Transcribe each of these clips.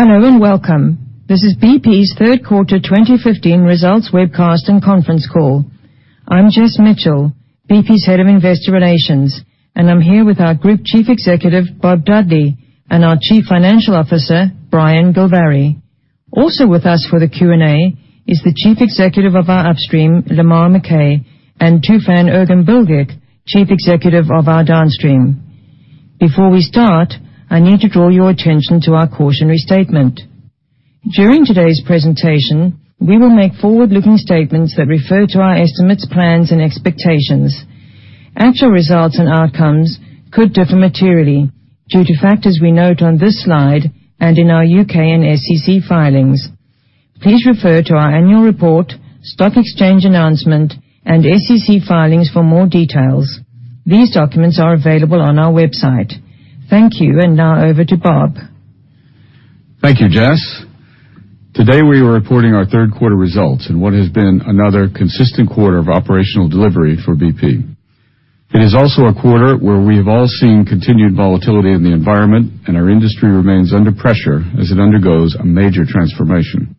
Hello and welcome. This is BP's third quarter 2015 results webcast and conference call. I'm Jess Mitchell, BP's Head of Investor Relations, and I'm here with our Group Chief Executive, Bob Dudley, and our Chief Financial Officer, Brian Gilvary. Also with us for the Q&A is the Chief Executive of our Upstream, Lamar McKay, and Tufan Erginbilgic, Chief Executive of our Downstream. Before we start, I need to draw your attention to our cautionary statement. During today's presentation, we will make forward-looking statements that refer to our estimates, plans, and expectations. Actual results and outcomes could differ materially due to factors we note on this slide and in our U.K. and SEC filings. Please refer to our annual report, stock exchange announcement, and SEC filings for more details. These documents are available on our website. Thank you. Now over to Bob. Thank you, Jess. Today, we are reporting our third quarter results in what has been another consistent quarter of operational delivery for BP. It is also a quarter where we have all seen continued volatility in the environment, and our industry remains under pressure as it undergoes a major transformation.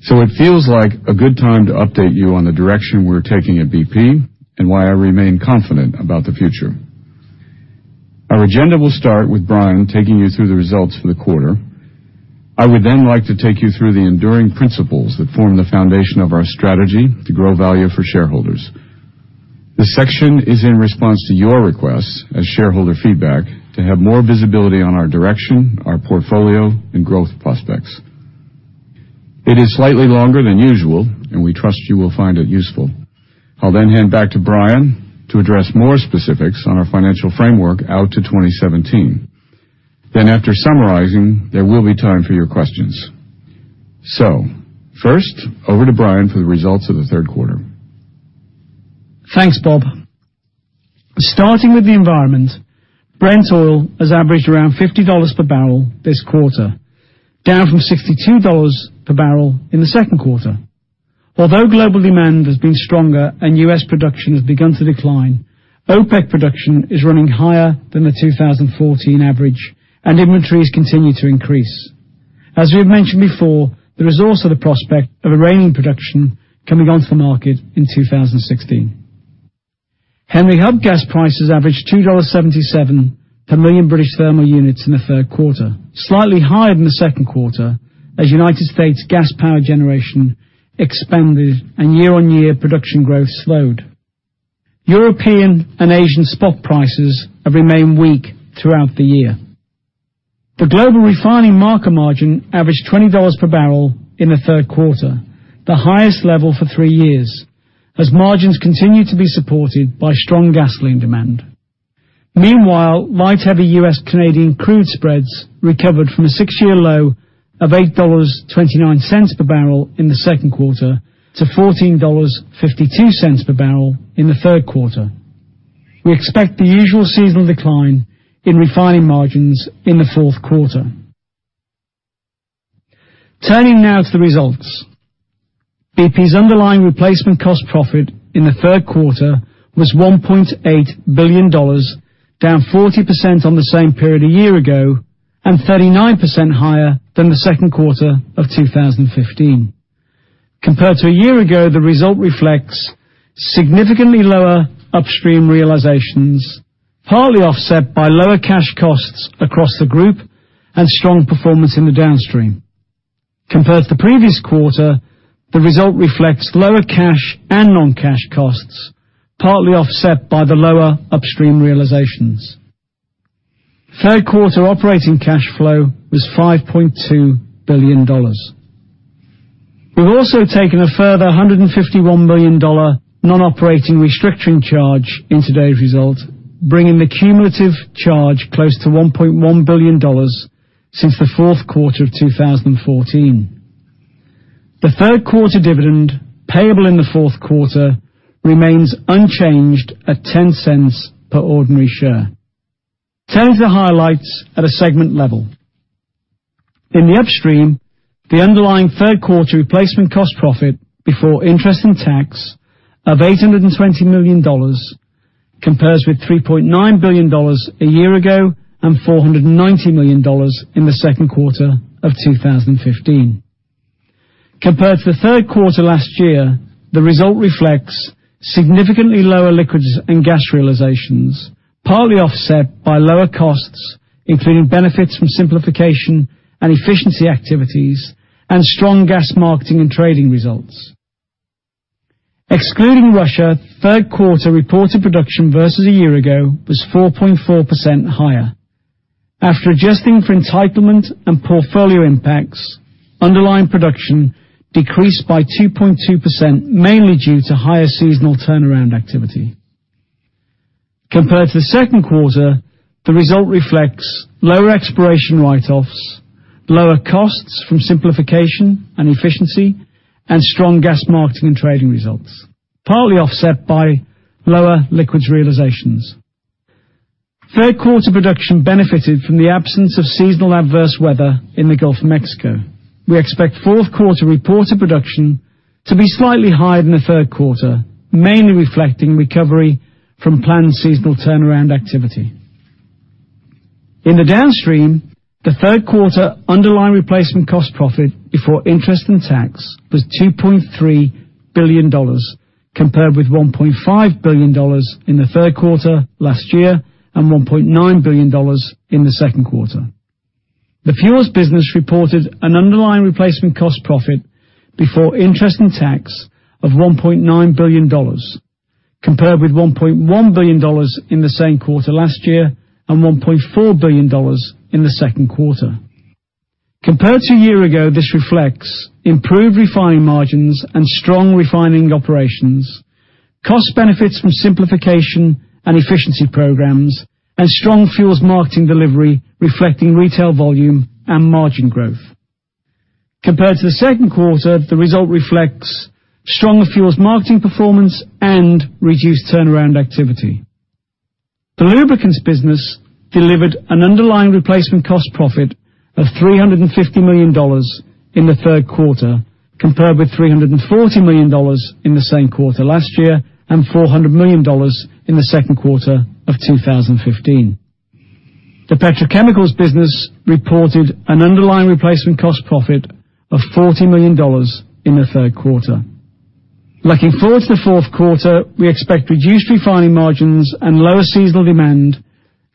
It feels like a good time to update you on the direction we're taking at BP and why I remain confident about the future. Our agenda will start with Brian taking you through the results for the quarter. I would then like to take you through the enduring principles that form the foundation of our strategy to grow value for shareholders. This section is in response to your requests as shareholder feedback to have more visibility on our direction, our portfolio, and growth prospects. It is slightly longer than usual, and we trust you will find it useful. I'll hand back to Brian to address more specifics on our financial framework out to 2017. After summarizing, there will be time for your questions. First, over to Brian for the results of the third quarter. Thanks, Bob. Starting with the environment, Brent oil has averaged around $50 per barrel this quarter, down from $62 per barrel in the second quarter. Although global demand has been stronger and U.S. production has begun to decline, OPEC production is running higher than the 2014 average, and inventories continue to increase. As we have mentioned before, there is also the prospect of Iranian production coming onto the market in 2016. Henry Hub gas prices averaged $2.77 per million British thermal units in the third quarter, slightly higher than the second quarter, as United States gas power generation expanded and year-on-year production growth slowed. European and Asian spot prices have remained weak throughout the year. The global refining market margin averaged $20 per barrel in the third quarter, the highest level for three years, as margins continue to be supported by strong gasoline demand. Meanwhile, light heavy U.S. Canadian crude spreads recovered from a six-year low of $8.29 per barrel in the second quarter to $14.52 per barrel in the third quarter. We expect the usual seasonal decline in refining margins in the fourth quarter. Turning now to the results. BP's underlying replacement cost profit in the third quarter was $1.8 billion, down 40% on the same period a year ago and 39% higher than the second quarter of 2015. Compared to a year ago, the result reflects significantly lower Upstream realizations, partly offset by lower cash costs across the group and strong performance in the Downstream. Compared to the previous quarter, the result reflects lower cash and non-cash costs, partly offset by the lower Upstream realizations. Third quarter operating cash flow was $5.2 billion. We've also taken a further $151 million non-operating restructuring charge in today's result, bringing the cumulative charge close to $1.1 billion since the fourth quarter of 2014. The third quarter dividend payable in the fourth quarter remains unchanged at $0.10 per ordinary share. Turning to the highlights at a segment level. In the Upstream, the underlying third quarter replacement cost profit before interest and tax of $820 million compares with $3.9 billion a year ago and $490 million in the second quarter of 2015. Compared to the third quarter last year, the result reflects significantly lower liquids and gas realizations, partly offset by lower costs, including benefits from simplification and efficiency activities, and strong gas marketing and trading results. Excluding Russia, third quarter reported production versus a year ago was 4.4% higher. After adjusting for entitlement and portfolio impacts, underlying production decreased by 2.2%, mainly due to higher seasonal turnaround activity. Compared to the second quarter, the result reflects lower exploration write-offs, lower costs from simplification and efficiency, and strong gas marketing and trading results, partly offset by lower liquids realizations. Third quarter production benefited from the absence of seasonal adverse weather in the Gulf of Mexico. We expect fourth quarter reported production to be slightly higher than the third quarter, mainly reflecting recovery from planned seasonal turnaround activity. In the Downstream, the third quarter underlying replacement cost profit before interest and tax was $2.3 billion, compared with $1.5 billion in the third quarter last year and $1.9 billion in the second quarter. The fuels business reported an underlying replacement cost profit before interest and tax of $1.9 billion, compared with $1.1 billion in the same quarter last year and $1.4 billion in the second quarter. Compared to a year ago, this reflects improved refining margins and strong refining operations, cost benefits from simplification and efficiency programs, and strong fuels marketing delivery, reflecting retail volume and margin growth. Compared to the second quarter, the result reflects stronger fuels marketing performance and reduced turnaround activity. The lubricants business delivered an underlying replacement cost profit of $350 million in the third quarter, compared with $340 million in the same quarter last year and $400 million in the second quarter of 2015. The petrochemicals business reported an underlying replacement cost profit of $40 million in the third quarter. Looking forward to the fourth quarter, we expect reduced refining margins and lower seasonal demand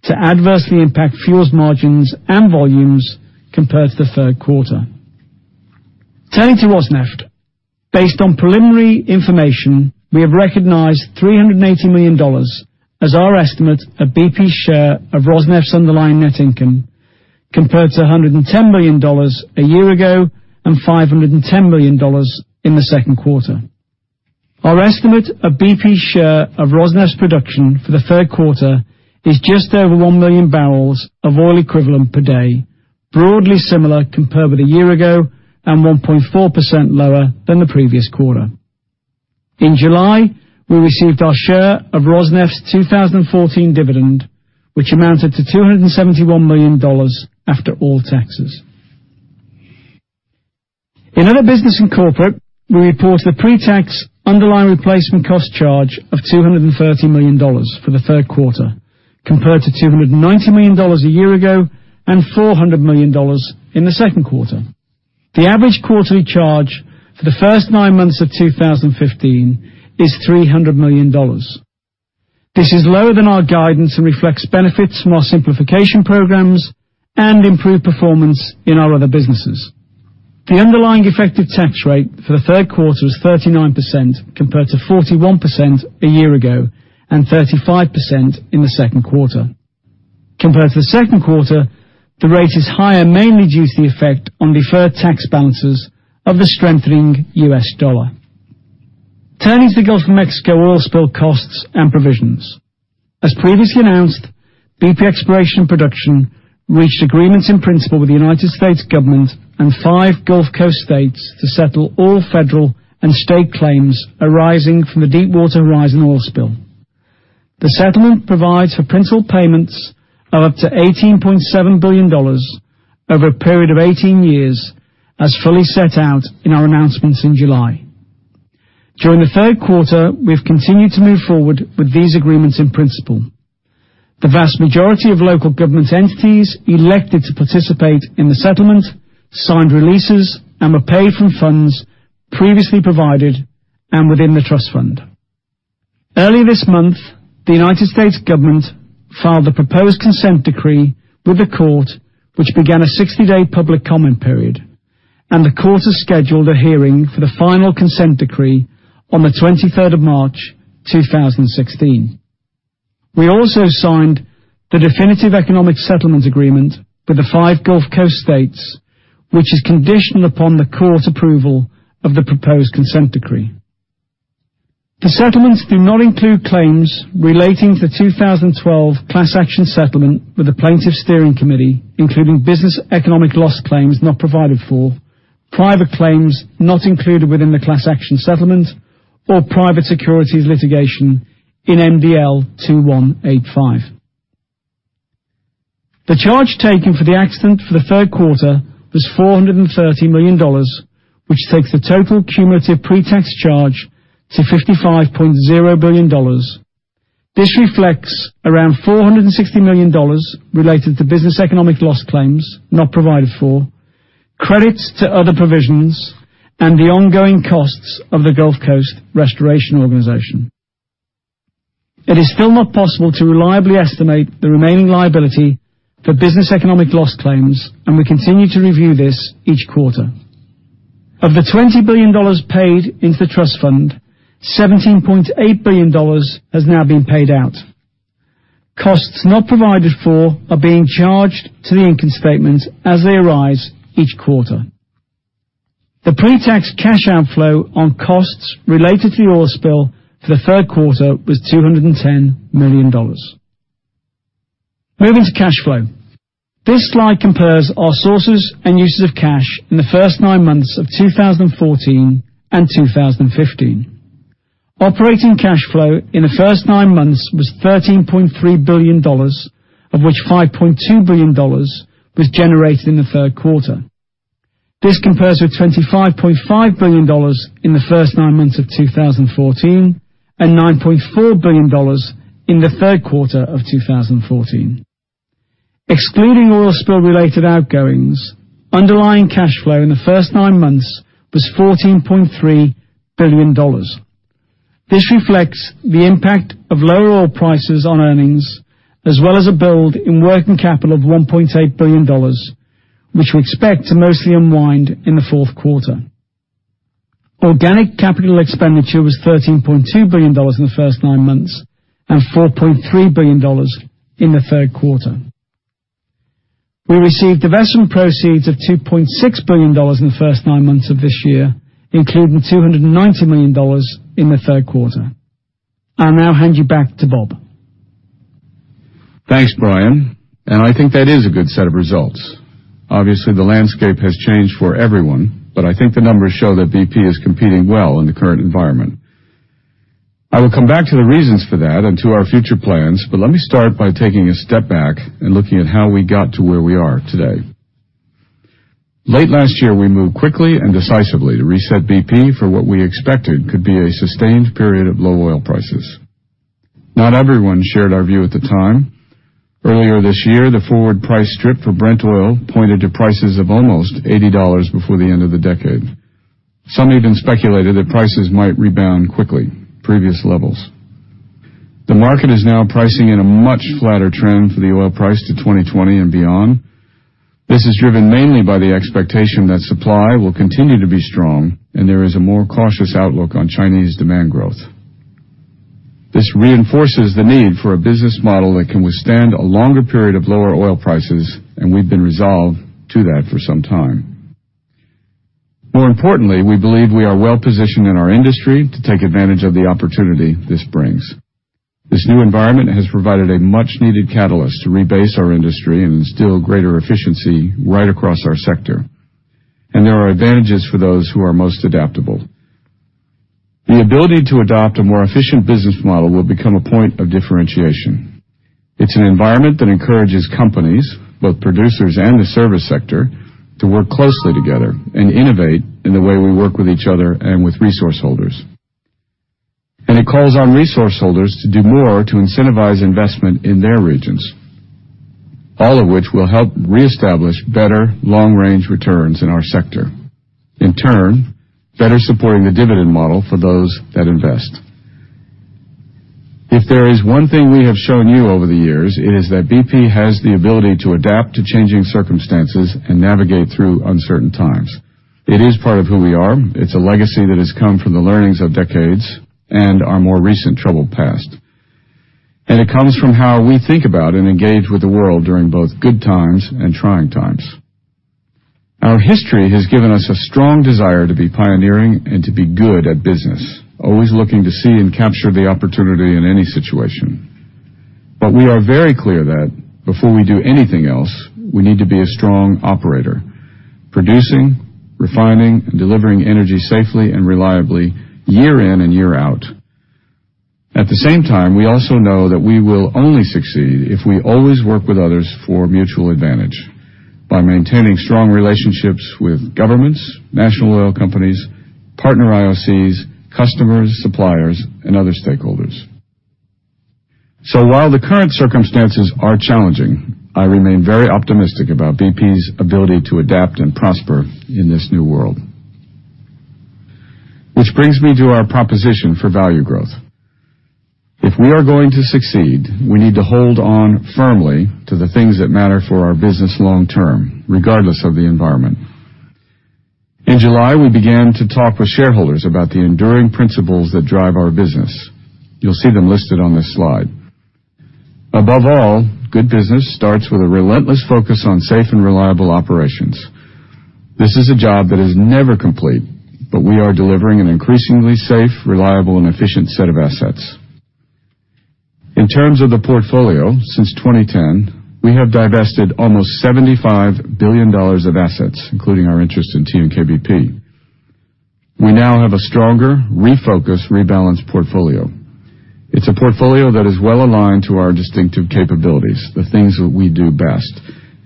to adversely impact fuels margins and volumes compared to the third quarter. Turning to Rosneft. Based on preliminary information, we have recognized $380 million as our estimate of BP's share of Rosneft's underlying net income, compared to $110 million a year ago and $510 million in the second quarter. Our estimate of BP's share of Rosneft's production for the third quarter is just over 1 million barrels of oil equivalent per day, broadly similar compared with a year ago and 1.4% lower than the previous quarter. In July, we received our share of Rosneft's 2014 dividend, which amounted to $271 million after all taxes. In other business and corporate, we report a pretax underlying replacement cost charge of $230 million for the third quarter, compared to $290 million a year ago and $400 million in the second quarter. The average quarterly charge for the first nine months of 2015 is $300 million. This is lower than our guidance and reflects benefits from our simplification programs and improved performance in our other businesses. The underlying effective tax rate for the third quarter was 39%, compared to 41% a year ago and 35% in the second quarter. Compared to the second quarter, the rate is higher, mainly due to the effect on deferred tax balances of the strengthening U.S. dollar. Turning to the Gulf of Mexico oil spill costs and provisions. As previously announced, BP Exploration & Production reached agreements in principle with the U.S. government and five Gulf Coast states to settle all federal and state claims arising from the Deepwater Horizon oil spill. The settlement provides for principal payments of up to $18.7 billion over a period of 18 years, as fully set out in our announcements in July. During the third quarter, we have continued to move forward with these agreements in principle. The vast majority of local government entities elected to participate in the settlement, signed releases, and were paid from funds previously provided and within the trust fund. Early this month, the U.S. government filed the proposed consent decree with the court, which began a 60-day public comment period, and the court has scheduled a hearing for the final consent decree on the 23rd of March 2016. We also signed the definitive economic settlement agreement with the five Gulf Coast states, which is conditional upon the court's approval of the proposed consent decree. The settlements do not include claims relating to the 2012 class action settlement with the plaintiffs' steering committee, including business economic loss claims not provided for, private claims not included within the class action settlement, or private securities litigation in MDL-2185. The charge taken for the accident for the third quarter was $430 million, which takes the total cumulative pretax charge to $55.0 billion. This reflects around $460 million related to business economic loss claims not provided for, credits to other provisions, and the ongoing costs of the Gulf Coast Restoration Organization. It is still not possible to reliably estimate the remaining liability for business economic loss claims, and we continue to review this each quarter. Of the $20 billion paid into the trust fund, $17.8 billion has now been paid out. Costs not provided for are being charged to the income statement as they arise each quarter. The pretax cash outflow on costs related to the oil spill for the third quarter was $210 million. Moving to cash flow. This slide compares our sources and uses of cash in the first nine months of 2014 and 2015. Operating cash flow in the first nine months was $13.3 billion, of which $5.2 billion was generated in the third quarter. This compares with $25.5 billion in the first nine months of 2014 and $9.4 billion in the third quarter of 2014. Excluding oil spill-related outgoings, underlying cash flow in the first nine months was $14.3 billion. This reflects the impact of lower oil prices on earnings, as well as a build in working capital of $1.8 billion, which we expect to mostly unwind in the fourth quarter. Organic capital expenditure was $13.2 billion in the first nine months and $4.3 billion in the third quarter. We received divestment proceeds of $2.6 billion in the first nine months of this year, including $290 million in the third quarter. I'll now hand you back to Bob. Thanks, Brian. I think that is a good set of results. Obviously, the landscape has changed for everyone, but I think the numbers show that BP is competing well in the current environment. I will come back to the reasons for that and to our future plans, but let me start by taking a step back and looking at how we got to where we are today. Late last year, we moved quickly and decisively to reset BP for what we expected could be a sustained period of low oil prices. Not everyone shared our view at the time. Earlier this year, the forward price strip for Brent oil pointed to prices of almost $80 before the end of the decade. Some even speculated that prices might rebound quickly to previous levels. The market is now pricing in a much flatter trend for the oil price to 2020 and beyond. This is driven mainly by the expectation that supply will continue to be strong and there is a more cautious outlook on Chinese demand growth. This reinforces the need for a business model that can withstand a longer period of lower oil prices. We've been resolved to that for some time. More importantly, we believe we are well-positioned in our industry to take advantage of the opportunity this brings. This new environment has provided a much-needed catalyst to rebase our industry and instill greater efficiency right across our sector. There are advantages for those who are most adaptable. The ability to adopt a more efficient business model will become a point of differentiation. It's an environment that encourages companies, both producers and the service sector, to work closely together and innovate in the way we work with each other and with resource holders. It calls on resource holders to do more to incentivize investment in their regions, all of which will help reestablish better long-range returns in our sector. In turn, better supporting the dividend model for those that invest. If there is one thing we have shown you over the years, it is that BP has the ability to adapt to changing circumstances and navigate through uncertain times. It is part of who we are. It's a legacy that has come from the learnings of decades and our more recent troubled past. It comes from how we think about and engage with the world during both good times and trying times. Our history has given us a strong desire to be pioneering and to be good at business, always looking to see and capture the opportunity in any situation. We are very clear that before we do anything else, we need to be a strong operator, producing, refining, and delivering energy safely and reliably year in and year out. At the same time, we also know that we will only succeed if we always work with others for mutual advantage by maintaining strong relationships with governments, national oil companies, partner IOCs, customers, suppliers, and other stakeholders. While the current circumstances are challenging, I remain very optimistic about BP's ability to adapt and prosper in this new world. Which brings me to our proposition for value growth. If we are going to succeed, we need to hold on firmly to the things that matter for our business long term, regardless of the environment. In July, we began to talk with shareholders about the enduring principles that drive our business. You'll see them listed on this slide. Above all, good business starts with a relentless focus on safe and reliable operations. This is a job that is never complete, but we are delivering an increasingly safe, reliable, and efficient set of assets. In terms of the portfolio, since 2010, we have divested almost $75 billion of assets, including our interest in TNK-BP. We now have a stronger, refocused, rebalanced portfolio. It's a portfolio that is well-aligned to our distinctive capabilities, the things that we do best,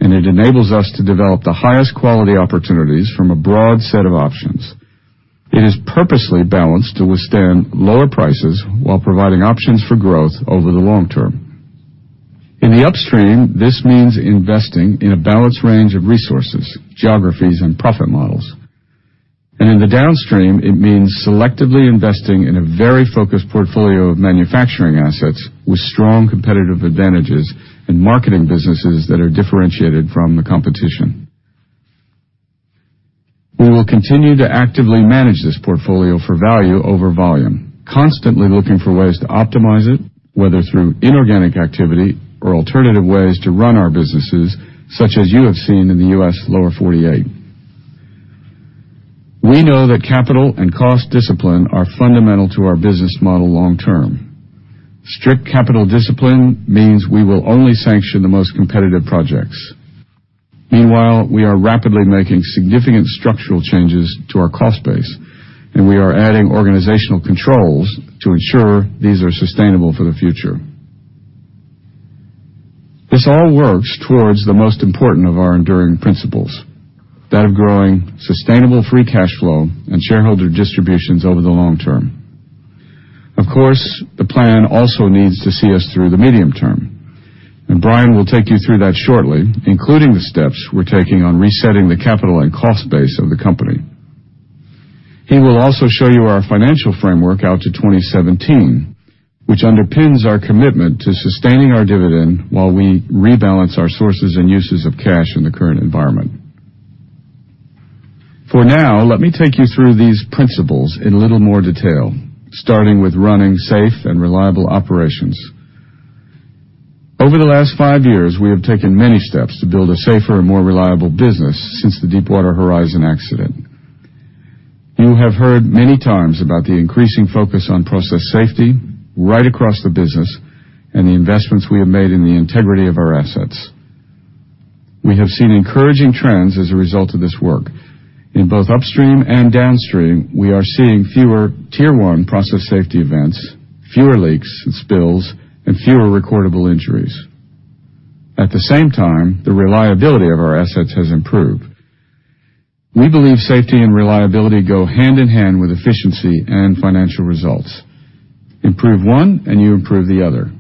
and it enables us to develop the highest quality opportunities from a broad set of options. It is purposely balanced to withstand lower prices while providing options for growth over the long term. In the upstream, this means investing in a balanced range of resources, geographies, and profit models. In the downstream, it means selectively investing in a very focused portfolio of manufacturing assets with strong competitive advantages and marketing businesses that are differentiated from the competition. We will continue to actively manage this portfolio for value over volume, constantly looking for ways to optimize it, whether through inorganic activity or alternative ways to run our businesses, such as you have seen in the U.S. Lower 48. We know that capital and cost discipline are fundamental to our business model long term. Strict capital discipline means we will only sanction the most competitive projects. Meanwhile, we are rapidly making significant structural changes to our cost base, and we are adding organizational controls to ensure these are sustainable for the future. This all works towards the most important of our enduring principles, that of growing sustainable free cash flow and shareholder distributions over the long term. Of course, the plan also needs to see us through the medium term, and Brian will take you through that shortly, including the steps we're taking on resetting the capital and cost base of the company. He will also show you our financial framework out to 2017, which underpins our commitment to sustaining our dividend while we rebalance our sources and uses of cash in the current environment. For now, let me take you through these principles in a little more detail, starting with running safe and reliable operations. Over the last five years, we have taken many steps to build a safer and more reliable business since the Deepwater Horizon accident. You have heard many times about the increasing focus on process safety right across the business and the investments we have made in the integrity of our assets. We have seen encouraging trends as a result of this work. In both upstream and downstream, we are seeing fewer Tier 1 process safety events, fewer leaks and spills, and fewer recordable injuries. At the same time, the reliability of our assets has improved. We believe safety and reliability go hand in hand with efficiency and financial results. Improve one, and you improve the other.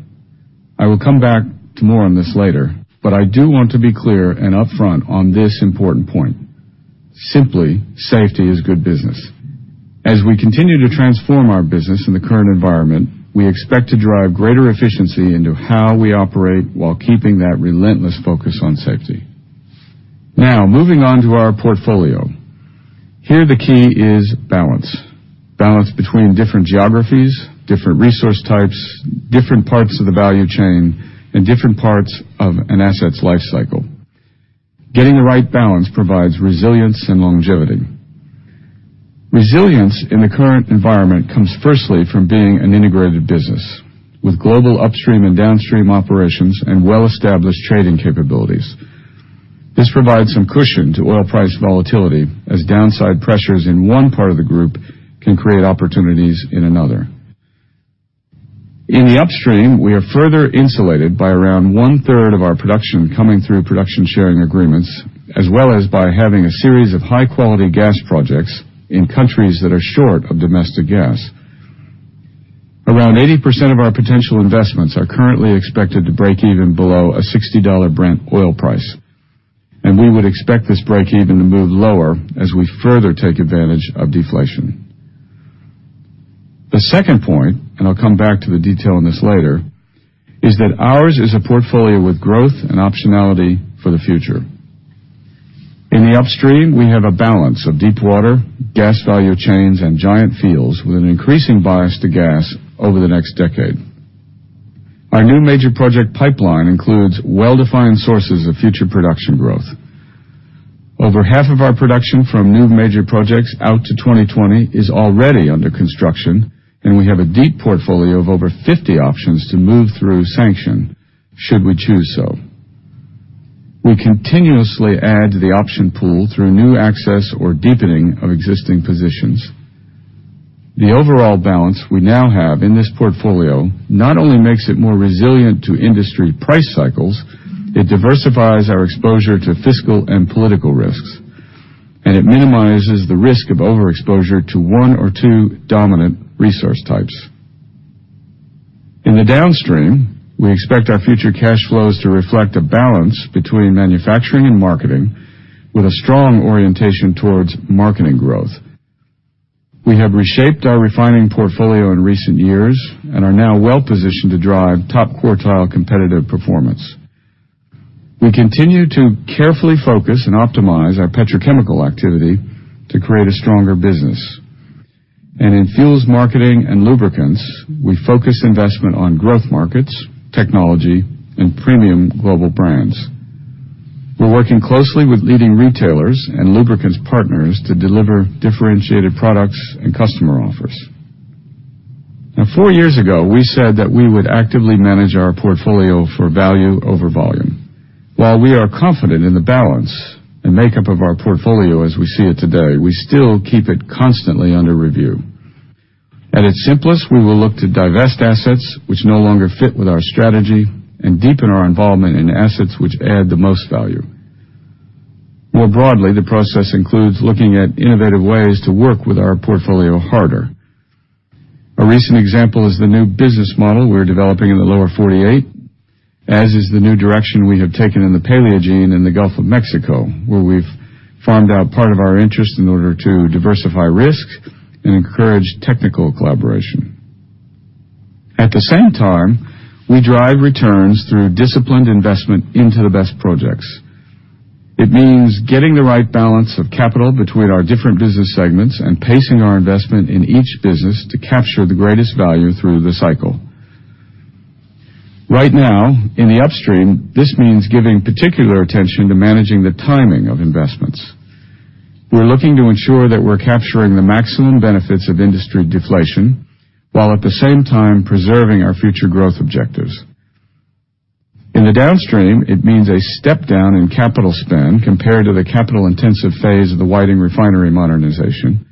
I will come back to more on this later, but I do want to be clear and upfront on this important point. Simply, safety is good business. As we continue to transform our business in the current environment, we expect to drive greater efficiency into how we operate while keeping that relentless focus on safety. Now, moving on to our portfolio. Here, the key is balance. Balance between different geographies, different resource types, different parts of the value chain, and different parts of an asset's life cycle. Getting the right balance provides resilience and longevity. Resilience in the current environment comes firstly from being an integrated business with global upstream and downstream operations and well-established trading capabilities. This provides some cushion to oil price volatility as downside pressures in one part of the group can create opportunities in another. In the upstream, we are further insulated by around one-third of our production coming through production sharing agreements, as well as by having a series of high-quality gas projects in countries that are short of domestic gas. Around 80% of our potential investments are currently expected to break even below a $60 Brent oil price, and we would expect this break-even to move lower as we further take advantage of deflation. The second point, and I'll come back to the detail on this later, is that ours is a portfolio with growth and optionality for the future. In the upstream, we have a balance of deepwater, gas value chains, and giant fields with an increasing bias to gas over the next decade. Our new major project pipeline includes well-defined sources of future production growth. Over half of our production from new major projects out to 2020 is already under construction, and we have a deep portfolio of over 50 options to move through sanction should we choose so. We continuously add to the option pool through new access or deepening of existing positions. The overall balance we now have in this portfolio not only makes it more resilient to industry price cycles, it diversifies our exposure to fiscal and political risks, and it minimizes the risk of overexposure to one or two dominant resource types. In the downstream, we expect our future cash flows to reflect a balance between manufacturing and marketing with a strong orientation towards marketing growth. We have reshaped our refining portfolio in recent years and are now well positioned to drive top-quartile competitive performance. We continue to carefully focus and optimize our petrochemical activity to create a stronger business. In fuels marketing and lubricants, we focus investment on growth markets, technology, and premium global brands. We are working closely with leading retailers and lubricants partners to deliver differentiated products and customer offers. Four years ago, we said that we would actively manage our portfolio for value over volume. While we are confident in the balance and makeup of our portfolio as we see it today, we still keep it constantly under review. At its simplest, we will look to divest assets which no longer fit with our strategy and deepen our involvement in assets which add the most value. More broadly, the process includes looking at innovative ways to work with our portfolio harder. A recent example is the new business model we are developing in the Lower 48, as is the new direction we have taken in the Paleogene in the Gulf of Mexico, where we have farmed out part of our interest in order to diversify risk and encourage technical collaboration. At the same time, we drive returns through disciplined investment into the best projects. It means getting the right balance of capital between our different business segments and pacing our investment in each business to capture the greatest value through the cycle. Right now, in the upstream, this means giving particular attention to managing the timing of investments. We are looking to ensure that we are capturing the maximum benefits of industry deflation, while at the same time preserving our future growth objectives. In the downstream, it means a step down in capital spend compared to the capital-intensive phase of the Whiting refinery modernization.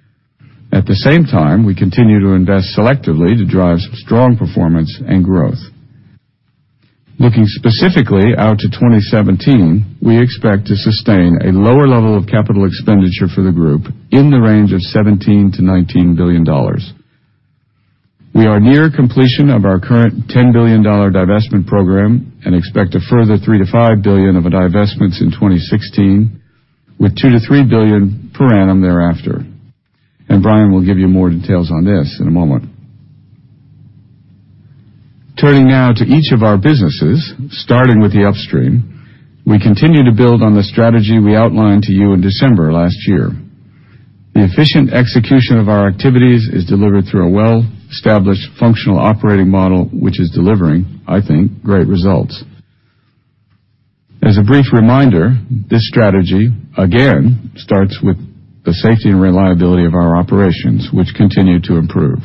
At the same time, we continue to invest selectively to drive strong performance and growth. Looking specifically out to 2017, we expect to sustain a lower level of capital expenditure for the group in the range of $17 billion-$19 billion. We are near completion of our current $10 billion divestment program and expect a further $3 billion-$5 billion of divestments in 2016, with $2 billion-$3 billion per annum thereafter. Brian will give you more details on this in a moment. Turning now to each of our businesses, starting with the upstream, we continue to build on the strategy we outlined to you in December last year. The efficient execution of our activities is delivered through a well-established functional operating model, which is delivering, I think, great results. As a brief reminder, this strategy, again, starts with the safety and reliability of our operations, which continue to improve.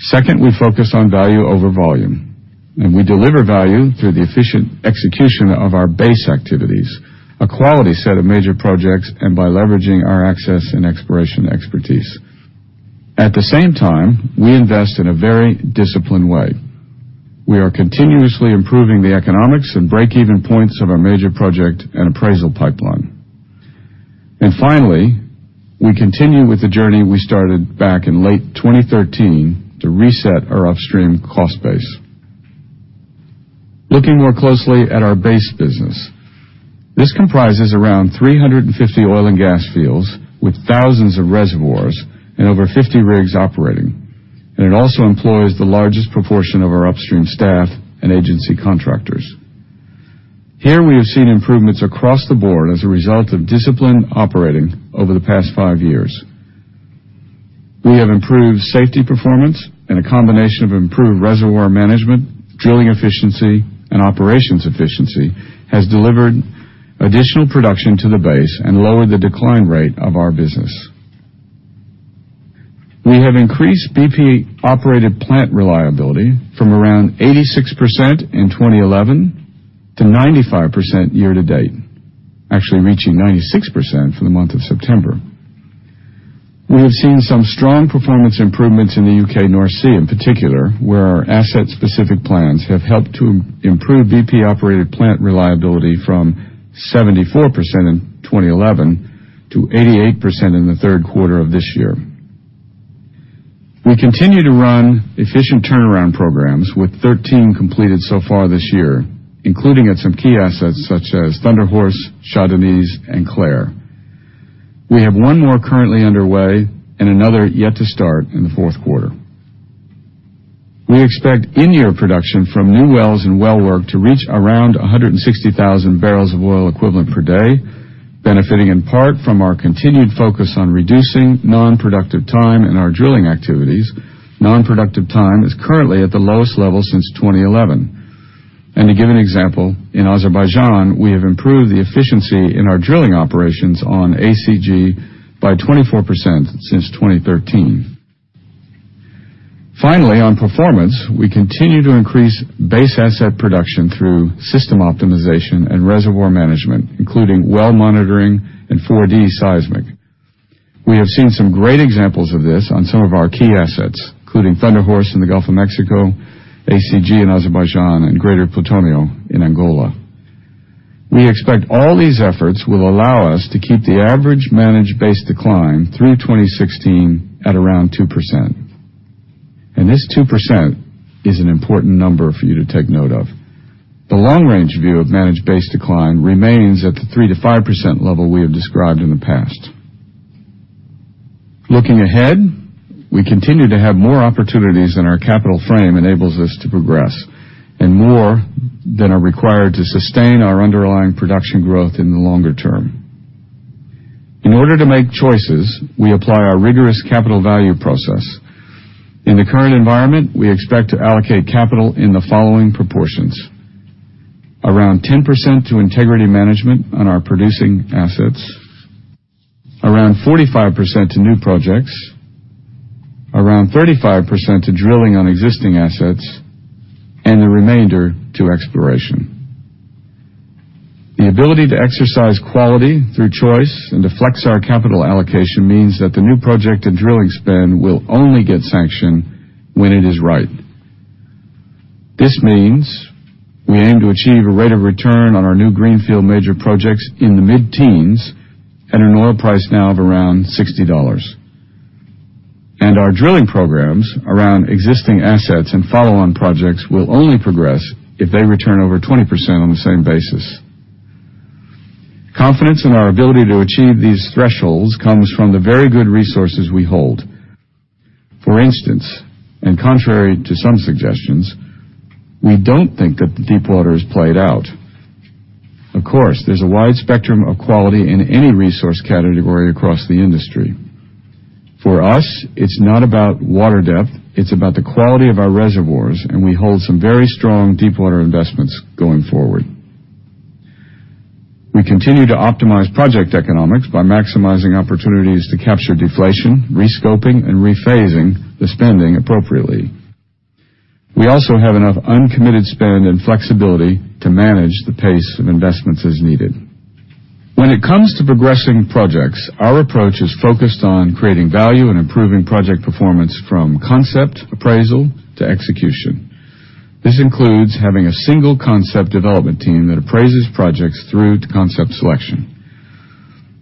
Second, we focus on value over volume, and we deliver value through the efficient execution of our base activities, a quality set of major projects, and by leveraging our access and exploration expertise. We invest in a very disciplined way. We are continuously improving the economics and break-even points of our major project and appraisal pipeline. Finally, we continue with the journey we started back in late 2013 to reset our Upstream cost base. Looking more closely at our base business. This comprises around 350 oil and gas fields with thousands of reservoirs and over 50 rigs operating, and it also employs the largest proportion of our Upstream staff and agency contractors. Here, we have seen improvements across the board as a result of disciplined operating over the past five years. We have improved safety performance and a combination of improved reservoir management, drilling efficiency, and operations efficiency has delivered additional production to the base and lowered the decline rate of our business. We have increased BP-operated plant reliability from around 86% in 2011 to 95% year-to-date, actually reaching 96% for the month of September. We have seen some strong performance improvements in the U.K. North Sea, in particular, where our asset-specific plans have helped to improve BP-operated plant reliability from 74% in 2011 to 88% in the third quarter of this year. We continue to run efficient turnaround programs, with 13 completed so far this year, including at some key assets such as Thunder Horse, Chardonnay, and Clair. We have one more currently underway and another yet to start in the fourth quarter. We expect in-year production from new wells and well work to reach around 160,000 barrels of oil equivalent per day, benefiting in part from our continued focus on reducing non-productive time in our drilling activities. Non-productive time is currently at the lowest level since 2011. To give an example, in Azerbaijan, we have improved the efficiency in our drilling operations on ACG by 24% since 2013. Finally, on performance, we continue to increase base asset production through system optimization and reservoir management, including well monitoring and 4D seismic. We have seen some great examples of this on some of our key assets, including Thunder Horse in the Gulf of Mexico, ACG in Azerbaijan, and Greater Plutonio in Angola. We expect all these efforts will allow us to keep the average managed base decline through 2016 at around 2%. This 2% is an important number for you to take note of. The long-range view of managed base decline remains at the 3%-5% level we have described in the past. Looking ahead, we continue to have more opportunities than our capital frame enables us to progress, and more than are required to sustain our underlying production growth in the longer term. In order to make choices, we apply our rigorous capital value process. In the current environment, we expect to allocate capital in the following proportions. Around 10% to integrity management on our producing assets, around 45% to new projects, around 35% to drilling on existing assets, and the remainder to exploration. The ability to exercise quality through choice and to flex our capital allocation means that the new project and drilling spend will only get sanctioned when it is right. This means we aim to achieve a rate of return on our new greenfield major projects in the mid-teens at an oil price now of around $60. Our drilling programs around existing assets and follow-on projects will only progress if they return over 20% on the same basis. Confidence in our ability to achieve these thresholds comes from the very good resources we hold. For instance, and contrary to some suggestions, we do not think that the deepwater is played out. Of course, there is a wide spectrum of quality in any resource category across the industry. For us, it is not about water depth, it is about the quality of our reservoirs, and we hold some very strong deepwater investments going forward. We continue to optimize project economics by maximizing opportunities to capture deflation, re-scoping, and re-phasing the spending appropriately. We also have enough uncommitted spend and flexibility to manage the pace of investments as needed. When it comes to progressing projects, our approach is focused on creating value and improving project performance from concept appraisal to execution. This includes having a single concept development team that appraises projects through to concept selection.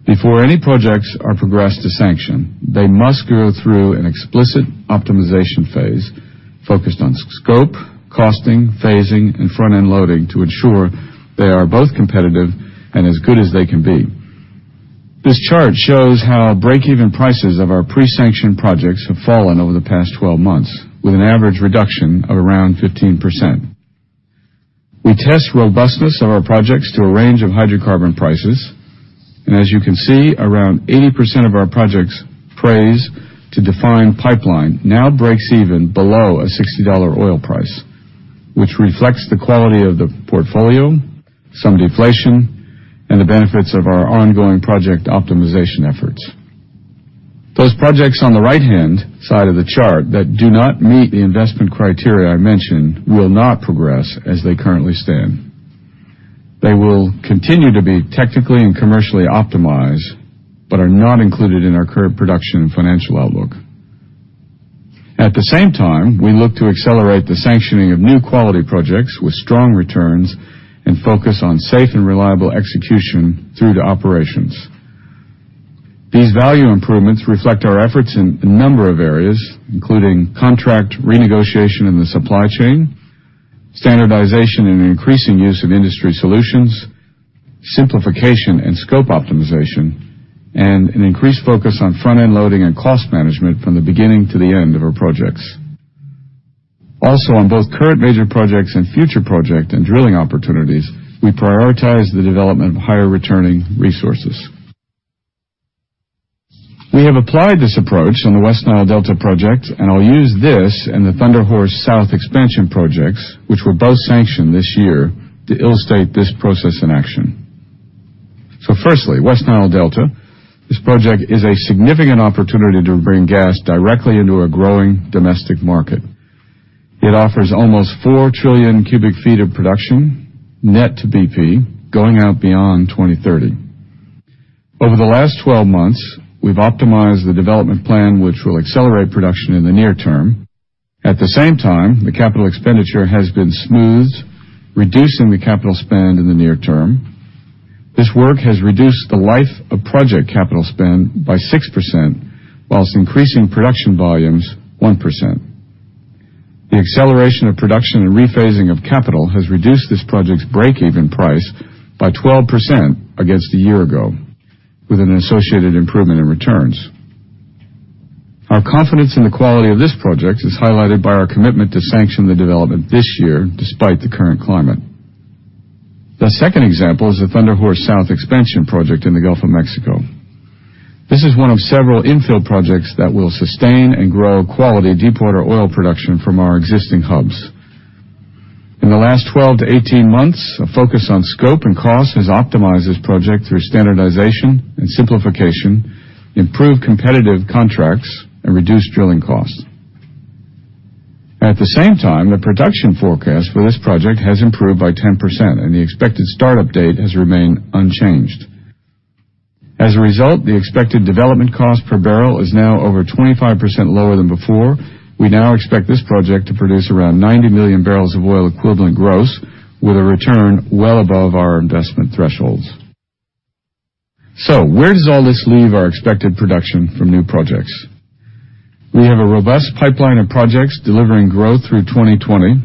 Before any projects are progressed to sanction, they must go through an explicit optimization phase focused on scope, costing, phasing, and front-end loading to ensure they are both competitive and as good as they can be. This chart shows how break-even prices of our pre-sanction projects have fallen over the past 12 months, with an average reduction of around 15%. We test robustness of our projects through a range of hydrocarbon prices, and as you can see, around 80% of our projects appraised to defined pipeline now breaks even below a $60 oil price, which reflects the quality of the portfolio, some deflation, and the benefits of our ongoing project optimization efforts. Those projects on the right-hand side of the chart that do not meet the investment criteria I mentioned will not progress as they currently stand. They will continue to be technically and commercially optimized but are not included in our current production and financial outlook. At the same time, we look to accelerate the sanctioning of new quality projects with strong returns and focus on safe and reliable execution through to operations. These value improvements reflect our efforts in a number of areas, including contract renegotiation in the supply chain, standardization and increasing use of industry solutions, simplification and scope optimization, and an increased focus on front-end loading and cost management from the beginning to the end of our projects. Also, on both current major projects and future project and drilling opportunities, we prioritize the development of higher-returning resources. We have applied this approach on the West Nile Delta project, I will use this and the Thunder Horse South Expansion projects, which were both sanctioned this year, to illustrate this process in action. Firstly, West Nile Delta. This project is a significant opportunity to bring gas directly into a growing domestic market. It offers almost 4 trillion cubic feet of production net to BP going out beyond 2030. Over the last 12 months, we have optimized the development plan, which will accelerate production in the near term. At the same time, the capital expenditure has been smoothed, reducing the capital spend in the near term. This work has reduced the life of project capital spend by 6% whilst increasing production volumes 1%. The acceleration of production and rephasing of capital has reduced this project's break-even price by 12% against a year ago, with an associated improvement in returns. Our confidence in the quality of this project is highlighted by our commitment to sanction the development this year despite the current climate. The second example is the Thunder Horse South Expansion project in the Gulf of Mexico. This is one of several infill projects that will sustain and grow quality deepwater oil production from our existing hubs. In the last 12-18 months, a focus on scope and cost has optimized this project through standardization and simplification, improved competitive contracts, and reduced drilling costs. At the same time, the production forecast for this project has improved by 10% and the expected startup date has remained unchanged. As a result, the expected development cost per barrel is now over 25% lower than before. We now expect this project to produce around 90 million barrels of oil equivalent gross with a return well above our investment thresholds. Where does all this leave our expected production from new projects? We have a robust pipeline of projects delivering growth through 2020.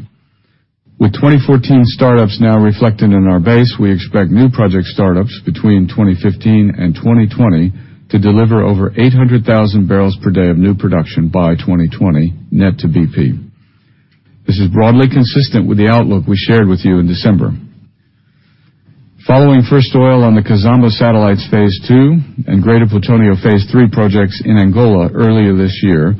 With 2014 startups now reflected in our base, we expect new project startups between 2015 and 2020 to deliver over 800,000 barrels per day of new production by 2020 net to BP. This is broadly consistent with the outlook we shared with you in December. Following first oil on the Kizomba Satellites Phase II and Greater Plutonio Phase III projects in Angola earlier this year,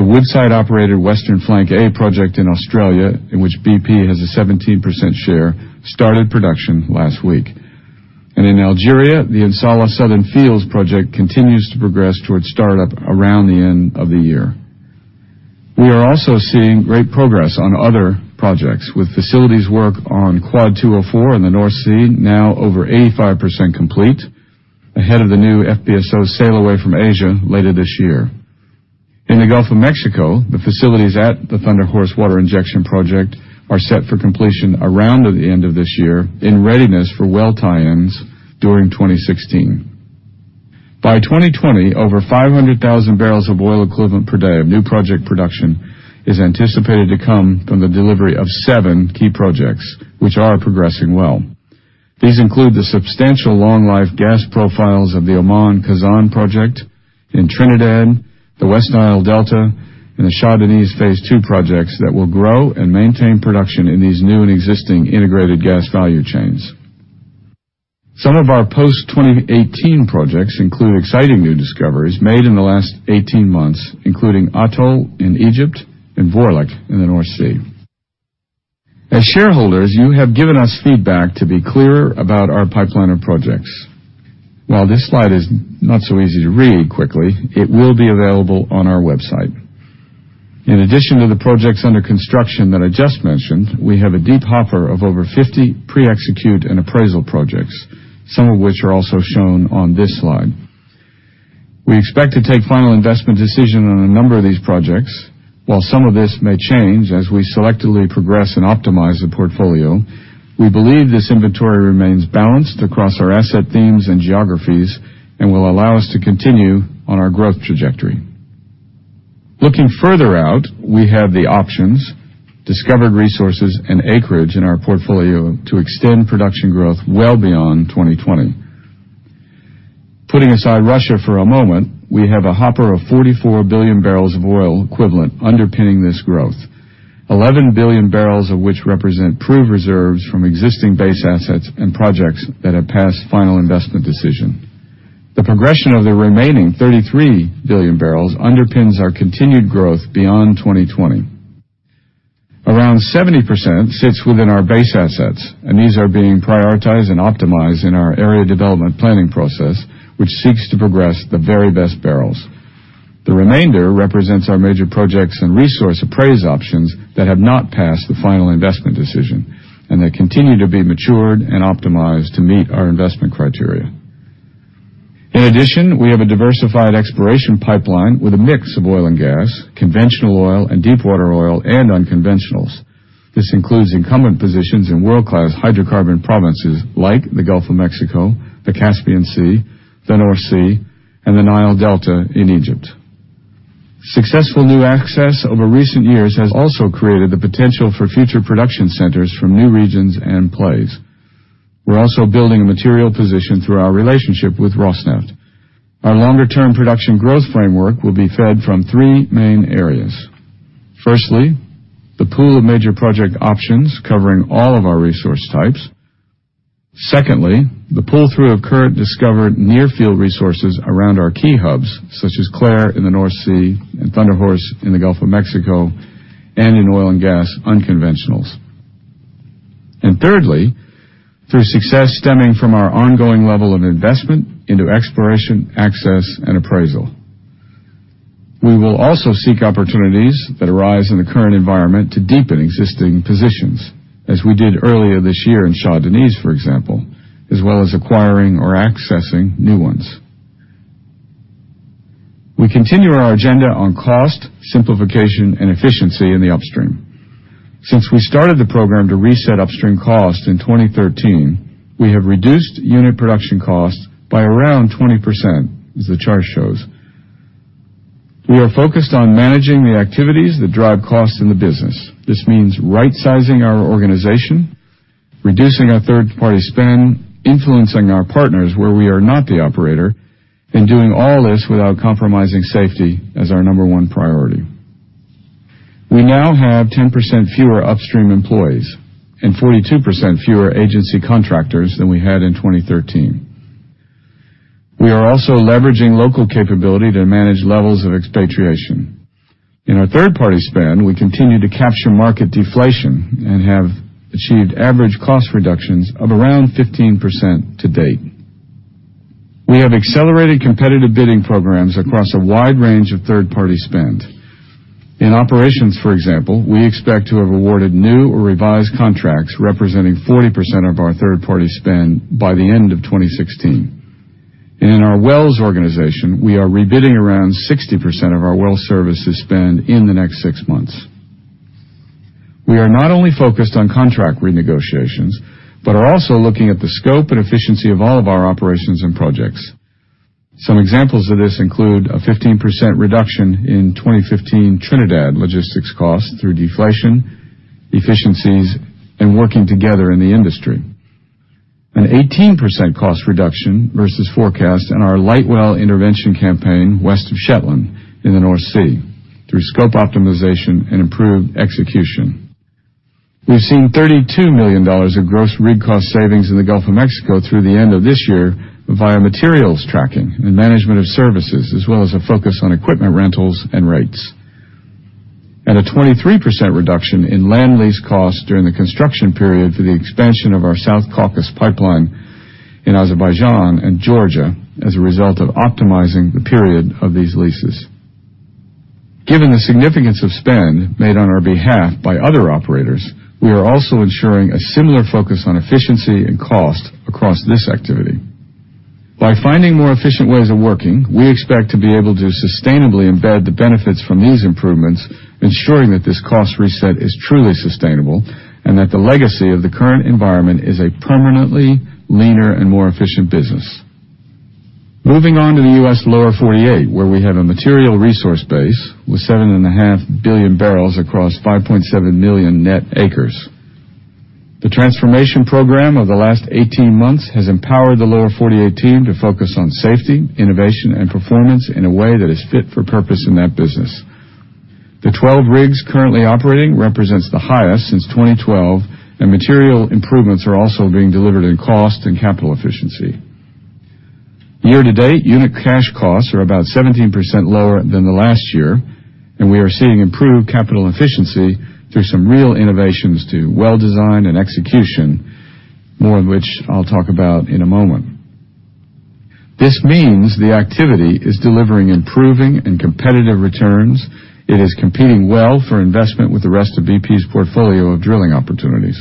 the Woodside-operated Western Flank A project in Australia, in which BP has a 17% share, started production last week. In Algeria, the In Salah Southern Fields project continues to progress towards startup around the end of the year. We are also seeing great progress on other projects with facilities work on Quad 204 in the North Sea now over 85% complete, ahead of the new FPSO sail away from Asia later this year. In the Gulf of Mexico, the facilities at the Thunder Horse Water Injection Project are set for completion around the end of this year in readiness for well tie-ins during 2016. By 2020, over 500,000 barrels of oil equivalent per day of new project production is anticipated to come from the delivery of seven key projects, which are progressing well. These include the substantial long-life gas profiles of the Oman Khazzan project in Trinidad, the West Nile Delta, and the Shah Deniz Phase II projects that will grow and maintain production in these new and existing integrated gas value chains. Some of our post-2018 projects include exciting new discoveries made in the last 18 months, including Atoll in Egypt and Vorlich in the North Sea. As shareholders, you have given us feedback to be clearer about our pipeline of projects. While this slide is not so easy to read quickly, it will be available on our website. In addition to the projects under construction that I just mentioned, we have a deep hopper of over 50 pre-execute and appraisal projects, some of which are also shown on this slide. We expect to take final investment decision on a number of these projects. While some of this may change as we selectively progress and optimize the portfolio, we believe this inventory remains balanced across our asset themes and geographies and will allow us to continue on our growth trajectory. Looking further out, we have the options, discovered resources, and acreage in our portfolio to extend production growth well beyond 2020. Putting aside Russia for a moment, we have a hopper of 44 billion barrels of oil equivalent underpinning this growth, 11 billion barrels of which represent proved reserves from existing base assets and projects that have passed final investment decision. The progression of the remaining 33 billion barrels underpins our continued growth beyond 2020. Around 70% sits within our base assets, and these are being prioritized and optimized in our area development planning process, which seeks to progress the very best barrels. The remainder represents our major projects and resource appraise options that have not passed the final investment decision, and they continue to be matured and optimized to meet our investment criteria. In addition, we have a diversified exploration pipeline with a mix of oil and gas, conventional oil and deepwater oil, and unconventionals. This includes incumbent positions in world-class hydrocarbon provinces like the Gulf of Mexico, the Caspian Sea, the North Sea, and the Nile Delta in Egypt. Successful new access over recent years has also created the potential for future production centers from new regions and plays. We're also building a material position through our relationship with Rosneft. Our longer-term production growth framework will be fed from three main areas. Firstly, the pool of major project options covering all of our resource types. Secondly, the pull-through of current discovered near-field resources around our key hubs, such as Clair in the North Sea and Thunder Horse in the Gulf of Mexico, and in oil and gas unconventionals. Thirdly, through success stemming from our ongoing level of investment into exploration, access, and appraisal. We will also seek opportunities that arise in the current environment to deepen existing positions, as we did earlier this year in Shah Deniz, for example, as well as acquiring or accessing new ones. We continue our agenda on cost simplification and efficiency in the upstream. Since we started the program to reset upstream costs in 2013, we have reduced unit production costs by around 20%, as the chart shows. We are focused on managing the activities that drive costs in the business. This means right-sizing our organization, reducing our third-party spend, influencing our partners where we are not the operator, and doing all this without compromising safety as our number one priority. We now have 10% fewer upstream employees and 42% fewer agency contractors than we had in 2013. We are also leveraging local capability to manage levels of expatriation. In our third-party spend, we continue to capture market deflation and have achieved average cost reductions of around 15% to date. We have accelerated competitive bidding programs across a wide range of third-party spend. In operations, for example, we expect to have awarded new or revised contracts representing 40% of our third-party spend by the end of 2016. In our wells organization, we are rebidding around 60% of our well services spend in the next six months. We are not only focused on contract renegotiations, but are also looking at the scope and efficiency of all of our operations and projects. Some examples of this include a 15% reduction in 2015 Trinidad logistics costs through deflation, efficiencies, and working together in the industry. An 18% cost reduction versus forecast in our light well intervention campaign west of Shetland in the North Sea through scope optimization and improved execution. We've seen $32 million of gross rig cost savings in the Gulf of Mexico through the end of this year via materials tracking and management of services, as well as a focus on equipment rentals and rates. A 23% reduction in land lease costs during the construction period for the expansion of our South Caucasus Pipeline in Azerbaijan and Georgia as a result of optimizing the period of these leases. Given the significance of spend made on our behalf by other operators, we are also ensuring a similar focus on efficiency and cost across this activity. By finding more efficient ways of working, we expect to be able to sustainably embed the benefits from these improvements, ensuring that this cost reset is truly sustainable and that the legacy of the current environment is a permanently leaner and more efficient business. Moving on to the U.S. Lower 48, where we have a material resource base with 7.5 billion barrels across 5.7 million net acres. The transformation program over the last 18 months has empowered the Lower 48 team to focus on safety, innovation, and performance in a way that is fit for purpose in that business. The 12 rigs currently operating represents the highest since 2012, and material improvements are also being delivered in cost and capital efficiency. Year-to-date, unit cash costs are about 17% lower than the last year, and we are seeing improved capital efficiency through some real innovations to well design and execution, more of which I'll talk about in a moment. This means the activity is delivering improving and competitive returns. It is competing well for investment with the rest of BP's portfolio of drilling opportunities.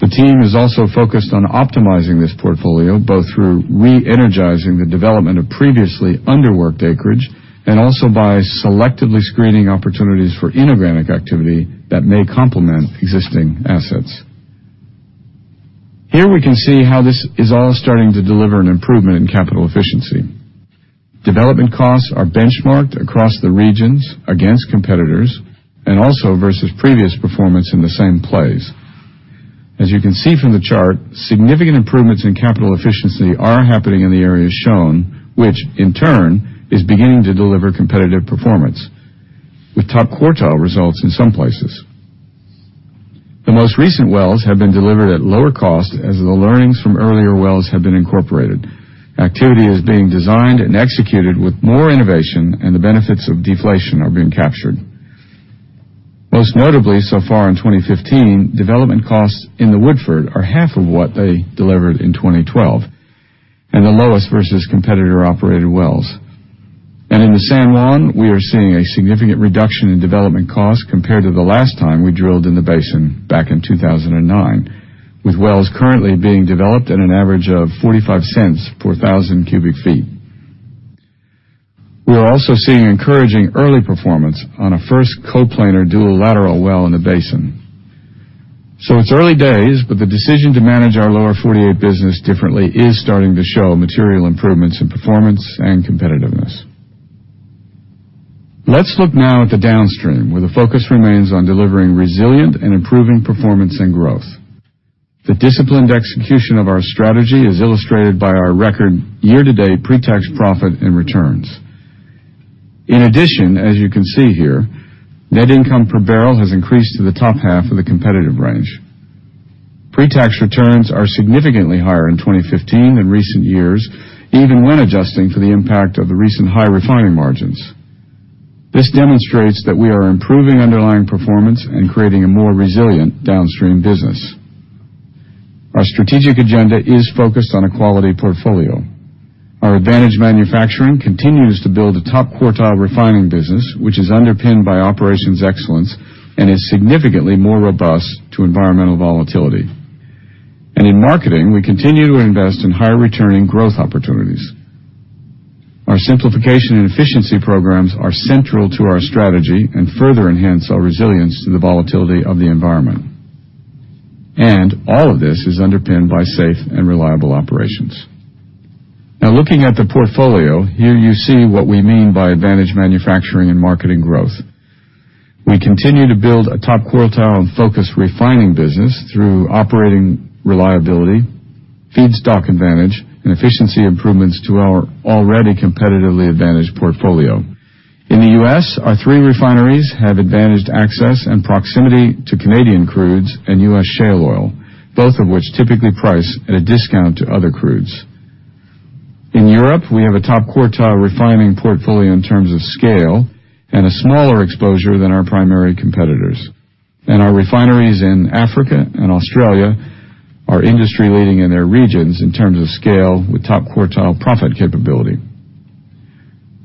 The team is also focused on optimizing this portfolio, both through re-energizing the development of previously underworked acreage and also by selectively screening opportunities for inorganic activity that may complement existing assets. Here we can see how this is all starting to deliver an improvement in capital efficiency. Development costs are benchmarked across the regions against competitors and also versus previous performance in the same plays. As you can see from the chart, significant improvements in capital efficiency are happening in the areas shown, which in turn is beginning to deliver competitive performance with top quartile results in some places. The most recent wells have been delivered at lower cost as the learnings from earlier wells have been incorporated. Activity is being designed and executed with more innovation, and the benefits of deflation are being captured. Most notably so far in 2015, development costs in the Woodford are half of what they delivered in 2012 and the lowest versus competitor-operated wells. In the San Juan, we are seeing a significant reduction in development costs compared to the last time we drilled in the basin back in 2009, with wells currently being developed at an average of $0.45 per thousand cubic feet. We are also seeing encouraging early performance on a first co-planar dual lateral well in the basin. It's early days, but the decision to manage our Lower 48 business differently is starting to show material improvements in performance and competitiveness. Let's look now at the downstream, where the focus remains on delivering resilient and improving performance and growth. The disciplined execution of our strategy is illustrated by our record year-to-date pretax profit and returns. In addition, as you can see here, net income per barrel has increased to the top half of the competitive range. Pretax returns are significantly higher in 2015 than recent years, even when adjusting for the impact of the recent high refining margins. This demonstrates that we are improving underlying performance and creating a more resilient downstream business. Our strategic agenda is focused on a quality portfolio. Our advantage manufacturing continues to build a top quartile refining business, which is underpinned by operations excellence and is significantly more robust to environmental volatility. In marketing, we continue to invest in higher returning growth opportunities. Our simplification and efficiency programs are central to our strategy and further enhance our resilience to the volatility of the environment. All of this is underpinned by safe and reliable operations. Looking at the portfolio, here you see what we mean by advantage manufacturing and marketing growth. We continue to build a top quartile and focus refining business through operating reliability, feedstock advantage, and efficiency improvements to our already competitively advantaged portfolio. In the U.S., our three refineries have advantaged access and proximity to Canadian crudes and U.S. shale oil, both of which typically price at a discount to other crudes. In Europe, we have a top quartile refining portfolio in terms of scale and a smaller exposure than our primary competitors. Our refineries in Africa and Australia are industry-leading in their regions in terms of scale with top quartile profit capability.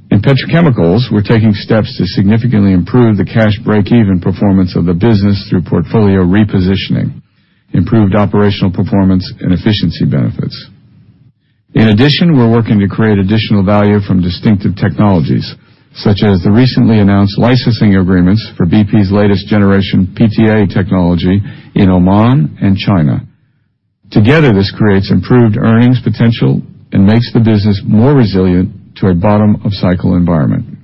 In petrochemicals, we're taking steps to significantly improve the cash breakeven performance of the business through portfolio repositioning, improved operational performance, and efficiency benefits. In addition, we're working to create additional value from distinctive technologies, such as the recently announced licensing agreements for BP's latest generation PTA technology in Oman and China. Together, this creates improved earnings potential and makes the business more resilient to a bottom-of-cycle environment.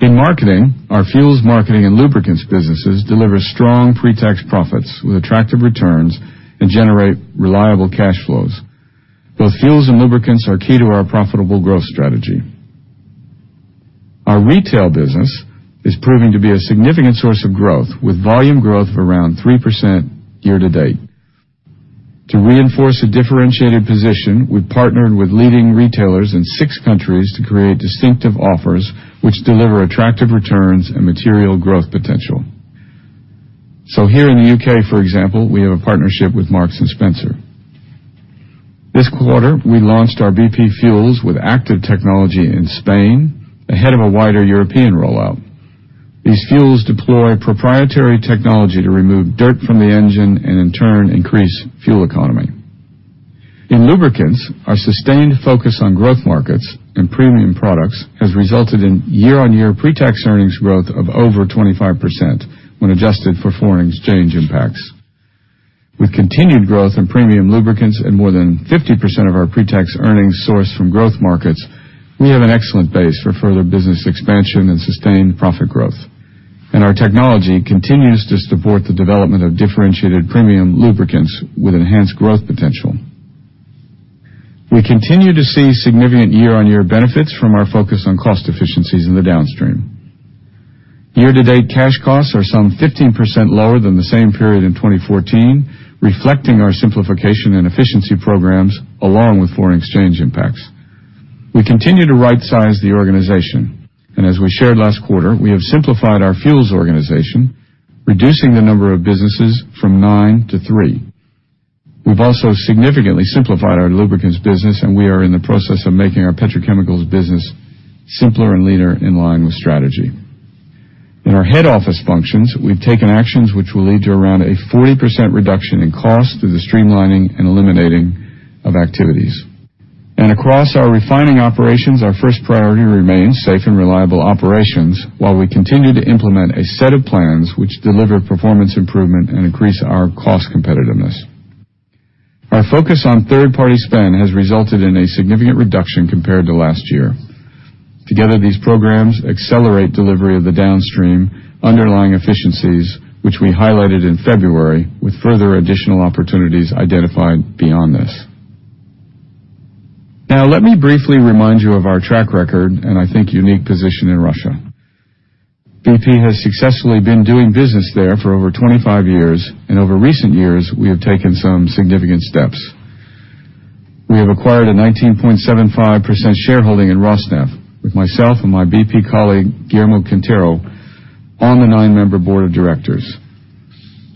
In marketing, our fuels marketing and lubricants businesses deliver strong pretax profits with attractive returns and generate reliable cash flows. Both fuels and lubricants are key to our profitable growth strategy. Our retail business is proving to be a significant source of growth, with volume growth of around 3% year to date. To reinforce a differentiated position, we've partnered with leading retailers in six countries to create distinctive offers which deliver attractive returns and material growth potential. Here in the U.K., for example, we have a partnership with Marks & Spencer. This quarter, we launched our BP fuels with ACTIVE technology in Spain ahead of a wider European rollout. These fuels deploy proprietary technology to remove dirt from the engine and in turn increase fuel economy. In lubricants, our sustained focus on growth markets and premium products has resulted in year-on-year pretax earnings growth of over 25% when adjusted for foreign exchange impacts. With continued growth in premium lubricants and more than 50% of our pretax earnings sourced from growth markets, we have an excellent base for further business expansion and sustained profit growth. Our technology continues to support the development of differentiated premium lubricants with enhanced growth potential. We continue to see significant year-on-year benefits from our focus on cost efficiencies in the Downstream. Year-to-date cash costs are some 15% lower than the same period in 2014, reflecting our simplification and efficiency programs along with foreign exchange impacts. We continue to right-size the organization, and as we shared last quarter, we have simplified our fuels organization, reducing the number of businesses from nine to three. We've also significantly simplified our lubricants business, and we are in the process of making our petrochemicals business simpler and leaner in line with strategy. In our head office functions, we've taken actions which will lead to around a 40% reduction in cost through the streamlining and eliminating of activities. Across our refining operations, our first priority remains safe and reliable operations while we continue to implement a set of plans which deliver performance improvement and increase our cost competitiveness. Our focus on third-party spend has resulted in a significant reduction compared to last year. Together, these programs accelerate delivery of the Downstream underlying efficiencies, which we highlighted in February, with further additional opportunities identified beyond this. Let me briefly remind you of our track record and I think unique position in Russia. BP has successfully been doing business there for over 25 years, over recent years, we have taken some significant steps. We have acquired a 19.75% shareholding in Rosneft with myself and my BP colleague, Guillermo Quintero, on the nine-member board of directors.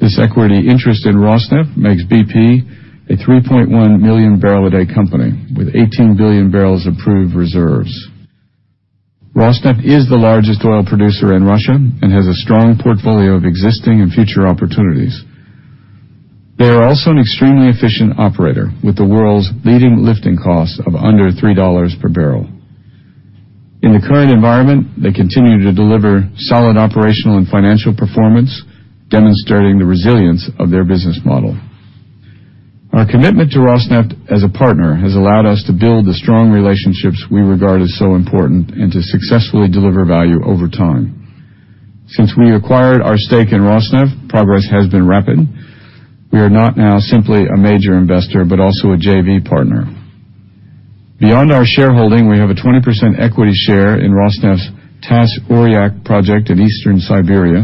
This equity interest in Rosneft makes BP a 3.1 million barrel a day company with 18 billion barrels of proved reserves. Rosneft is the largest oil producer in Russia and has a strong portfolio of existing and future opportunities. They are also an extremely efficient operator with the world's leading lifting cost of under $3 per barrel. In the current environment, they continue to deliver solid operational and financial performance, demonstrating the resilience of their business model. Our commitment to Rosneft as a partner has allowed us to build the strong relationships we regard as so important and to successfully deliver value over time. Since we acquired our stake in Rosneft, progress has been rapid. We are not now simply a major investor, but also a JV partner. Beyond our shareholding, we have a 20% equity share in Rosneft's Taas-Yuryakh project in Eastern Siberia.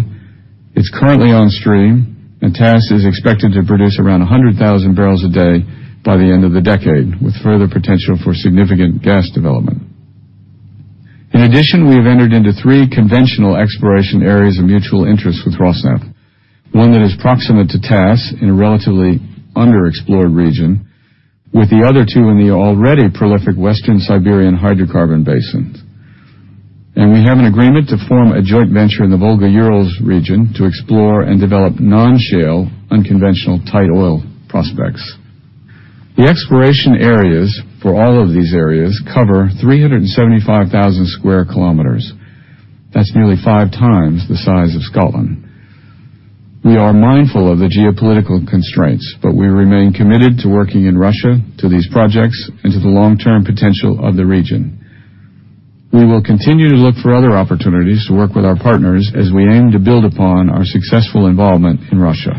It's currently on stream, and Tas is expected to produce around 100,000 barrels a day by the end of the decade, with further potential for significant gas development. In addition, we have entered into three conventional exploration areas of mutual interest with Rosneft, one that is proximate to Tas in a relatively underexplored region, with the other two in the already prolific Western Siberian hydrocarbon basins. We have an agreement to form a joint venture in the Volga-Urals region to explore and develop non-shale, unconventional tight oil prospects. The exploration areas for all of these areas cover 375,000 sq km. That's nearly five times the size of Scotland. We are mindful of the geopolitical constraints, we remain committed to working in Russia, to these projects, and to the long-term potential of the region. We will continue to look for other opportunities to work with our partners as we aim to build upon our successful involvement in Russia.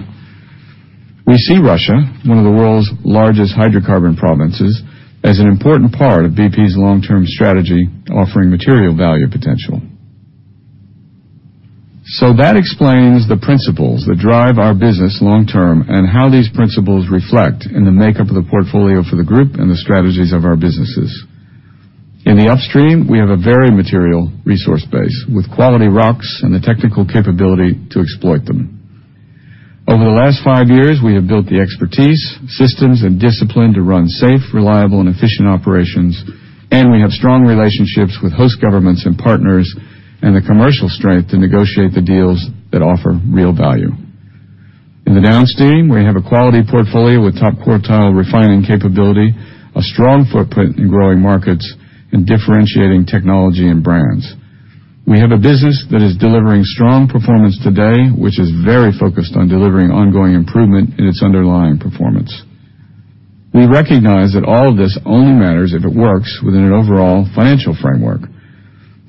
We see Russia, one of the world's largest hydrocarbon provinces, as an important part of BP's long-term strategy, offering material value potential. That explains the principles that drive our business long term and how these principles reflect in the makeup of the portfolio for the group and the strategies of our businesses. In the Upstream, we have a very material resource base with quality rocks and the technical capability to exploit them. Over the last five years, we have built the expertise, systems, and discipline to run safe, reliable, and efficient operations, we have strong relationships with host governments and partners and the commercial strength to negotiate the deals that offer real value. In the Downstream, we have a quality portfolio with top quartile refining capability, a strong footprint in growing markets, and differentiating technology and brands. We have a business that is delivering strong performance today, which is very focused on delivering ongoing improvement in its underlying performance. We recognize that all of this only matters if it works within an overall financial framework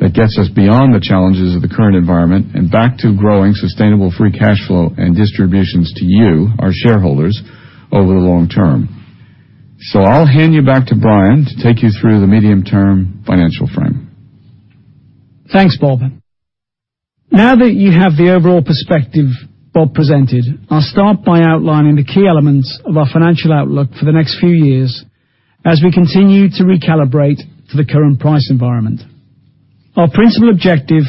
that gets us beyond the challenges of the current environment and back to growing sustainable free cash flow and distributions to you, our shareholders, over the long term. I'll hand you back to Brian to take you through the medium term financial frame. Thanks, Bob. Now that you have the overall perspective Bob presented, I'll start by outlining the key elements of our financial outlook for the next few years as we continue to recalibrate for the current price environment. Our principal objective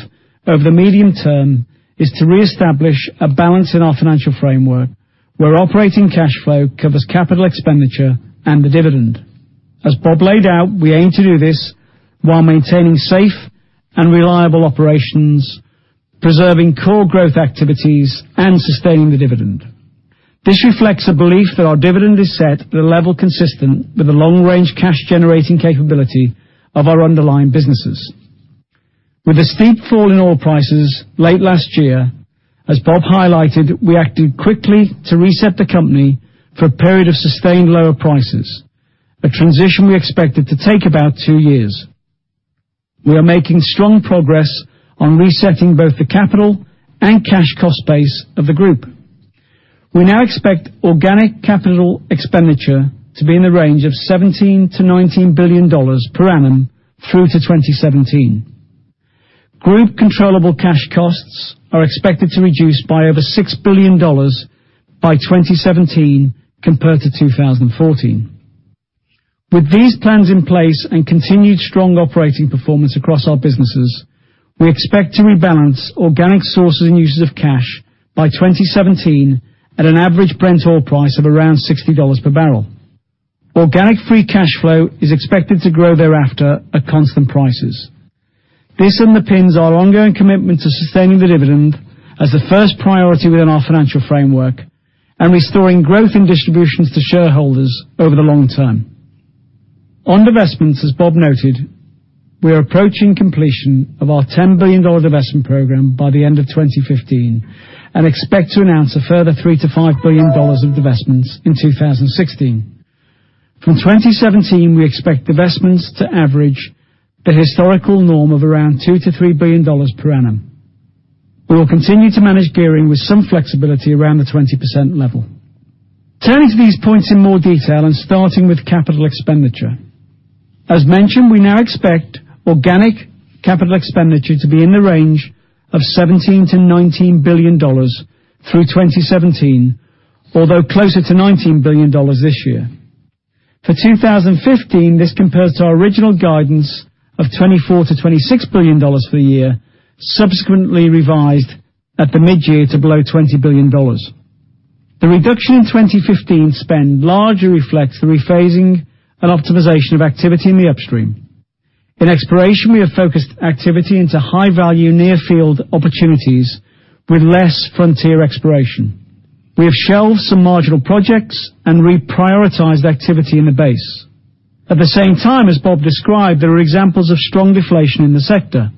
over the medium term is to reestablish a balance in our financial framework where operating cash flow covers capital expenditure and the dividend. As Bob laid out, we aim to do this while maintaining safe and reliable operations, preserving core growth activities, and sustaining the dividend. This reflects a belief that our dividend is set at a level consistent with the long-range cash generating capability of our underlying businesses. With the steep fall in oil prices late last year, as Bob highlighted, we acted quickly to reset the company for a period of sustained lower prices, a transition we expected to take about two years. We are making strong progress on resetting both the capital and cash cost base of the group. We now expect organic capital expenditure to be in the range of $17 billion-$19 billion per annum through to 2017. Group controllable cash costs are expected to reduce by over $6 billion by 2017 compared to 2014. With these plans in place and continued strong operating performance across our businesses, we expect to rebalance organic sources and uses of cash by 2017 at an average Brent oil price of around $60 per barrel. Organic free cash flow is expected to grow thereafter at constant prices. This underpins our ongoing commitment to sustaining the dividend as the first priority within our financial framework and restoring growth in distributions to shareholders over the long term. On divestments, as Bob noted, we are approaching completion of our $10 billion divestment program by the end of 2015 and expect to announce a further $3 billion to $5 billion of divestments in 2016. From 2017, we expect divestments to average the historical norm of around $2 billion to $3 billion per annum. We will continue to manage gearing with some flexibility around the 20% level. Turning to these points in more detail and starting with capital expenditure. As mentioned, we now expect organic capital expenditure to be in the range of $17 billion to $19 billion through 2017, although closer to $19 billion this year. For 2015, this compares to our original guidance of $24 billion to $26 billion for the year, subsequently revised at the mid-year to below $20 billion. The reduction in 2015 spend largely reflects the rephasing and optimization of activity in the upstream. In exploration, we have focused activity into high-value near-field opportunities with less frontier exploration. We have shelved some marginal projects and reprioritized activity in the base. At the same time, as Bob described, there are examples of strong deflation in the sector.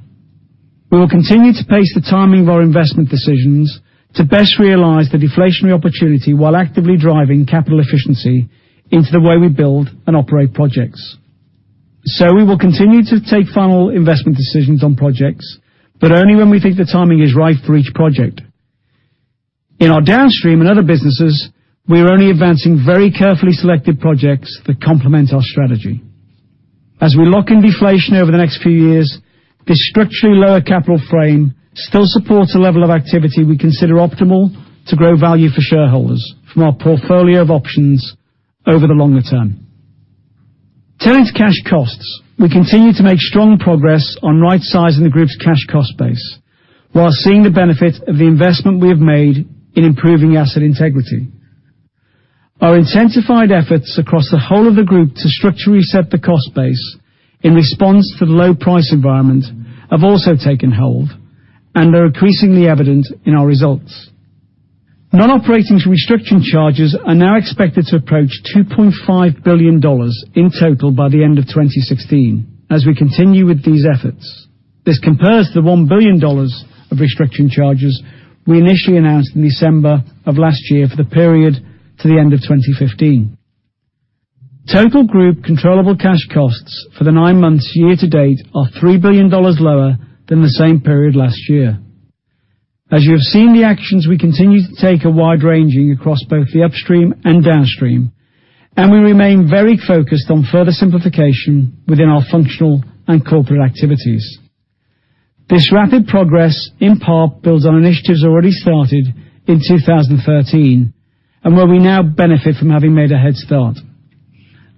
We will continue to pace the timing of our investment decisions to best realize the deflationary opportunity while actively driving capital efficiency into the way we build and operate projects. We will continue to take final investment decisions on projects, but only when we think the timing is right for each project. In our downstream and other businesses, we are only advancing very carefully selected projects that complement our strategy. As we lock in deflation over the next few years, this structurally lower capital frame still supports a level of activity we consider optimal to grow value for shareholders from our portfolio of options over the longer term. Turning to cash costs, we continue to make strong progress on rightsizing the group's cash cost base while seeing the benefit of the investment we have made in improving asset integrity. Our intensified efforts across the whole of the group to structurally set the cost base in response to the low price environment have also taken hold and are increasingly evident in our results. Non-operating restructuring charges are now expected to approach $2.5 billion in total by the end of 2016 as we continue with these efforts. This compares to the $1 billion of restructuring charges we initially announced in December of last year for the period to the end of 2015. Total group controllable cash costs for the nine months year to date are $3 billion lower than the same period last year. As you have seen the actions we continue to take are wide-ranging across both the upstream and downstream, and we remain very focused on further simplification within our functional and corporate activities. This rapid progress in part builds on initiatives already started in 2013 and where we now benefit from having made a head start.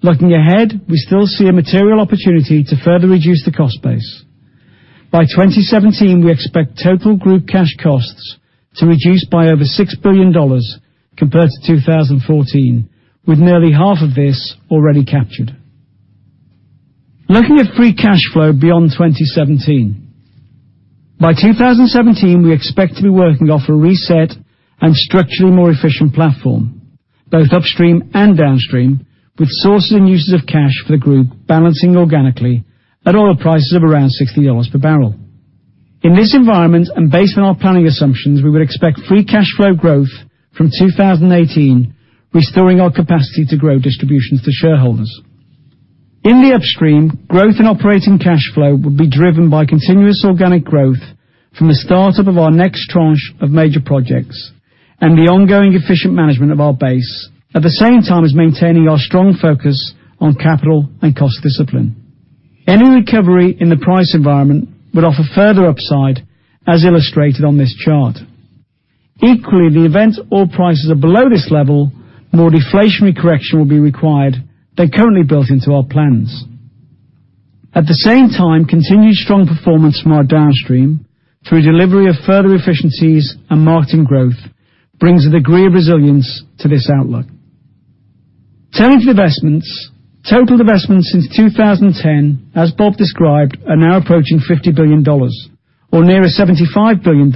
Looking ahead, we still see a material opportunity to further reduce the cost base. By 2017, we expect total group cash costs to reduce by over $6 billion compared to 2014, with nearly half of this already captured. Looking at free cash flow beyond 2017. By 2017, we expect to be working off a reset and structurally more efficient platform, both upstream and downstream, with sources and uses of cash for the group balancing organically at oil prices of around $60 per barrel. In this environment, and based on our planning assumptions, we would expect free cash flow growth from 2018, restoring our capacity to grow distributions to shareholders. In the upstream, growth in operating cash flow would be driven by continuous organic growth from the startup of our next tranche of major projects and the ongoing efficient management of our base, at the same time as maintaining our strong focus on capital and cost discipline. Any recovery in the price environment would offer further upside as illustrated on this chart. In the event oil prices are below this level, more deflationary correction will be required than currently built into our plans. Continued strong performance from our downstream through delivery of further efficiencies and marketing growth brings a degree of resilience to this outlook. Turning to divestments, total divestments since 2010, as Bob described, are now approaching $50 billion or nearer $75 billion,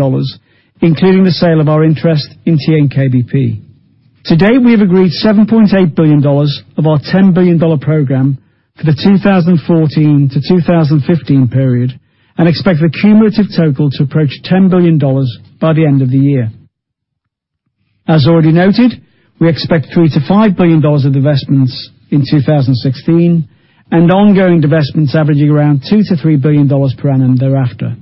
including the sale of our interest in TNK-BP. To date, we have agreed $7.8 billion of our $10 billion program for the 2014 to 2015 period and expect the cumulative total to approach $10 billion by the end of the year. As already noted, we expect $3 billion to $5 billion of divestments in 2016, and ongoing divestments averaging around $2 billion to $3 billion per annum thereafter.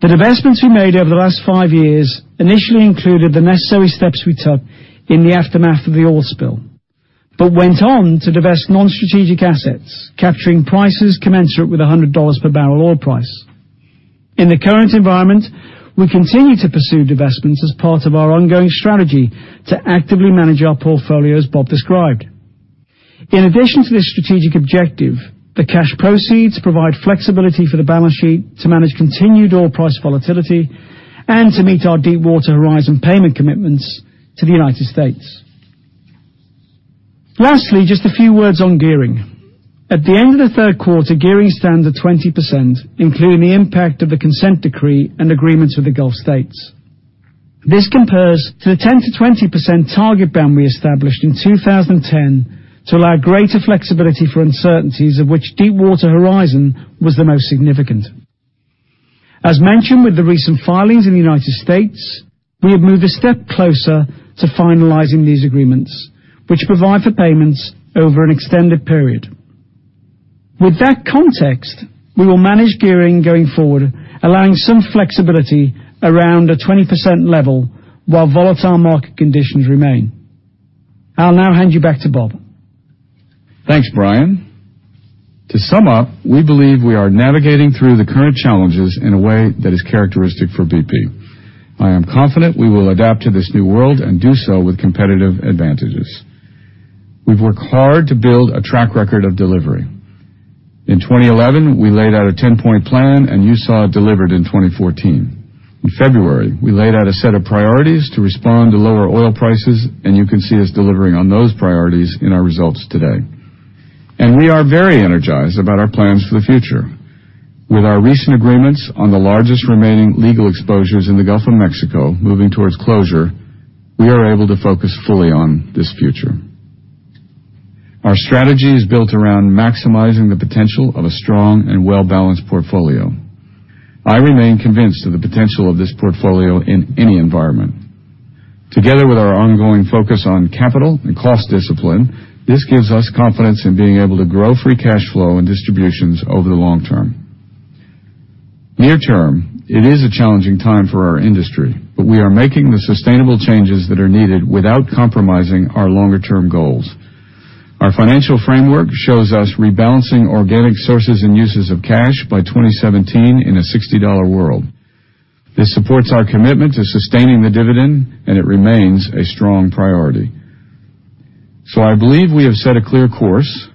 The divestments we made over the last five years initially included the necessary steps we took in the aftermath of the oil spill, but went on to divest non-strategic assets, capturing prices commensurate with $100 per barrel oil price. In the current environment, we continue to pursue divestments as part of our ongoing strategy to actively manage our portfolio, as Bob described. In addition to this strategic objective, the cash proceeds provide flexibility for the balance sheet to manage continued oil price volatility and to meet our Deepwater Horizon payment commitments to the United States. Just a few words on gearing. At the end of the third quarter, gearing stands at 20%, including the impact of the consent decree and agreements with the Gulf States. This compares to the 10% to 20% target band we established in 2010 to allow greater flexibility for uncertainties of which Deepwater Horizon was the most significant. As mentioned with the recent filings in the United States, we have moved a step closer to finalizing these agreements, which provide for payments over an extended period. We will manage gearing going forward, allowing some flexibility around a 20% level while volatile market conditions remain. I'll now hand you back to Bob. Thanks, Brian. To sum up, we believe we are navigating through the current challenges in a way that is characteristic for BP. I am confident we will adapt to this new world and do so with competitive advantages. We've worked hard to build a track record of delivery. In 2011, we laid out a 10-point plan, and you saw it delivered in 2014. In February, we laid out a set of priorities to respond to lower oil prices. You can see us delivering on those priorities in our results today. We are very energized about our plans for the future. With our recent agreements on the largest remaining legal exposures in the Gulf of Mexico moving towards closure, we are able to focus fully on this future. Our strategy is built around maximizing the potential of a strong and well-balanced portfolio. I remain convinced of the potential of this portfolio in any environment. Together with our ongoing focus on capital and cost discipline, this gives us confidence in being able to grow free cash flow and distributions over the long term. Near term, it is a challenging time for our industry. We are making the sustainable changes that are needed without compromising our longer-term goals. Our financial framework shows us rebalancing organic sources and uses of cash by 2017 in a $60 world. This supports our commitment to sustaining the dividend. It remains a strong priority. I believe we have set a clear course.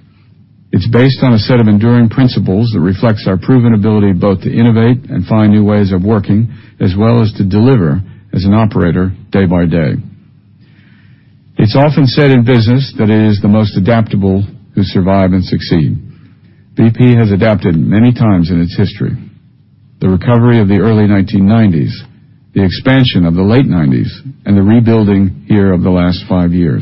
It's based on a set of enduring principles that reflects our proven ability both to innovate and find new ways of working, as well as to deliver as an operator day by day. It's often said in business that it is the most adaptable who survive and succeed. BP has adapted many times in its history. The recovery of the early 1990s, the expansion of the late '90s, and the rebuilding here of the last five years.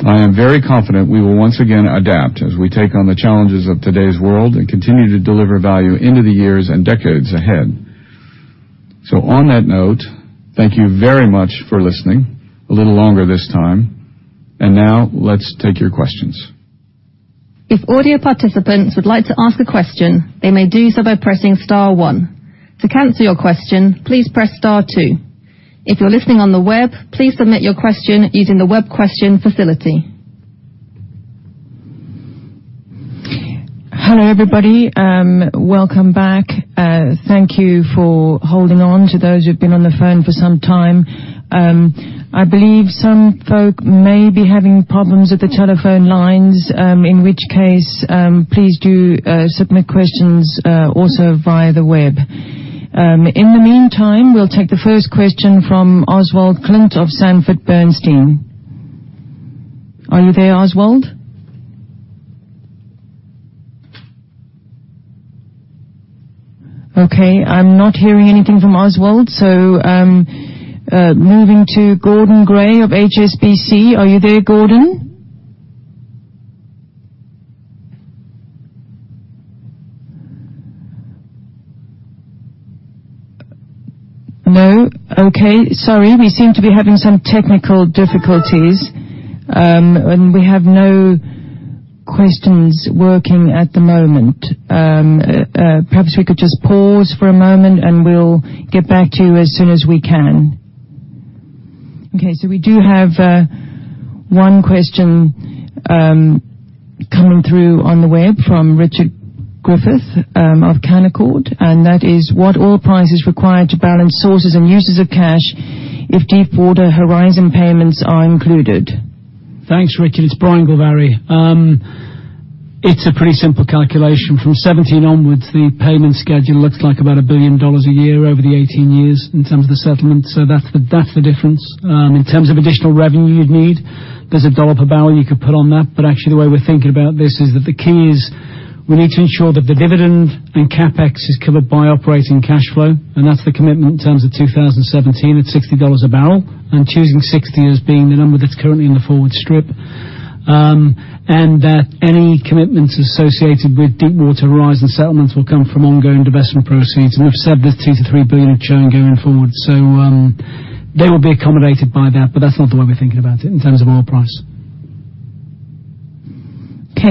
I am very confident we will once again adapt as we take on the challenges of today's world and continue to deliver value into the years and decades ahead. On that note, thank you very much for listening a little longer this time. Now let's take your questions. If audio participants would like to ask a question, they may do so by pressing star one. To cancel your question, please press star two. If you're listening on the web, please submit your question using the web question facility. Hello, everybody. Welcome back. Thank you for holding on to those who've been on the phone for some time. I believe some folk may be having problems with the telephone lines, in which case, please do submit questions also via the web. In the meantime, we'll take the first question from Oswald Clint of Sanford C. Bernstein. Are you there, Oswald? Okay, I'm not hearing anything from Oswald. Moving to Gordon Gray of HSBC. Are you there, Gordon? No? Okay. Sorry, we seem to be having some technical difficulties. We have no questions working at the moment. Perhaps we could just pause for a moment. We'll get back to you as soon as we can. We do have one question coming through on the web from Richard Griffith of Canaccord, and that is what oil price is required to balance sources and uses of cash if Deepwater Horizon payments are included? Thanks, Richard. It's Brian Gilvary. It's a pretty simple calculation. From 2017 onwards, the payment schedule looks like about $1 billion a year over the 18 years in terms of the settlement. That's the difference. In terms of additional revenue you'd need, there's $1 per barrel you could put on that. Actually, the way we're thinking about this is that the key is we need to ensure that the dividend and CapEx is covered by operating cash flow, and that's the commitment in terms of 2017 at $60 a barrel, choosing $60 as being the number that's currently in the forward strip. That any commitments associated with Deepwater Horizon settlements will come from ongoing divestment proceeds. We've said there's $2 billion-$3 billion of churn going forward. They will be accommodated by that's not the way we're thinking about it in terms of oil price.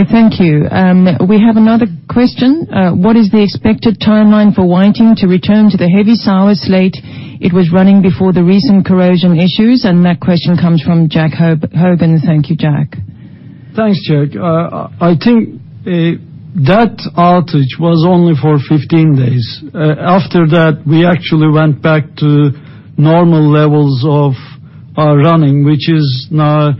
Thank you. We have another question. What is the expected timeline for Whiting to return to the heavy sour slate it was running before the recent corrosion issues? That question comes from Jack Hogan. Thank you, Jack. Thanks, Jack. I think that outage was only for 15 days. After that, we actually went back to normal levels of our running, which is now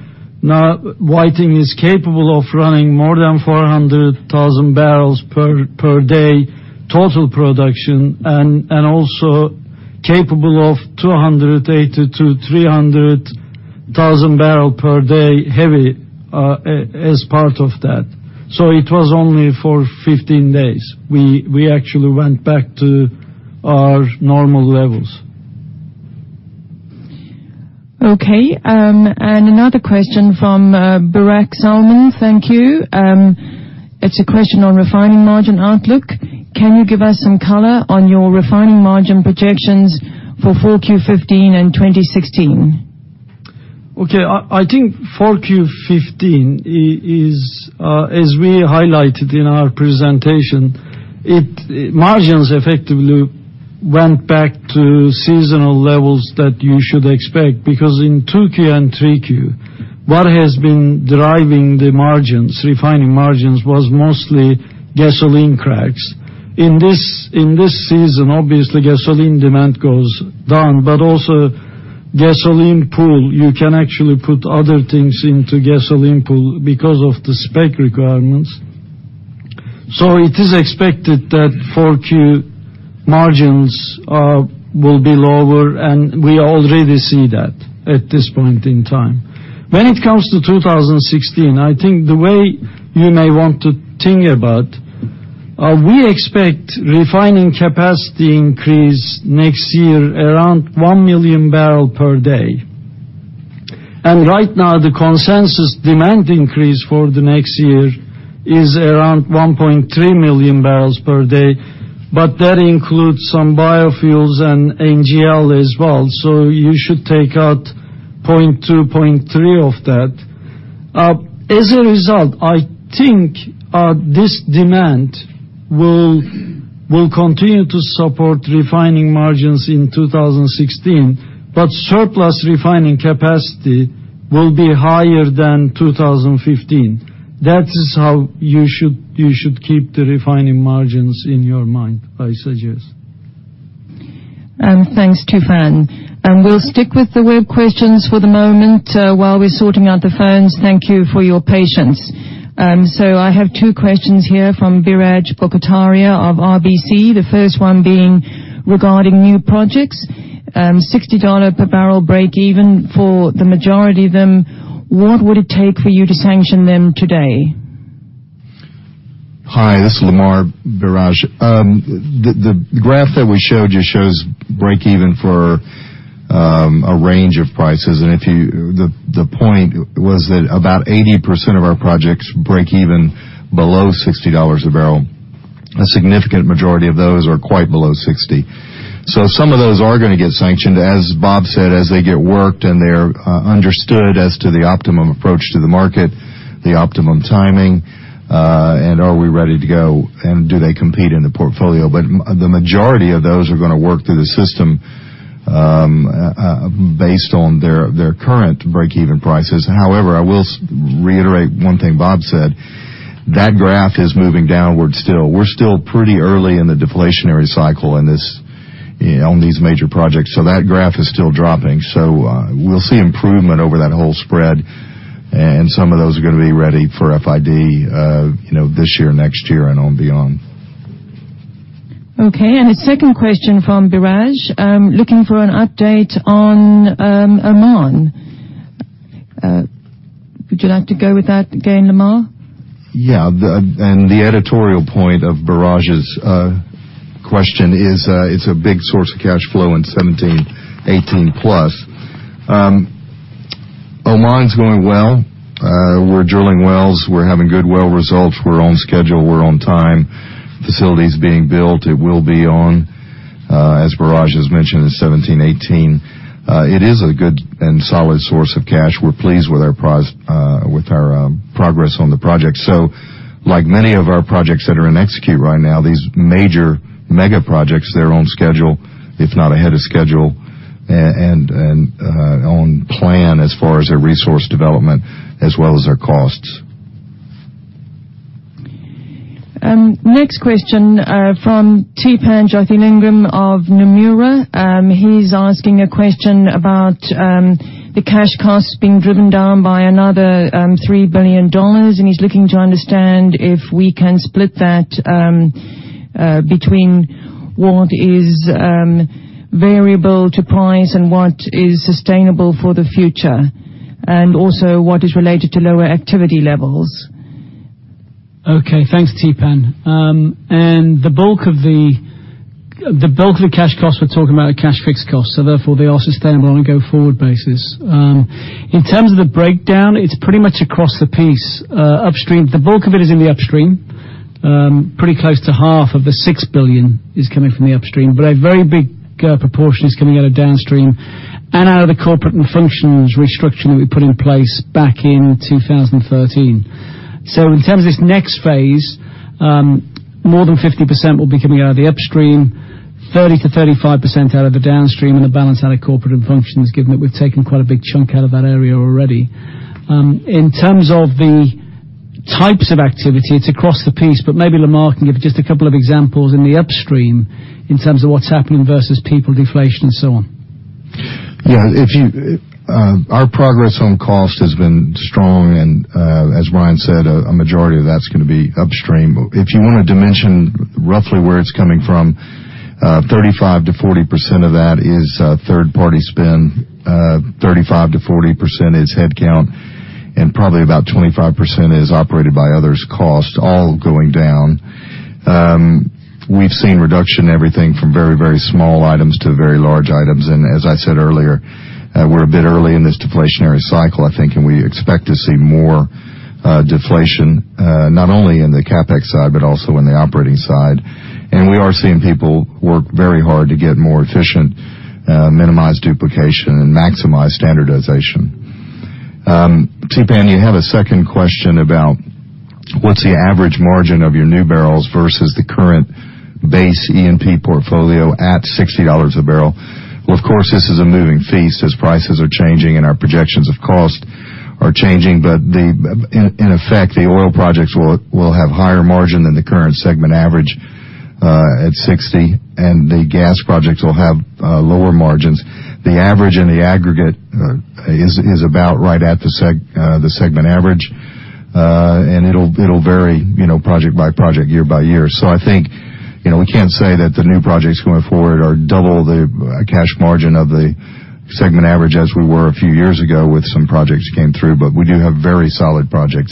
Whiting is capable of running more than 400,000 barrels per day total production, and also capable of 280,000 to 300,000 barrel per day heavy as part of that. It was only for 15 days. We actually went back to our normal levels. Okay. Another question from Burak Salman. Thank you. It's a question on refining margin outlook. Can you give us some color on your refining margin projections for 4Q15 and 2016? Okay. I think 4Q15 is, as we highlighted in our presentation, margins effectively went back to seasonal levels that you should expect because in 2Q and 3Q, what has been driving the margins, refining margins, was mostly gasoline cracks. In this season, obviously, gasoline demand goes down, but also gasoline pool, you can actually put other things into gasoline pool because of the spec requirements. It is expected that 4Q margins will be lower, and we already see that at this point in time. When it comes to 2016, I think the way you may want to think about, we expect refining capacity increase next year around 1 million barrel per day. Right now, the consensus demand increase for the next year is around 1.3 million barrels per day, but that includes some biofuels and NGL as well. You should take out 0.2, 0.3 of that. As a result, I think this demand will continue to support refining margins in 2016, but surplus refining capacity will be higher than 2015. That is how you should keep the refining margins in your mind, I suggest. Thanks, Tufan. We'll stick with the web questions for the moment while we're sorting out the phones. Thank you for your patience. I have two questions here from Biraj Borkhataria of RBC. The first one being regarding new projects. $60 per barrel break even for the majority of them. What would it take for you to sanction them today? Hi, this is Lamar, Biraj. The graph that we showed you shows break even for a range of prices. The point was that about 80% of our projects break even below $60 a barrel. A significant majority of those are quite below 60. Some of those are going to get sanctioned, as Bob said, as they get worked and they're understood as to the optimum approach to the market, the optimum timing, and are we ready to go, and do they compete in the portfolio? The majority of those are going to work through the system based on their current break-even prices. However, I will reiterate one thing Bob said. That graph is moving downward still. We're still pretty early in the deflationary cycle on these major projects. That graph is still dropping. We'll see improvement over that whole spread. Some of those are going to be ready for FID this year, next year, and on beyond. Okay, a second question from Biraj. Looking for an update on Oman. Would you like to go with that again, Lamar? Yeah. The editorial point of Biraj's question is it's a big source of cash flow in 2017, 2018 plus. Oman's going well. We're drilling wells. We're having good well results. We're on schedule. We're on time. Facility's being built. It will be on, as Biraj has mentioned, in 2017, 2018. It is a good and solid source of cash. We're pleased with our progress on the project. Like many of our projects that are in execute right now, these major mega projects, they're on schedule, if not ahead of schedule, and on plan as far as their resource development as well as their costs. Next question from Theepan Jothilingam of Nomura. He's asking a question about the cash costs being driven down by another $3 billion. He's looking to understand if we can split that between what is variable to price and what is sustainable for the future. Also what is related to lower activity levels. Okay, thanks Theepan. The bulk of the cash costs we're talking about are cash fixed costs, therefore they are sustainable on a go-forward basis. In terms of the breakdown, it's pretty much across the piece Upstream. The bulk of it is in the Upstream. Pretty close to half of the $6 billion is coming from the Upstream, but a very big proportion is coming out of Downstream and out of the Corporate and Functions restructure that we put in place back in 2013. In terms of this next phase, more than 50% will be coming out of the Upstream, 30%-35% out of the Downstream, and the balance out of Corporate and Functions, given that we've taken quite a big chunk out of that area already. In terms of the types of activity, it's across the piece, but maybe Lamar can give just a couple of examples in the Upstream in terms of what's happening versus people deflation and so on. Yeah. Our progress on cost has been strong and, as Brian said, a majority of that's going to be upstream. If you want to dimension roughly where it's coming from, 35%-40% of that is third-party spend, 35%-40% is headcount, and probably about 25% is operated by others' cost all going down. We've seen reduction in everything from very, very small items to very large items. As I said earlier, we're a bit early in this deflationary cycle, I think, and we expect to see more deflation, not only in the CapEx side, but also in the operating side. We are seeing people work very hard to get more efficient, minimize duplication, and maximize standardization. Theepan, you had a second question about what's the average margin of your new barrels versus the current base E&P portfolio at $60 a barrel. Well, of course, this is a moving feast as prices are changing and our projections of cost are changing. In effect, the oil projects will have a higher margin than the current segment average at $60, and the gas projects will have lower margins. The average in the aggregate is about right at the segment average. It'll vary project by project, year by year. I think, we can't say that the new projects going forward are double the cash margin of the segment average as we were a few years ago with some projects came through. We do have very solid projects,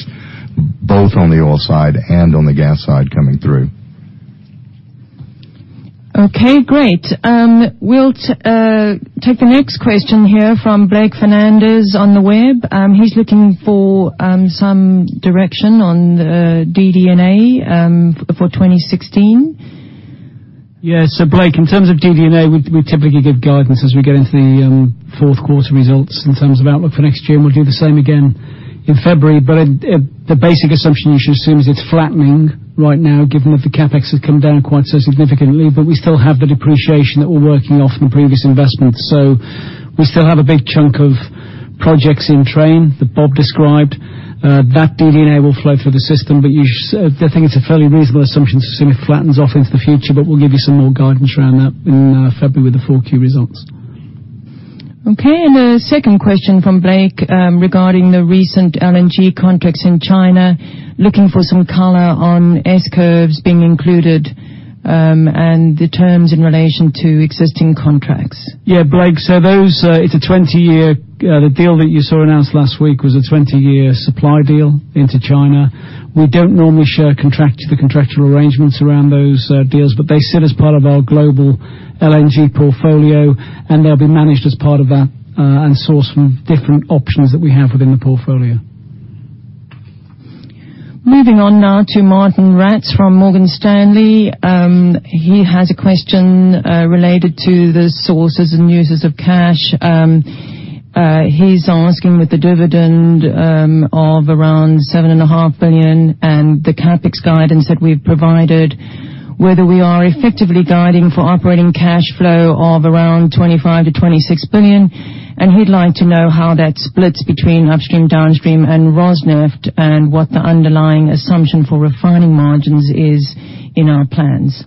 both on the oil side and on the gas side, coming through. Okay, great. We'll take the next question here from Blake Fernandez on the web. He's looking for some direction on DD&A for 2016. Yeah. Blake, in terms of DD&A, we typically give guidance as we get into the fourth quarter results in terms of outlook for next year, and we'll do the same again in February. The basic assumption you should assume is it's flattening right now given that the CapEx has come down quite so significantly. We still have the depreciation that we're working off from previous investments. We still have a big chunk of projects in train that Bob described. That DD&A will flow through the system. I think it's a fairly reasonable assumption to assume it flattens off into the future, but we'll give you some more guidance around that in February with the fourth quarter results. Okay, a second question from Blake regarding the recent LNG contracts in China, looking for some color on S-curves being included and the terms in relation to existing contracts. Yeah, Blake. The deal that you saw announced last week was a 20-year supply deal into China. We don't normally share the contractual arrangements around those deals, but they sit as part of our global LNG portfolio, and they'll be managed as part of that and sourced from different options that we have within the portfolio. Moving on now to Martijn Rats from Morgan Stanley. He has a question related to the sources and uses of cash. He's asking with the dividend of around $7.5 billion and the CapEx guidance that we've provided, whether we are effectively guiding for operating cash flow of around $25 billion-$26 billion, and he'd like to know how that splits between Upstream, Downstream, and Rosneft, and what the underlying assumption for refining margins is in our plans.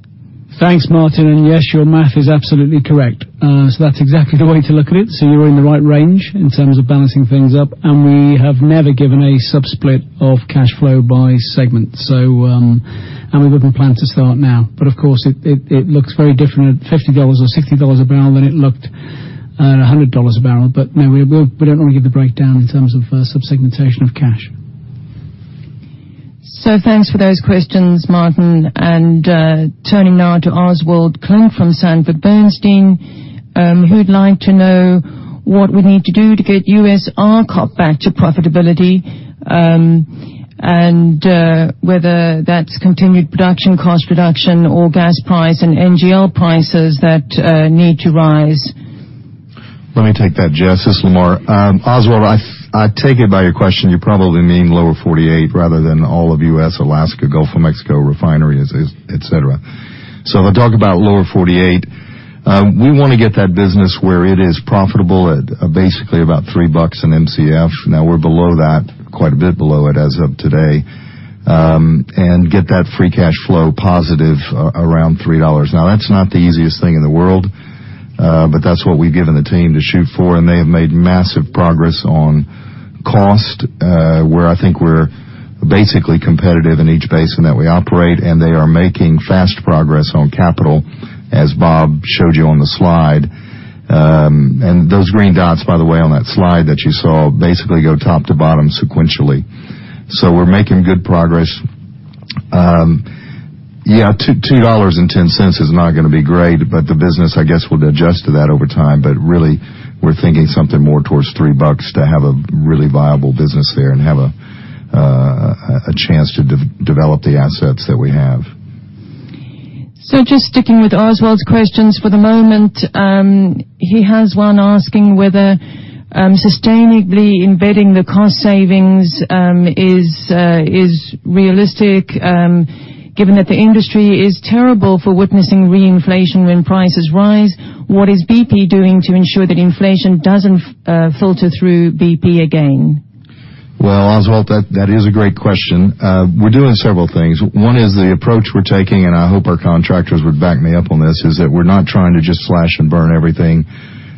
Thanks, Martijn. Yes, your math is absolutely correct. That's exactly the way to look at it. You're in the right range in terms of balancing things up. We have never given a sub-split of cash flow by segment, and we wouldn't plan to start now. Of course, it looks very different at $50 or $60 a barrel than it looked at $100 a barrel. No, we don't want to give the breakdown in terms of sub-segmentation of cash. Thanks for those questions, Martijn. Turning now to Oswald Clint from Sanford C. Bernstein, who'd like to know what we need to do to get U.S. onshore back to profitability, and whether that's continued production, cost reduction, or gas price and NGL prices that need to rise. Let me take that, Jess. This is Lamar. Oswald, I take it by your question, you probably mean Lower 48 rather than all of U.S., Alaska, Gulf of Mexico refineries, et cetera. If I talk about Lower 48, we want to get that business where it is profitable at basically about $3 an Mcf. We're below that, quite a bit below it as of today. Get that free cash flow positive around $3. That's not the easiest thing in the world, but that's what we've given the team to shoot for, and they have made massive progress on cost, where I think we're basically competitive in each basin that we operate, and they are making fast progress on capital, as Bob showed you on the slide. Those green dots, by the way, on that slide that you saw basically go top to bottom sequentially. We're making good progress. Yeah, $2.10 is not going to be great, but the business, I guess, will adjust to that over time. Really, we're thinking something more towards $3 to have a really viable business there and have a chance to develop the assets that we have. Just sticking with Oswald's questions for the moment. He has one asking whether sustainably embedding the cost savings is realistic given that the industry is terrible for witnessing reinflation when prices rise. What is BP doing to ensure that inflation doesn't filter through BP again? Well, Oswald, that is a great question. We're doing several things. One is the approach we're taking, and I hope our contractors would back me up on this, is that we're not trying to just slash and burn everything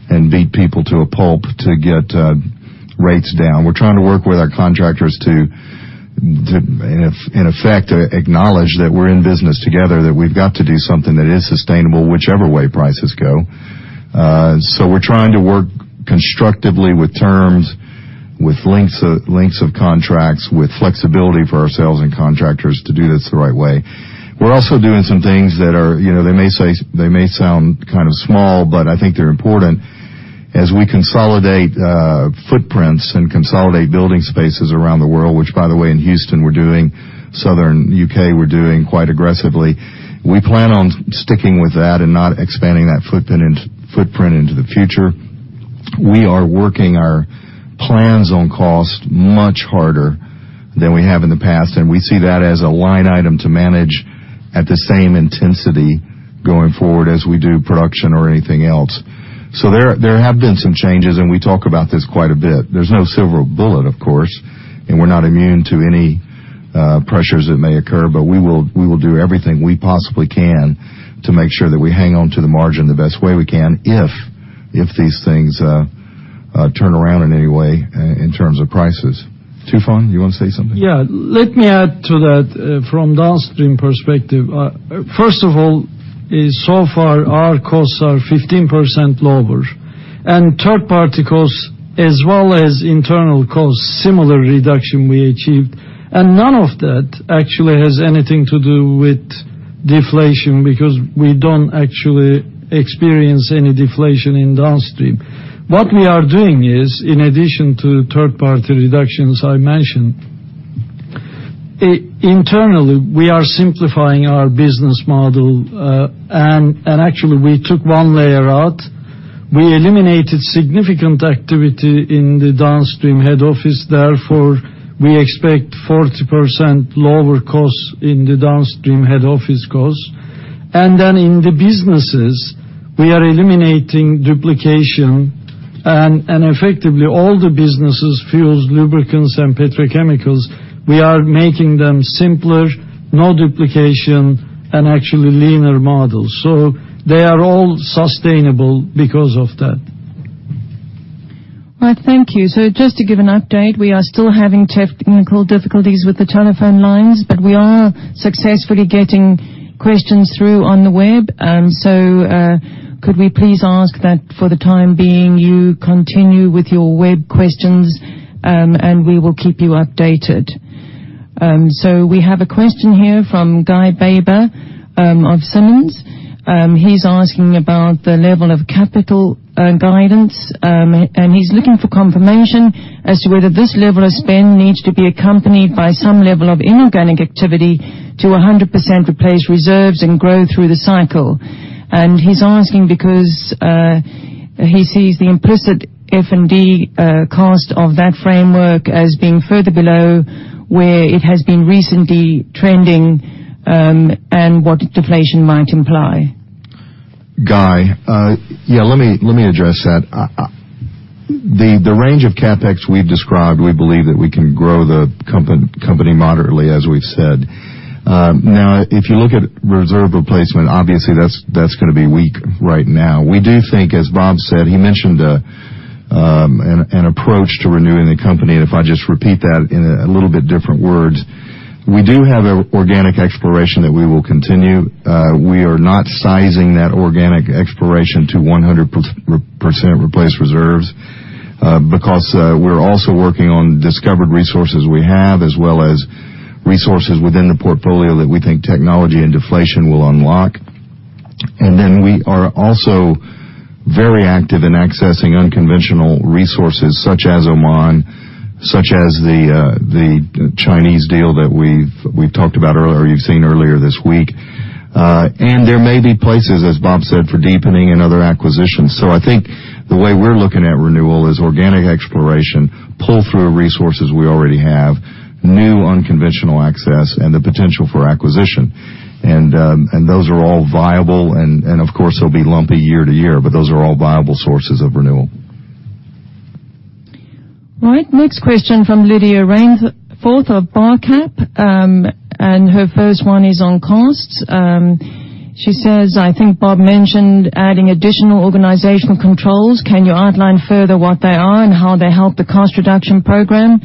and beat people to a pulp to get rates down. We're trying to work with our contractors to, in effect, acknowledge that we're in business together, that we've got to do something that is sustainable whichever way prices go. We're trying to work constructively with terms, with lengths of contracts, with flexibility for ourselves and contractors to do this the right way. We're also doing some things that may sound kind of small, but I think they're important as we consolidate footprints and consolidate building spaces around the world. Which, by the way, in Houston we're doing, southern U.K. we're doing quite aggressively. We plan on sticking with that and not expanding that footprint into the future. We are working our plans on cost much harder than we have in the past. We see that as a line item to manage at the same intensity going forward as we do production or anything else. There have been some changes. We talk about this quite a bit. There's no silver bullet, of course, and we're not immune to any pressures that may occur. We will do everything we possibly can to make sure that we hang on to the margin the best way we can if these things turn around in any way in terms of prices. Tufan, you want to say something? Yeah. Let me add to that from downstream perspective. First of all, so far our costs are 15% lower. Third-party costs as well as internal costs, similar reduction we achieved. None of that actually has anything to do with deflation because we don't actually experience any deflation in downstream. What we are doing is, in addition to third-party reductions I mentioned, internally we are simplifying our business model. Actually, we took one layer out. We eliminated significant activity in the downstream head office, therefore, we expect 40% lower costs in the downstream head office costs. In the businesses, we are eliminating duplication, and effectively all the businesses, fuels, lubricants, and petrochemicals, we are making them simpler, no duplication, and actually leaner models. They are all sustainable because of that. Right. Thank you. Just to give an update, we are still having technical difficulties with the telephone lines. We are successfully getting questions through on the web. Could we please ask that for the time being you continue with your web questions, and we will keep you updated. We have a question here from Guy Baber of Simmons. He's asking about the level of capital guidance. He's looking for confirmation as to whether this level of spend needs to be accompanied by some level of inorganic activity to 100% replace reserves and grow through the cycle. He's asking because he sees the implicit F&D cost of that framework as being further below where it has been recently trending and what deflation might imply. Guy, yeah, let me address that. The range of CapEx we've described, we believe that we can grow the company moderately, as we've said. If you look at reserve replacement, obviously that's going to be weak right now. We do think, as Bob said, he mentioned an approach to renewing the company. If I just repeat that in a little bit different words, we do have organic exploration that we will continue. We are not sizing that organic exploration to 100% replaced reserves because we're also working on discovered resources we have, as well as resources within the portfolio that we think technology and deflation will unlock. We are also very active in accessing unconventional resources such as Oman, such as the Chinese deal that we've talked about earlier, you've seen earlier this week. There may be places, as Bob said, for deepening and other acquisitions. I think the way we're looking at renewal is organic exploration, pull through resources we already have, new unconventional access, and the potential for acquisition. Those are all viable, and of course, they'll be lumpy year to year, but those are all viable sources of renewal. Right. Next question from Lydia Rainforth of Barcap, and her first one is on costs. She says, "I think Bob mentioned adding additional organizational controls. Can you outline further what they are and how they help the cost reduction program?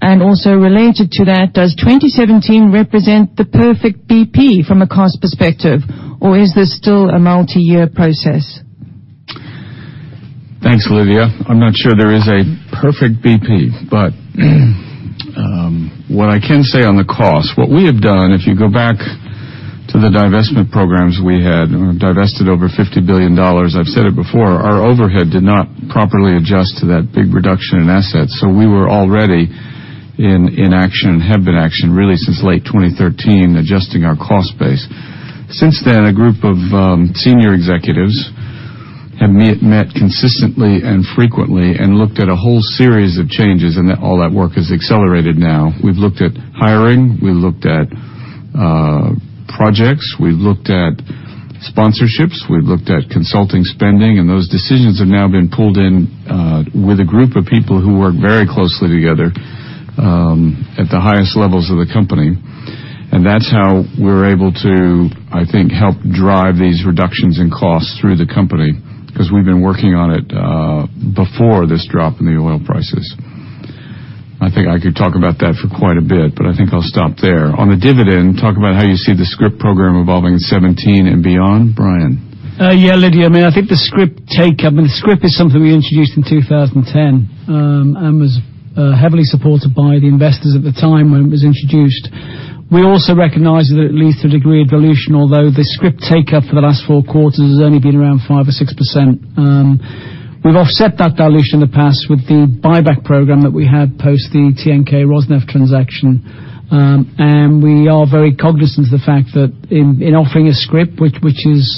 Also related to that, does 2017 represent the perfect BP from a cost perspective, or is this still a multi-year process? Thanks, Lydia. I'm not sure there is a perfect BP. What I can say on the cost, what we have done, if you go back to the divestment programs we had, we divested over $50 billion. I've said it before, our overhead did not properly adjust to that big reduction in assets. We were already in action, and have been in action really since late 2013, adjusting our cost base. Since then, a group of senior executives have met consistently and frequently and looked at a whole series of changes, and all that work has accelerated now. We've looked at hiring, we looked at projects, we've looked at sponsorships, we've looked at consulting spending, and those decisions have now been pulled in with a group of people who work very closely together at the highest levels of the company. That's how we're able to, I think, help drive these reductions in costs through the company, because we've been working on it before this drop in the oil prices. I think I could talk about that for quite a bit, but I think I'll stop there. On the dividend, talk about how you see the scrip program evolving in 2017 and beyond, Brian. Yeah, Lydia. I think the scrip takeup, the scrip is something we introduced in 2010, and was heavily supported by the investors at the time when it was introduced. We also recognize that it leads to degree of dilution, although the scrip take up for the last four quarters has only been around 5% or 6%. We've offset that dilution in the past with the buyback program that we had post the TNK Rosneft transaction. We are very cognizant of the fact that in offering a scrip, which is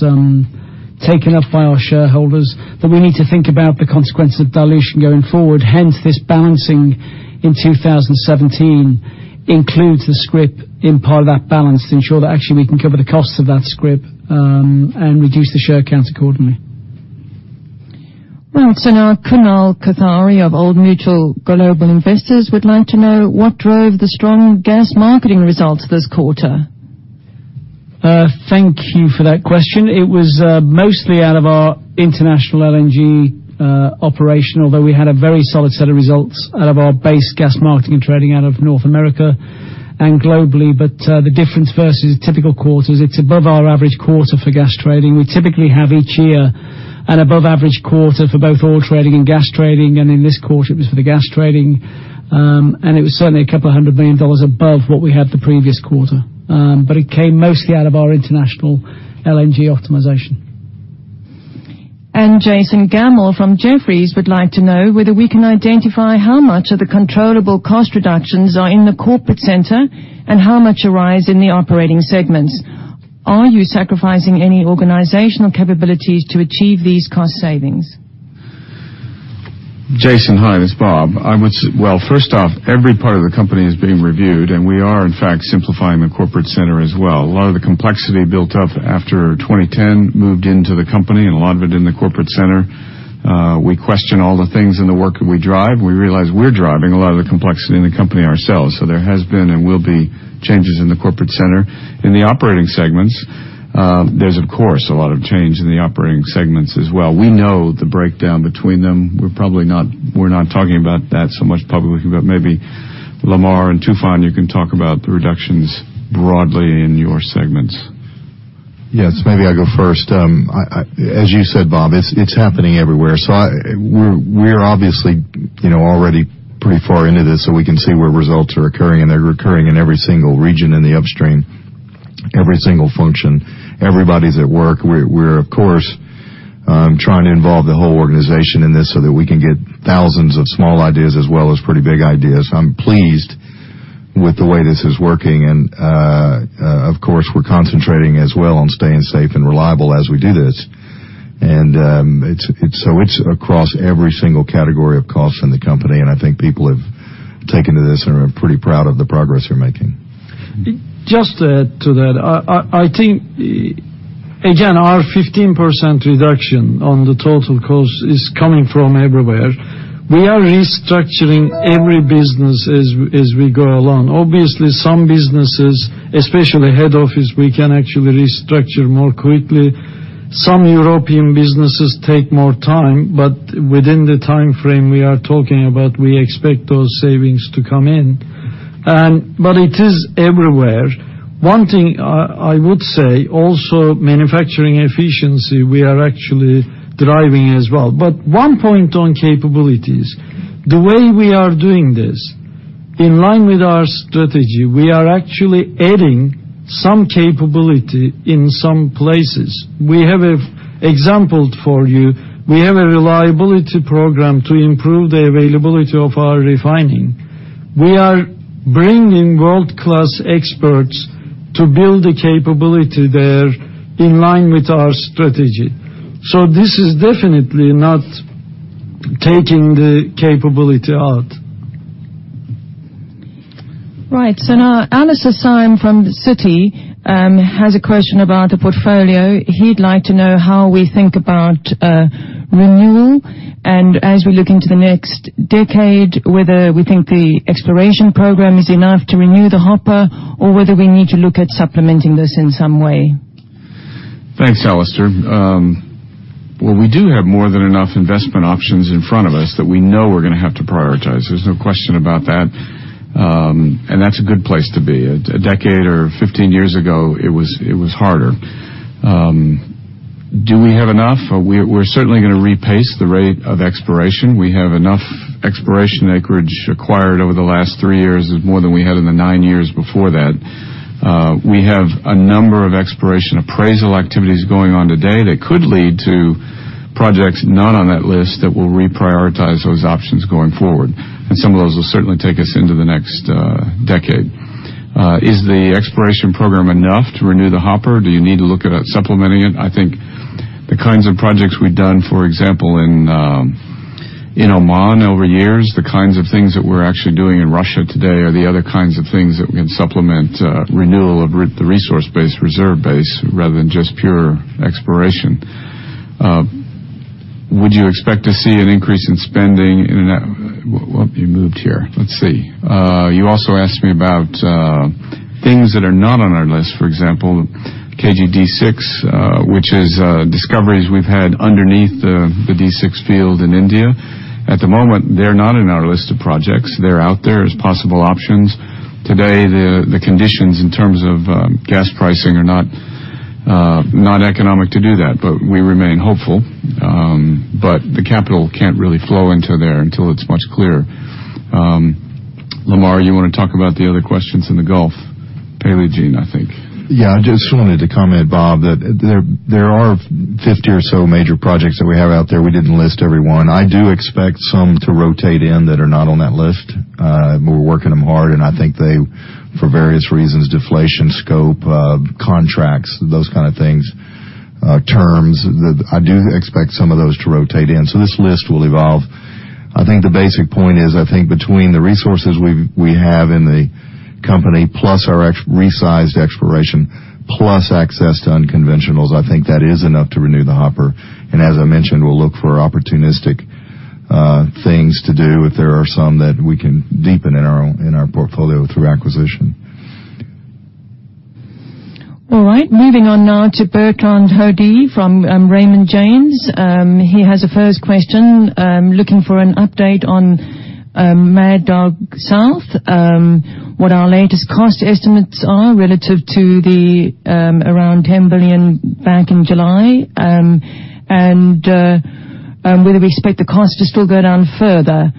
taken up by our shareholders, that we need to think about the consequences of dilution going forward. Hence, this balancing in 2017 includes the scrip in part of that balance to ensure that actually we can cover the cost of that scrip, and reduce the share count accordingly. Right. Now Kunal Kothari of Old Mutual Global Investors would like to know what drove the strong gas marketing results this quarter. Thank you for that question. It was mostly out of our international LNG operation, although we had a very solid set of results out of our base gas marketing and trading out of North America and globally. The difference versus a typical quarter is it's above our average quarter for gas trading. We typically have each year an above average quarter for both oil trading and gas trading, and in this quarter it was for the gas trading. It was certainly $200 million above what we had the previous quarter. It came mostly out of our international LNG optimization. Jason Gabelman from Jefferies would like to know whether we can identify how much of the controllable cost reductions are in the corporate center, and how much arise in the operating segments. Are you sacrificing any organizational capabilities to achieve these cost savings? Jason, hi. This is Bob. Well, first off, every part of the company is being reviewed, and we are in fact simplifying the corporate center as well. A lot of the complexity built up after 2010 moved into the company and a lot of it in the corporate center. We question all the things and the work that we drive. We realize we're driving a lot of the complexity in the company ourselves. There has been and will be changes in the corporate center. In the operating segments, there's of course a lot of change in the operating segments as well. We know the breakdown between them. We're not talking about that so much publicly, but maybe Lamar and Tufan, you can talk about the reductions broadly in your segments. Yes, maybe I go first. As you said, Bob, it's happening everywhere. We're obviously already pretty far into this, so we can see where results are occurring, and they're occurring in every single region in the upstream, every single function. Everybody's at work. We're of course trying to involve the whole organization in this so that we can get thousands of small ideas as well as pretty big ideas. I'm pleased with the way this is working. Of course, we're concentrating as well on staying safe and reliable as we do this. It's across every single category of cost in the company, and I think people have taken to this and are pretty proud of the progress they're making. Just to add to that, I think, again, our 15% reduction on the total cost is coming from everywhere. We are restructuring every business as we go along. Obviously, some businesses, especially head office, we can actually restructure more quickly. Some European businesses take more time, but within the time frame we are talking about, we expect those savings to come in. It is everywhere. One thing I would say, also manufacturing efficiency, we are actually driving as well. One point on capabilities. The way we are doing this, in line with our strategy, we are actually adding some capability in some places. We have examples for you. We have a reliability program to improve the availability of our refining. We are bringing world-class experts to build the capability there in line with our strategy. This is definitely not taking the capability out. Now Alastair Syme from Citi has a question about the portfolio. He'd like to know how we think about renewal, and as we look into the next decade, whether we think the exploration program is enough to renew the hopper or whether we need to look at supplementing this in some way. Thanks, Alastair. Well, we do have more than enough investment options in front of us that we know we're going to have to prioritize. There's no question about that. That's a good place to be. A decade or 15 years ago, it was harder. Do we have enough? We're certainly going to repace the rate of exploration. We have enough exploration acreage acquired over the last three years, is more than we had in the nine years before that. We have a number of exploration appraisal activities going on today that could lead to projects not on that list that will reprioritize those options going forward. Some of those will certainly take us into the next decade. Is the exploration program enough to renew the hopper? Do you need to look at supplementing it? I think the kinds of projects we've done, for example, in Oman over years, the kinds of things that we're actually doing in Russia today, are the other kinds of things that we can supplement renewal of the resource base, reserve base, rather than just pure exploration. Would you expect to see an increase in spending in and out? Well, you moved here. Let's see. You also asked me about things that are not on our list. For example, KG D6, which is discoveries we've had underneath the D6 field in India. At the moment, they're not in our list of projects. They're out there as possible options. Today, the conditions in terms of gas pricing are not economic to do that, but we remain hopeful. The capital can't really flow into there until it's much clearer. Lamar, you want to talk about the other questions in the Gulf? Paleogene, I think. I just wanted to comment, Bob, that there are 50 or so major projects that we have out there. We didn't list every one. I do expect some to rotate in that are not on that list. We're working them hard, and I think they, for various reasons, deflation, scope, contracts, those kind of things, terms, I do expect some of those to rotate in. This list will evolve. I think the basic point is, I think between the resources we have in the company, plus our resized exploration, plus access to unconventionals, I think that is enough to renew the hopper. As I mentioned, we'll look for opportunistic things to do if there are some that we can deepen in our portfolio through acquisition. All right. Moving on now to Bertrand Hodee from Raymond James. He has a first question, looking for an update on Mad Dog South, what our latest cost estimates are relative to the around $10 billion back in July, and whether we expect the cost to still go down further.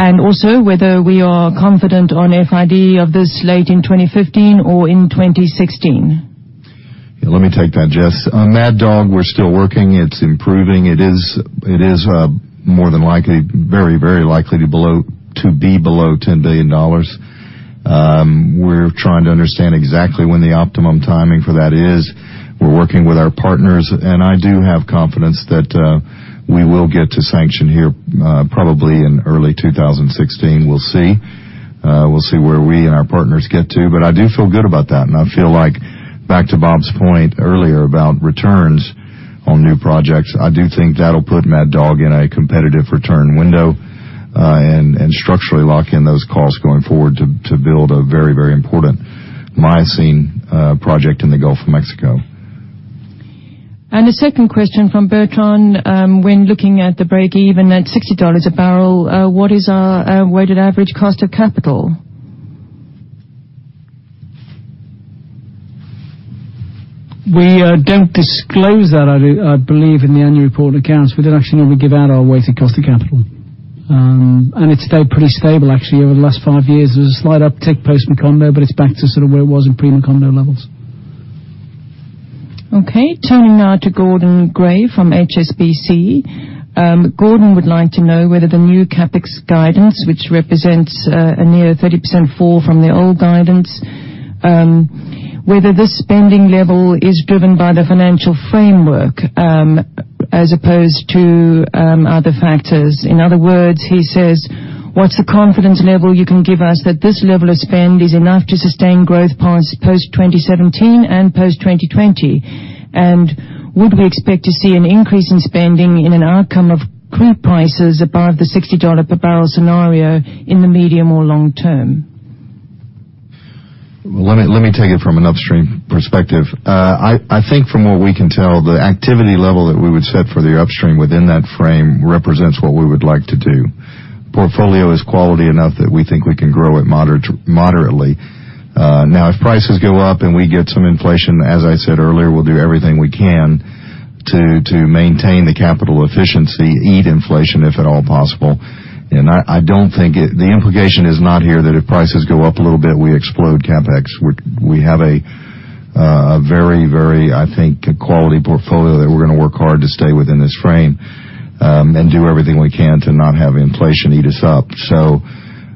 Also, whether we are confident on FID of this late in 2015 or in 2016. Let me take that, Jess. On Mad Dog, we're still working. It's improving. It is more than likely, very likely to be below $10 billion. We're trying to understand exactly when the optimum timing for that is. We're working with our partners, I do have confidence that we will get to sanction here probably in early 2016. We'll see where we and our partners get to. I do feel good about that. I feel like, back to Bob's point earlier about returns on new projects, I do think that'll put Mad Dog in a competitive return window, and structurally lock in those costs going forward to build a very important Miocene project in the Gulf of Mexico. A second question from Bertrand. When looking at the break even at $60 a barrel, what is our weighted average cost of capital? We don't disclose that, I believe, in the annual report accounts. We don't actually normally give out our weighted cost of capital. It stayed pretty stable, actually, over the last five years. There was a slight uptake post Macondo, but it's back to sort of where it was in pre-Macondo levels. Okay. Turning now to Gordon Gray from HSBC. Gordon would like to know whether the new CapEx guidance, which represents a near 30% fall from the old guidance, whether this spending level is driven by the financial framework, as opposed to other factors. In other words, he says, what's the confidence level you can give us that this level of spend is enough to sustain growth past post-2017 and post-2020? Would we expect to see an increase in spending in an outcome of crude prices above the $60 per barrel scenario in the medium or long term? Let me take it from an upstream perspective. I think from what we can tell, the activity level that we would set for the upstream within that frame represents what we would like to do. Portfolio is quality enough that we think we can grow it moderately. Now, if prices go up and we get some inflation, as I said earlier, we'll do everything we can to maintain the capital efficiency, eat inflation if at all possible. The implication is not here that if prices go up a little bit, we explode CapEx. We have a very, I think, quality portfolio that we're going to work hard to stay within this frame, and do everything we can to not have inflation eat us up.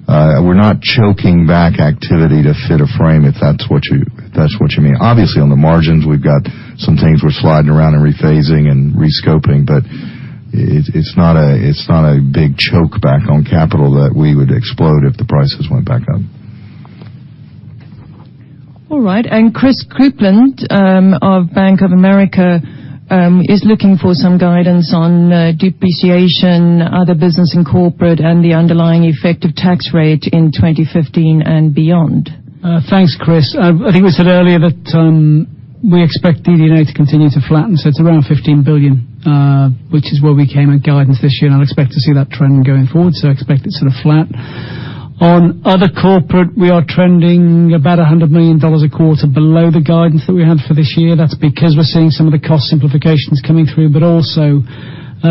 We're not choking back activity to fit a frame, if that's what you mean. Obviously, on the margins, we've got some things we're sliding around and rephasing and rescoping, but it's not a big choke back on capital that we would explode if the prices went back up. All right. Christopher Kuplent of Bank of America is looking for some guidance on depreciation, other business in corporate, and the underlying effective tax rate in 2015 and beyond. Thanks, Chris. I think we said earlier that we expect DD&A to continue to flatten. It's around $15 billion, which is where we came at guidance this year, and I'll expect to see that trending going forward. Expect it sort of flat. On other corporate, we are trending about $100 million a quarter below the guidance that we had for this year. That's because we're seeing some of the cost simplifications coming through, but also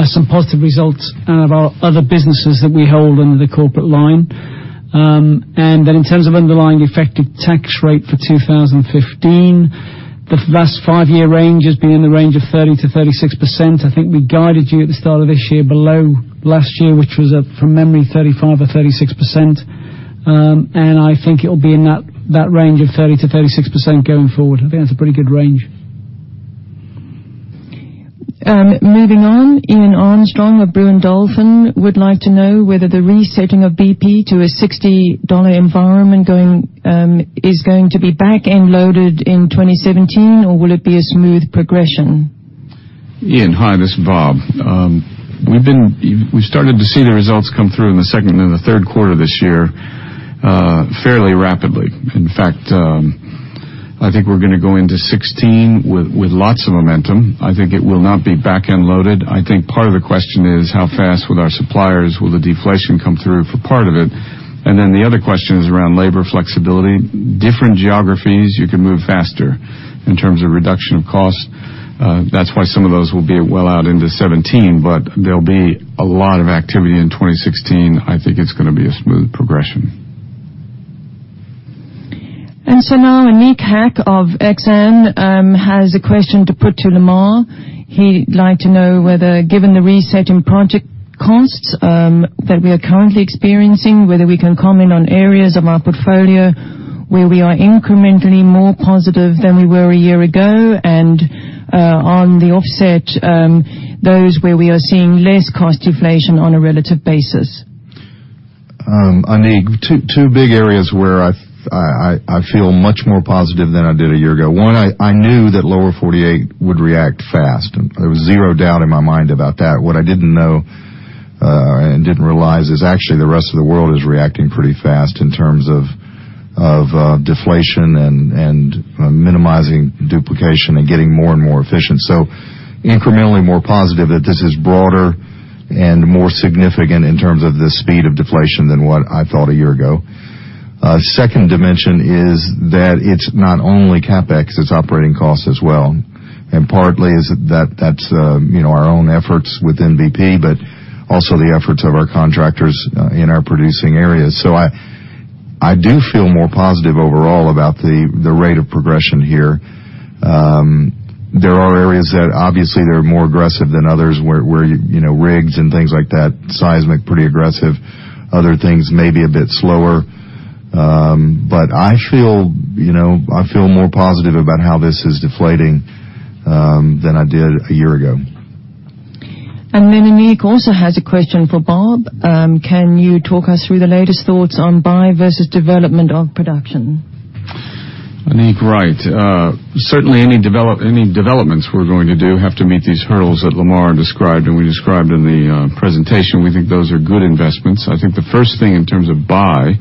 some positive results out of our other businesses that we hold under the corporate line. In terms of underlying effective tax rate for 2015, the last five-year range has been in the range of 30%-36%. I think we guided you at the start of this year below last year, which was up, from memory, 35% or 36%, and I think it'll be in that range of 30%-36% going forward. I think that's a pretty good range. Moving on, Iain Armstrong of Brewin Dolphin would like to know whether the resetting of BP to a $60 environment is going to be back-end loaded in 2017, or will it be a smooth progression? Iain, hi, this is Bob. We started to see the results come through in the second and the third quarter this year fairly rapidly. In fact, I think we're going to go into 2016 with lots of momentum. I think it will not be back-end loaded. I think part of the question is how fast with our suppliers will the deflation come through for part of it. Then the other question is around labor flexibility. Different geographies, you can move faster in terms of reduction of cost. That's why some of those will be well out into 2017, but there'll be a lot of activity in 2016. I think it's going to be a smooth progression. Now Anish Kapadia of Exane has a question to put to Lamar. He'd like to know whether, given the resetting project costs that we are currently experiencing, whether we can comment on areas of our portfolio where we are incrementally more positive than we were a year ago and, on the offset, those where we are seeing less cost deflation on a relative basis. Anish, two big areas where I feel much more positive than I did a year ago. One, I knew that Lower 48 would react fast, and there was zero doubt in my mind about that. What I didn't know, and didn't realize, is actually the rest of the world is reacting pretty fast in terms of deflation and minimizing duplication and getting more and more efficient. Incrementally more positive that this is broader and more significant in terms of the speed of deflation than what I thought a year ago. Second dimension is that it's not only CapEx, it's operating costs as well. Partly that's our own efforts within BP, but also the efforts of our contractors in our producing areas. I do feel more positive overall about the rate of progression here. There are areas that obviously they're more aggressive than others, where rigs and things like that, seismic, pretty aggressive. Other things may be a bit slower. I feel more positive about how this is deflating than I did a year ago. Anish also has a question for Bob. Can you talk us through the latest thoughts on buy versus development of production? Anish, right. Certainly, any developments we're going to do have to meet these hurdles that Lamar described, and we described in the presentation. We think those are good investments. I think the first thing in terms of buy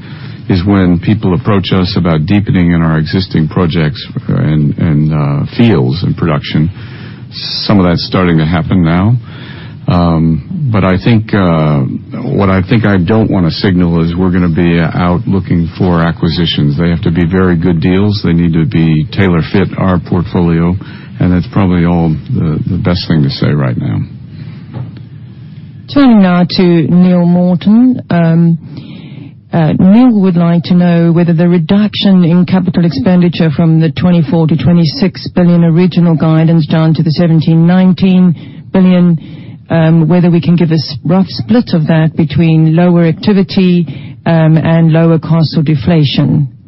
is when people approach us about deepening in our existing projects and fields in production. Some of that's starting to happen now. What I think I don't want to signal is we're going to be out looking for acquisitions. They have to be very good deals. They need to tailor fit our portfolio, and that's probably all the best thing to say right now. Turning now to Neill Morton. Neill would like to know whether the reduction in capital expenditure from the $24 billion-$26 billion original guidance down to the $17 billion-$19 billion, whether we can give a rough split of that between lower activity and lower cost or deflation.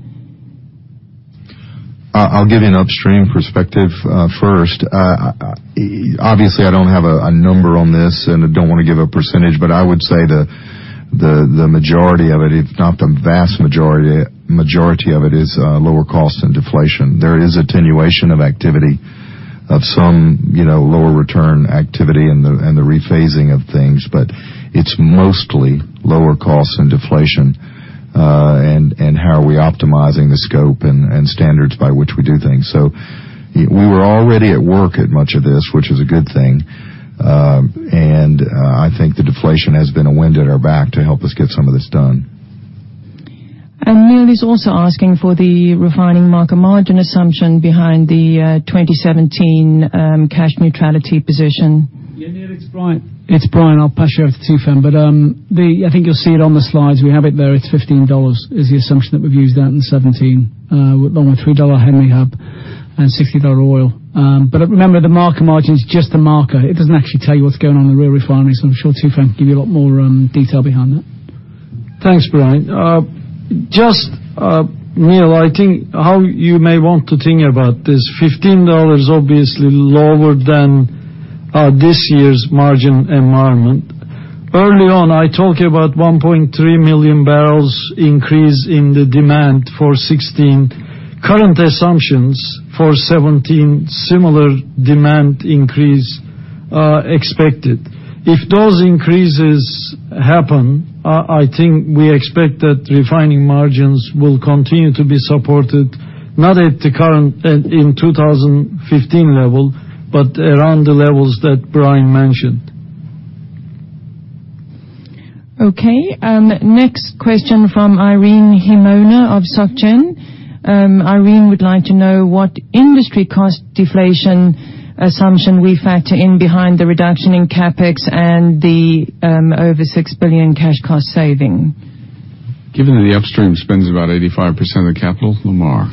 I'll give you an upstream perspective first. Obviously, I don't have a number on this, and I don't want to give a percentage, but I would say the majority of it, if not the vast majority of it, is lower cost and deflation. There is attenuation of activity of some lower return activity and the rephasing of things, but it's mostly lower costs and deflation, and how are we optimizing the scope and standards by which we do things. We were already at work at much of this, which is a good thing. I think the deflation has been a wind at our back to help us get some of this done. Neill is also asking for the refining market margin assumption behind the 2017 cash neutrality position. Yeah, Neill, it's Brian. It's Brian. I'll pass you over to Tufan. I think you'll see it on the slides. We have it there. It's $15 is the assumption that we've used that in 2017, along with $3 Henry Hub and $60 oil. Remember, the market margin's just a marker. It doesn't actually tell you what's going on in the real refineries, so I'm sure Tufan can give you a lot more detail behind that. Thanks, Brian. Just, Neill, I think how you may want to think about this, $15 obviously lower than this year's margin environment. Early on, I talk about 1.3 million barrels increase in the demand for 2016. Current assumptions for 2017, similar demand increase expected. If those increases happen, I think we expect that refining margins will continue to be supported, not at the current in 2015 level, but around the levels that Brian mentioned. Okay. Next question from Irene Himona of Société Générale. Irene would like to know what industry cost deflation assumption we factor in behind the reduction in CapEx and the over $6 billion cash cost saving. Given that the upstream spends about 85% of the capital, Lamar.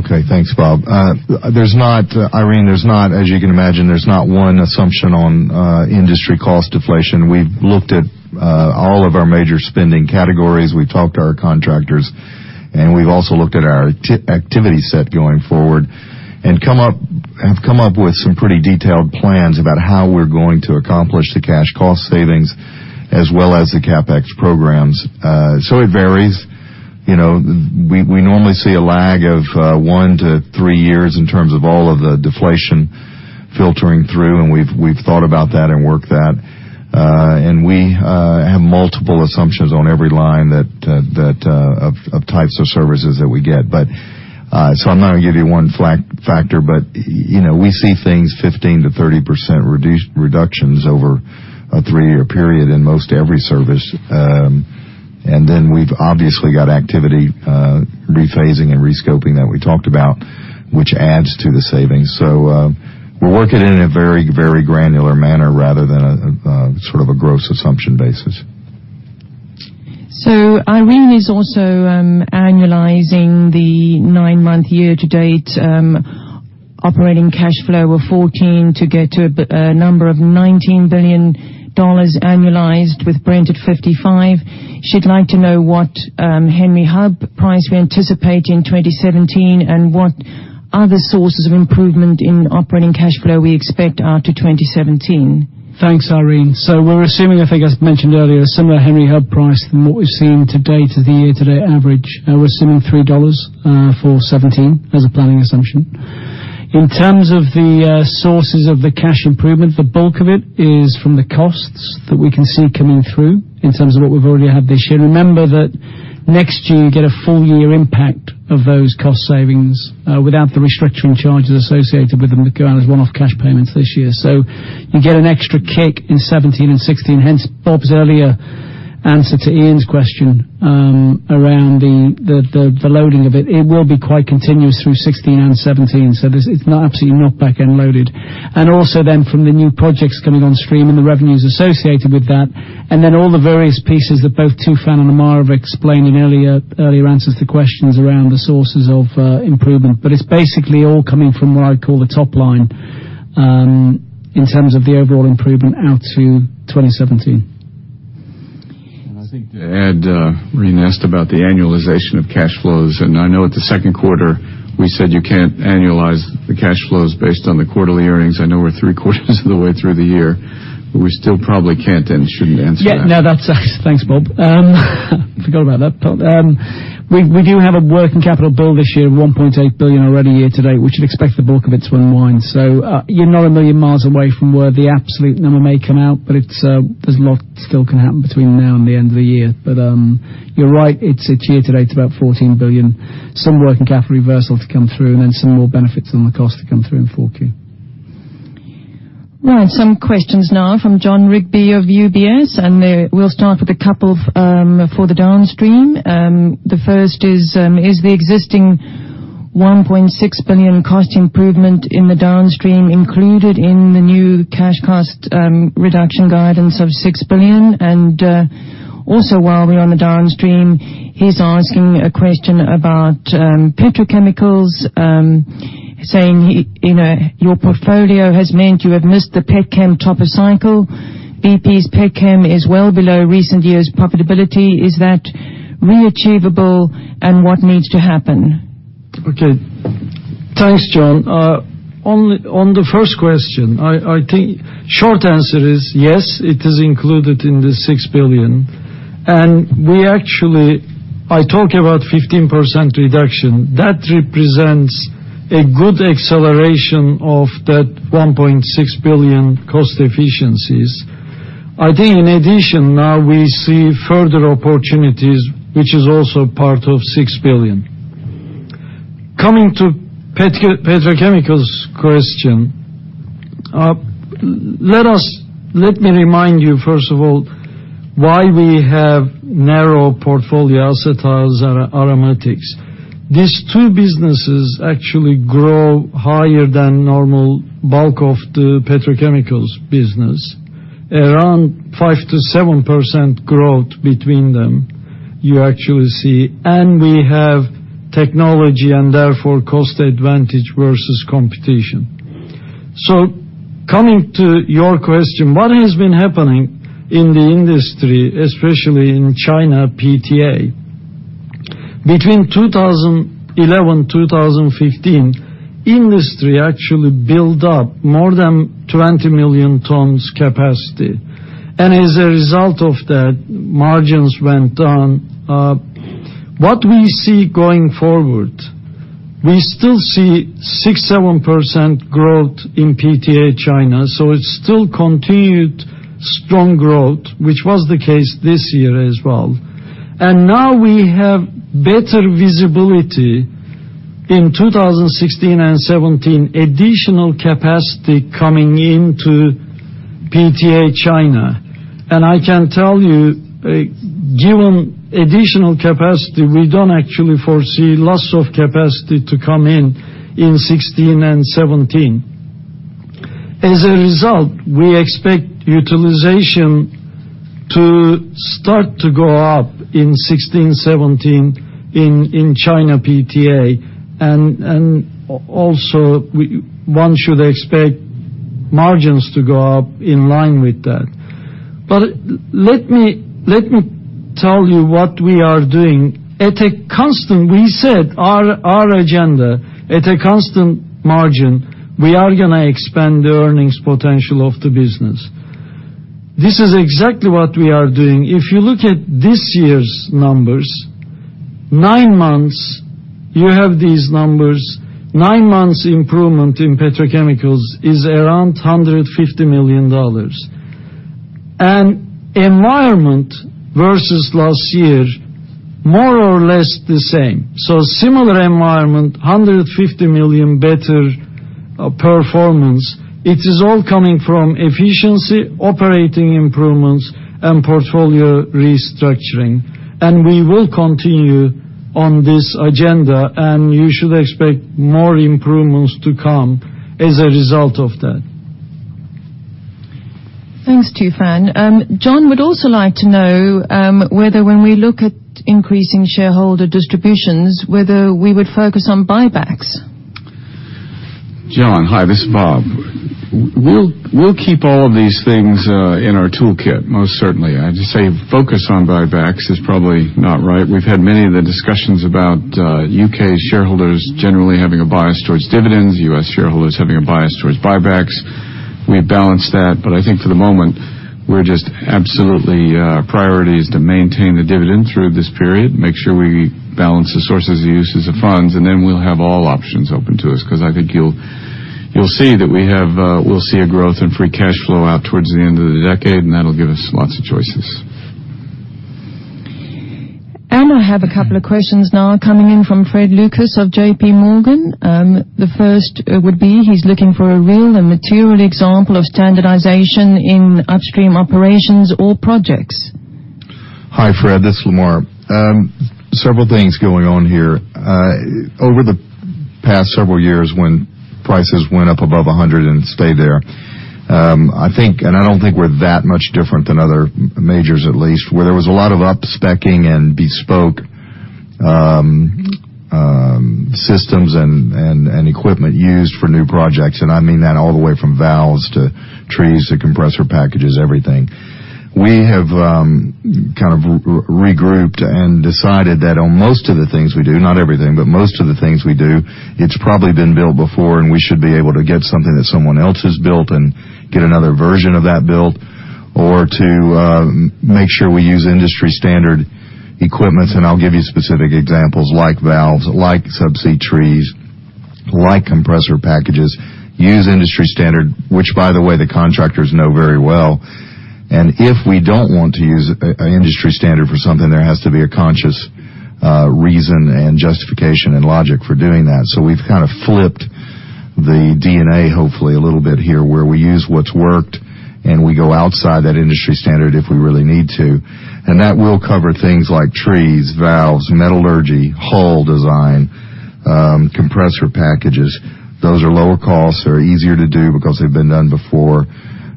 Okay. Thanks, Bob. Irene, as you can imagine, there's not one assumption on industry cost deflation. We've looked at all of our major spending categories, we've talked to our contractors, and we've also looked at our activity set going forward and have come up with some pretty detailed plans about how we're going to accomplish the cash cost savings as well as the CapEx programs. It varies. We normally see a lag of one to three years in terms of all of the deflation filtering through, and we've thought about that and worked that. We have multiple assumptions on every line of types of services that we get. I'm not going to give you one factor, but we see things 15%-30% reductions over a three-year period in most every service. Then we've obviously got activity rephasing and rescoping that we talked about, which adds to the savings. We're working in a very granular manner rather than a sort of a gross assumption basis. Irene is also annualizing the nine-month year-to-date operating cash flow of 14 to get to a number of $19 billion annualized with Brent at $55. She'd like to know what Henry Hub price we anticipate in 2017 and what other sources of improvement in operating cash flow we expect out to 2017. Thanks, Rene. We're assuming, I think as mentioned earlier, a similar Henry Hub price than what we've seen to date of the year-to-date average. We're assuming $3 for 2017 as a planning assumption. In terms of the sources of the cash improvement, the bulk of it is from the costs that we can see coming through in terms of what we've already had this year. Remember that next year, you get a full year impact of those cost savings without the restructuring charges associated with them that go out as one-off cash payments this year. You get an extra kick in 2017 and 2016, hence Bob's earlier answer to Iain's question around the loading of it. It will be quite continuous through 2016 and 2017. It's absolutely not back-end loaded. Also then from the new projects coming on stream and the revenues associated with that, then all the various pieces that both Tufan and Lamar have explained in earlier answers to questions around the sources of improvement. It's basically all coming from what I call the top line, in terms of the overall improvement out to 2017. I think to add, Irene asked about the annualization of cash flows, and I know at the second quarter we said you can't annualize the cash flows based on the quarterly earnings. I know we're three quarters of the way through the year, we still probably can't and shouldn't answer that. Yeah. No. Thanks, Bob. Forgot about that part. We do have a working capital bill this year of $1.8 billion already year to date. We should expect the bulk of it to unwind. You're not a million miles away from where the absolute number may come out, there's a lot still can happen between now and the end of the year. You're right. It's year to date about $14 billion. Some working capital reversal to come through and then some more benefits on the cost to come through in 4Q. Right. Some questions now from Jon Rigby of UBS. We'll start with a couple for the downstream. The first is the existing $1.6 billion cost improvement in the downstream included in the new cash cost reduction guidance of $6 billion? Also while we're on the downstream, he's asking a question about petrochemicals, saying your portfolio has meant you have missed the petchem top of cycle. BP's petchem is well below recent years' profitability. Is that re-achievable, and what needs to happen? Okay. Thanks, Jon. On the first question, short answer is yes, it is included in the $6 billion. We actually, I talk about 15% reduction. That represents a good acceleration of that $1.6 billion cost efficiencies. In addition, we see further opportunities, which is also part of $6 billion. Coming to petrochemicals question, let me remind you first of all, why we have narrow portfolio acetals and aromatics. These two businesses actually grow higher than normal bulk of the petrochemicals business. Around 5%-7% growth between them you actually see. We have technology and therefore cost advantage versus competition. Coming to your question, what has been happening in the industry, especially in China PTA? Between 2011, 2015, industry actually built up more than 20 million tons capacity, and as a result of that, margins went down. What we see going forward, we still see 6%-7% growth in PTA China. It's still continued strong growth, which was the case this year as well. Now we have better visibility in 2016 and 2017, additional capacity coming into PTA China. I can tell you, given additional capacity, we don't actually foresee lots of capacity to come in in 2016 and 2017. As a result, we expect utilization to start to go up in 2016, 2017 in China PTA, and also one should expect margins to go up in line with that. Let me tell you what we are doing. We said our agenda at a constant margin, we are going to expand the earnings potential of the business. This is exactly what we are doing. If you look at this year's numbers, nine months, you have these numbers. Nine months improvement in petrochemicals is around $150 million. Environment versus last year, more or less the same. Similar environment, $150 million better performance. It is all coming from efficiency, operating improvements, and portfolio restructuring. We will continue on this agenda, and you should expect more improvements to come as a result of that. Thanks, Tufan. Jon would also like to know whether when we look at increasing shareholder distributions, whether we would focus on buybacks. Jon, hi. This is Bob. We'll keep all of these things in our toolkit, most certainly. I'd just say focus on buybacks is probably not right. We've had many of the discussions about U.K. shareholders generally having a bias towards dividends, U.S. shareholders having a bias towards buybacks. We balance that. I think for the moment, we're just absolutely priority is to maintain the dividend through this period, make sure we balance the sources and uses of funds, then we'll have all options open to us, because I think you'll see that we'll see a growth in free cash flow out towards the end of the decade, and that'll give us lots of choices. I have a couple of questions now coming in from Fred Lucas of J.P. Morgan. The first would be, he's looking for a real and material example of standardization in upstream operations or projects. Hi, Fred. This is Lamar. Several things going on here. Over the past several years when prices went up above 100 and stayed there, I think, I don't think we're that much different than other majors at least, where there was a lot of up-speccing and bespoke systems and equipment used for new projects, I mean that all the way from valves to trees to compressor packages, everything. We have kind of regrouped and decided that on most of the things we do, not everything, but most of the things we do, it's probably been built before, we should be able to get something that someone else has built and get another version of that built or to make sure we use industry-standard equipments, I'll give you specific examples like valves, like subsea trees, like compressor packages. Use industry standard, which by the way, the contractors know very well. If we don't want to use an industry standard for something, there has to be a conscious reason and justification and logic for doing that. We've kind of flipped the DNA, hopefully, a little bit here, where we use what's worked, and we go outside that industry standard if we really need to. That will cover things like trees, valves, metallurgy, hull design, compressor packages. Those are lower costs. They're easier to do because they've been done before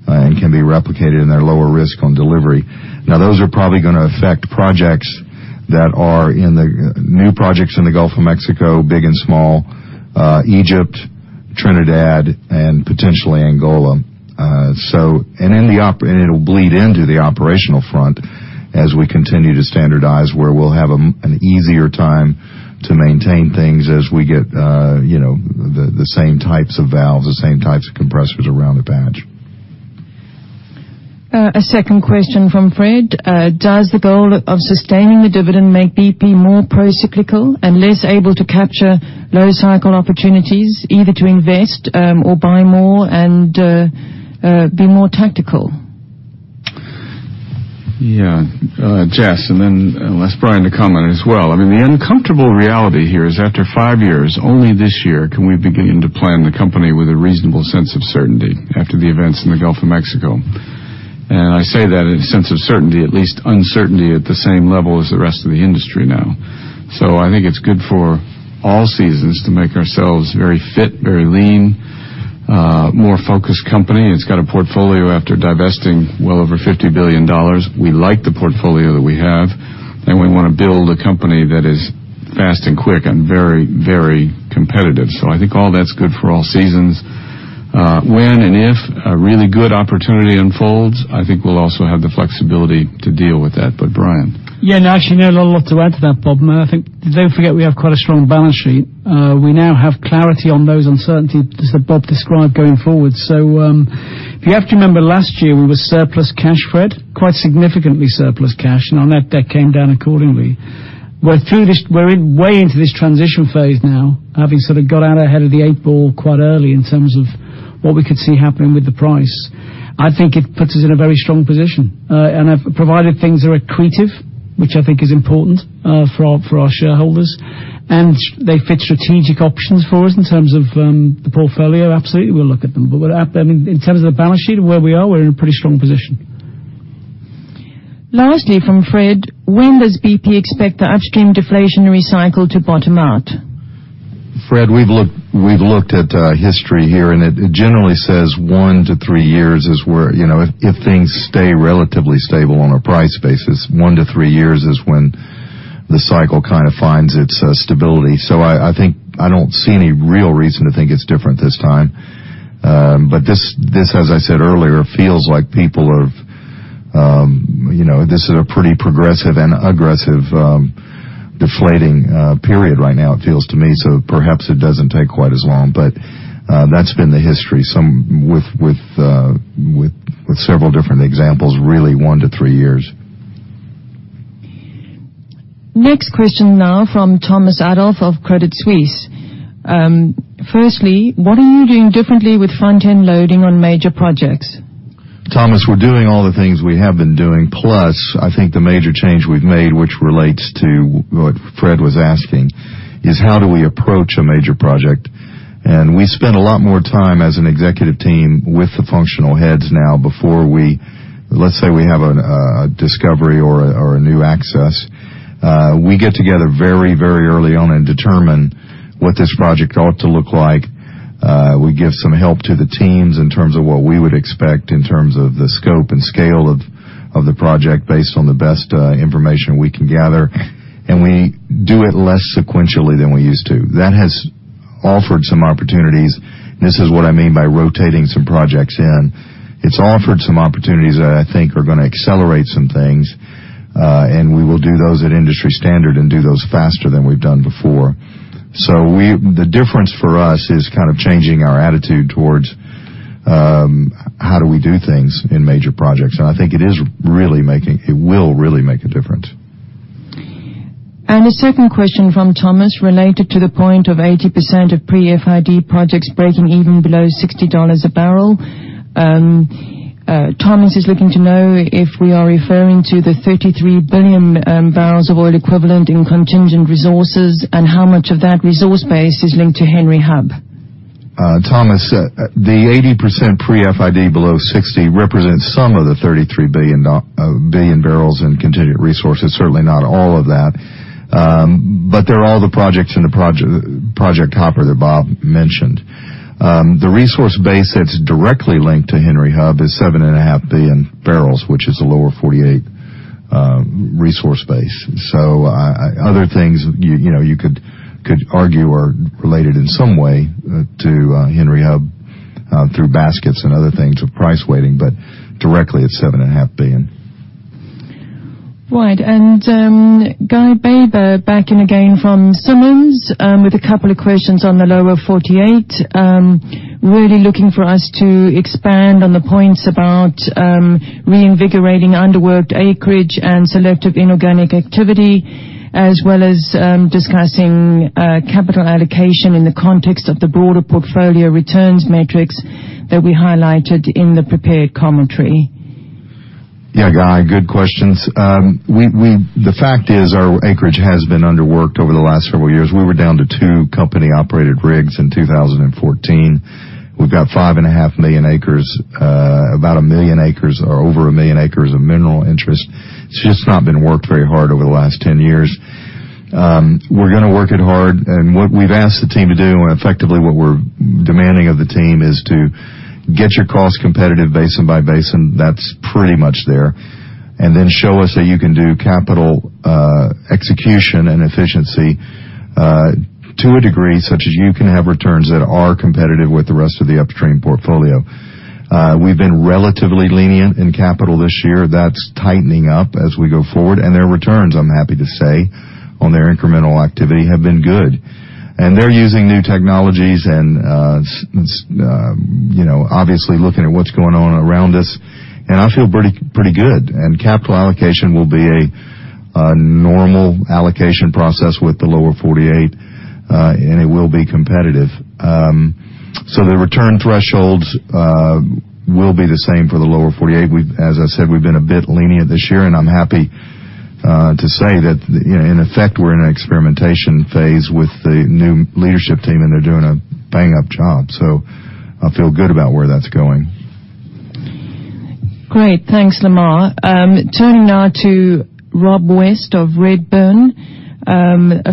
and can be replicated, and they're lower risk on delivery. Those are probably going to affect projects that are in the new projects in the Gulf of Mexico, big and small, Egypt, Trinidad, and potentially Angola. It'll bleed into the operational front as we continue to standardize where we'll have an easier time to maintain things as we get the same types of valves, the same types of compressors around the patch. A second question from Fred. Does the goal of sustaining the dividend make BP more pro-cyclical and less able to capture low cycle opportunities, either to invest or buy more and be more tactical? Yeah. Jess, then I'll ask Brian to comment as well. I mean, the uncomfortable reality here is after five years, only this year can we begin to plan the company with a reasonable sense of certainty after the events in the Gulf of Mexico. I say that in a sense of certainty, at least uncertainty at the same level as the rest of the industry now. I think it's good for all seasons to make ourselves very fit, very lean, a more focused company. It's got a portfolio after divesting well over $50 billion. We like the portfolio that we have, we want to build a company that is fast and quick and very competitive. I think all that's good for all seasons. When and if a really good opportunity unfolds, I think we'll also have the flexibility to deal with that. Brian. Yeah, no, actually not a lot to add to that, Bob. I think, don't forget, we have quite a strong balance sheet. We now have clarity on those uncertainties that Bob described going forward. If you have to remember last year, we were surplus cash, Fred, quite significantly surplus cash, and our net debt came down accordingly. We're way into this transition phase now, having sort of got out ahead of the eight ball quite early in terms of what we could see happening with the price. I think it puts us in a very strong position. Provided things are accretive, which I think is important for our shareholders, and they fit strategic options for us in terms of the portfolio, absolutely, we'll look at them. In terms of the balance sheet and where we are, we're in a pretty strong position. Lastly, from Fred, when does BP expect the upstream deflationary cycle to bottom out? Fred, we've looked at history here, and it generally says one to three years. If things stay relatively stable on a price basis, one to three years is when the cycle kind of finds its stability. I don't see any real reason to think it's different this time. This, as I said earlier, feels like this is a pretty progressive and aggressive deflating period right now it feels to me, so perhaps it doesn't take quite as long. That's been the history with several different examples, really one to three years. Next question now from Thomas Adolph of Credit Suisse. Firstly, what are you doing differently with front-end loading on major projects? Thomas, we are doing all the things we have been doing, plus I think the major change we have made, which relates to what Fred was asking, is how do we approach a major project. We spend a lot more time as an executive team with the functional heads now. Let's say we have a discovery or a new access, we get together very early on and determine what this project ought to look like. We give some help to the teams in terms of what we would expect in terms of the scope and scale of the project based on the best information we can gather, we do it less sequentially than we used to. This has offered some opportunities, this is what I mean by rotating some projects in. It has offered some opportunities that I think are going to accelerate some things, we will do those at industry standard and do those faster than we have done before. The difference for us is kind of changing our attitude towards how do we do things in major projects, I think it will really make a difference. A second question from Thomas related to the point of 80% of pre-FID projects breaking even below $60 a barrel. Thomas is looking to know if we are referring to the 33 billion barrels of oil equivalent in contingent resources, how much of that resource base is linked to Henry Hub. Thomas, the 80% pre-FID below $60 represents some of the 33 billion barrels in contingent resources, certainly not all of that. They are all the projects in the project hopper that Bob mentioned. The resource base that is directly linked to Henry Hub is 7.5 billion barrels, which is the Lower 48 resource base. Other things you could argue are related in some way to Henry Hub through baskets and other things with price weighting, but directly it is 7.5 billion. Right. Guy Baber back in again from Simmons with a couple of questions on the Lower 48. Really looking for us to expand on the points about reinvigorating underworked acreage and selective inorganic activity, as well as discussing capital allocation in the context of the broader portfolio returns matrix that we highlighted in the prepared commentary. Yeah, Guy, good questions. The fact is, our acreage has been underworked over the last several years. We were down to two company-operated rigs in 2014. We've got five and a half million acres, about a million acres, or over a million acres of mineral interest. It's just not been worked very hard over the last 10 years. We're going to work it hard, what we've asked the team to do, and effectively what we're demanding of the team, is to get your costs competitive basin by basin. That's pretty much there. Then show us that you can do capital execution and efficiency to a degree such as you can have returns that are competitive with the rest of the upstream portfolio. We've been relatively lenient in capital this year. That's tightening up as we go forward. Their returns, I'm happy to say, on their incremental activity have been good. They're using new technologies and obviously looking at what's going on around us, and I feel pretty good. Capital allocation will be a normal allocation process with the Lower 48, and it will be competitive. The return thresholds will be the same for the Lower 48. As I said, we've been a bit lenient this year, and I'm happy to say that in effect, we're in an experimentation phase with the new leadership team, and they're doing a bang-up job. I feel good about where that's going. Great. Thanks, Lamar. Turning now to Rob West of Redburn.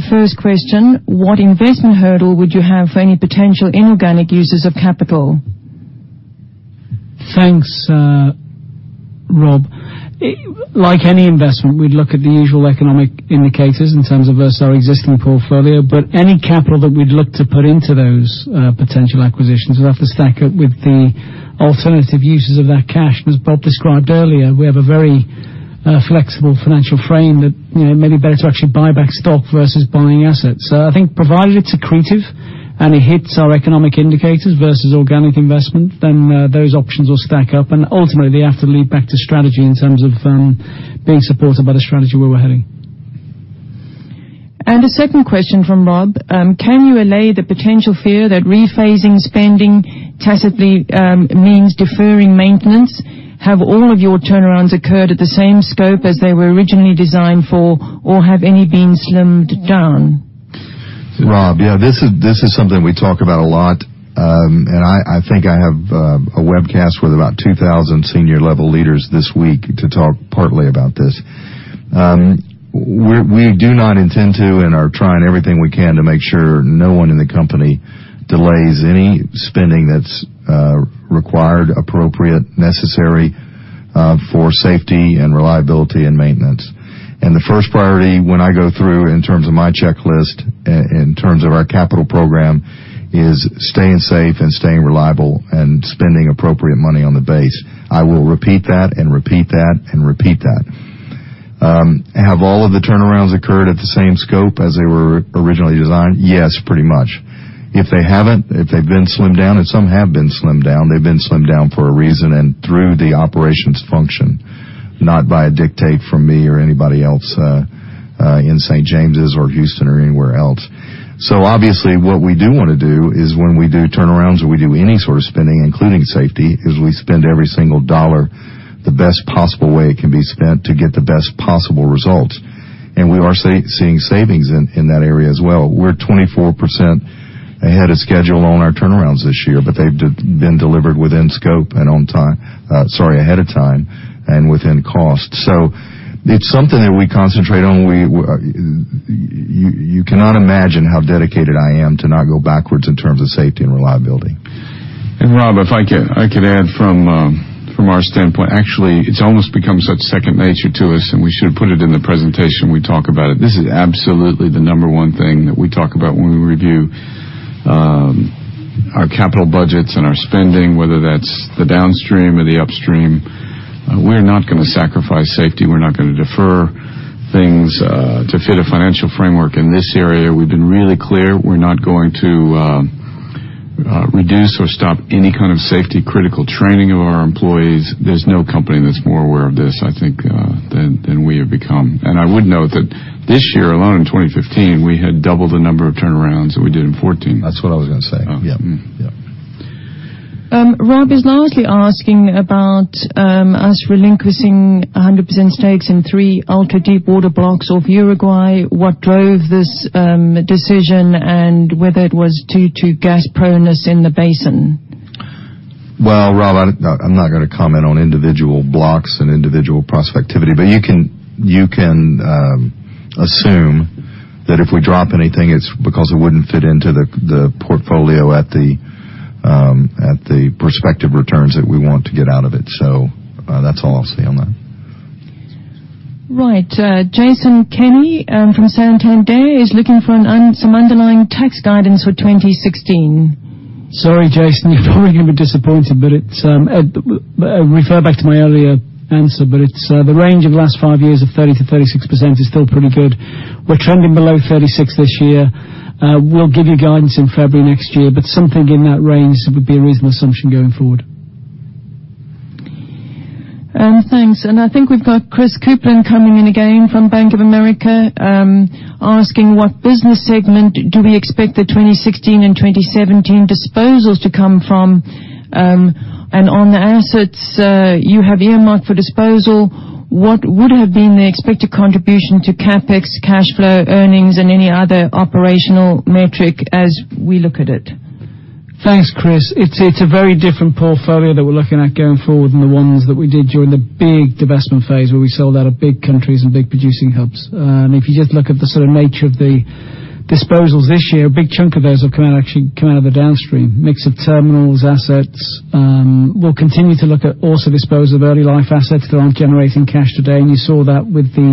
First question, what investment hurdle would you have for any potential inorganic uses of capital? Thanks, Rob. Like any investment, we'd look at the usual economic indicators in terms of our existing portfolio, but any capital that we'd look to put into those potential acquisitions would have to stack up with the alternative uses of that cash. As Bob described earlier, we have a very flexible financial frame that it may be better to actually buy back stock versus buying assets. I think provided it's accretive and it hits our economic indicators versus organic investment, then those options will stack up. Ultimately, they have to lead back to strategy in terms of being supported by the strategy where we're heading. The second question from Rob. Can you allay the potential fear that rephasing spending tacitly means deferring maintenance? Have all of your turnarounds occurred at the same scope as they were originally designed for, or have any been slimmed down? Rob, this is something we talk about a lot. I think I have a webcast with about 2,000 senior-level leaders this week to talk partly about this. We do not intend to and are trying everything we can to make sure no one in the company delays any spending that's required, appropriate, necessary for safety, reliability, and maintenance. The first priority when I go through, in terms of my checklist, in terms of our capital program, is staying safe and staying reliable and spending appropriate money on the base. I will repeat that. Have all of the turnarounds occurred at the same scope as they were originally designed? Yes, pretty much. If they haven't, if they've been slimmed down, and some have been slimmed down, they've been slimmed down for a reason and through the operations function, not by a dictate from me or anybody else in St. James's or Houston or anywhere else. Obviously, what we do want to do is when we do turnarounds or we do any sort of spending, including safety, is we spend every single dollar the best possible way it can be spent to get the best possible results. We are seeing savings in that area as well. We're 24% ahead of schedule on our turnarounds this year, but they've been delivered within scope and ahead of time and within cost. It's something that we concentrate on. You cannot imagine how dedicated I am to not go backwards in terms of safety and reliability. Rob, if I could add from our standpoint. Actually, it's almost become such second nature to us, and we should have put it in the presentation, we talk about it. This is absolutely the number 1 thing that we talk about when we review our capital budgets and our spending, whether that's the downstream or the upstream. We're not going to sacrifice safety. We're not going to defer things to fit a financial framework in this area. We've been really clear. We're not going to reduce or stop any kind of safety-critical training of our employees. There's no company that's more aware of this, I think, than we have become. I would note that this year alone, in 2015, we had double the number of turnarounds that we did in 2014. That's what I was going to say. Oh. Yep. Rob is largely asking about us relinquishing 100% stakes in three ultra-deep water blocks off Uruguay. What drove this decision, and whether it was due to gas proneness in the basin? Well, Rob, I'm not going to comment on individual blocks and individual prospectivity, but you can assume that if we drop anything, it's because it wouldn't fit into the portfolio at the prospective returns that we want to get out of it. That's all I'll say on that. Right. Jason Kenney from Santander is looking for some underlying tax guidance for 2016. Sorry, Jason. You're probably going to be disappointed, but refer back to my earlier answer, but the range of the last five years of 30%-36% is still pretty good. We're trending below 36% this year. We'll give you guidance in February next year, but something in that range would be a reasonable assumption going forward. Thanks. I think we've got Chris Kuplent coming in again from Bank of America, asking what business segment do we expect the 2016 and 2017 disposals to come from? On the assets you have earmarked for disposal, what would have been the expected contribution to CapEx, cash flow, earnings, and any other operational metric as we look at it? Thanks, Chris. It's a very different portfolio that we're looking at going forward than the ones that we did during the big divestment phase, where we sold out of big countries and big producing hubs. If you just look at the sort of nature of the disposals this year, a big chunk of those have actually come out of the Downstream. Mix of terminals, assets. We'll continue to look at also dispose of early life assets that aren't generating cash today, and you saw that with the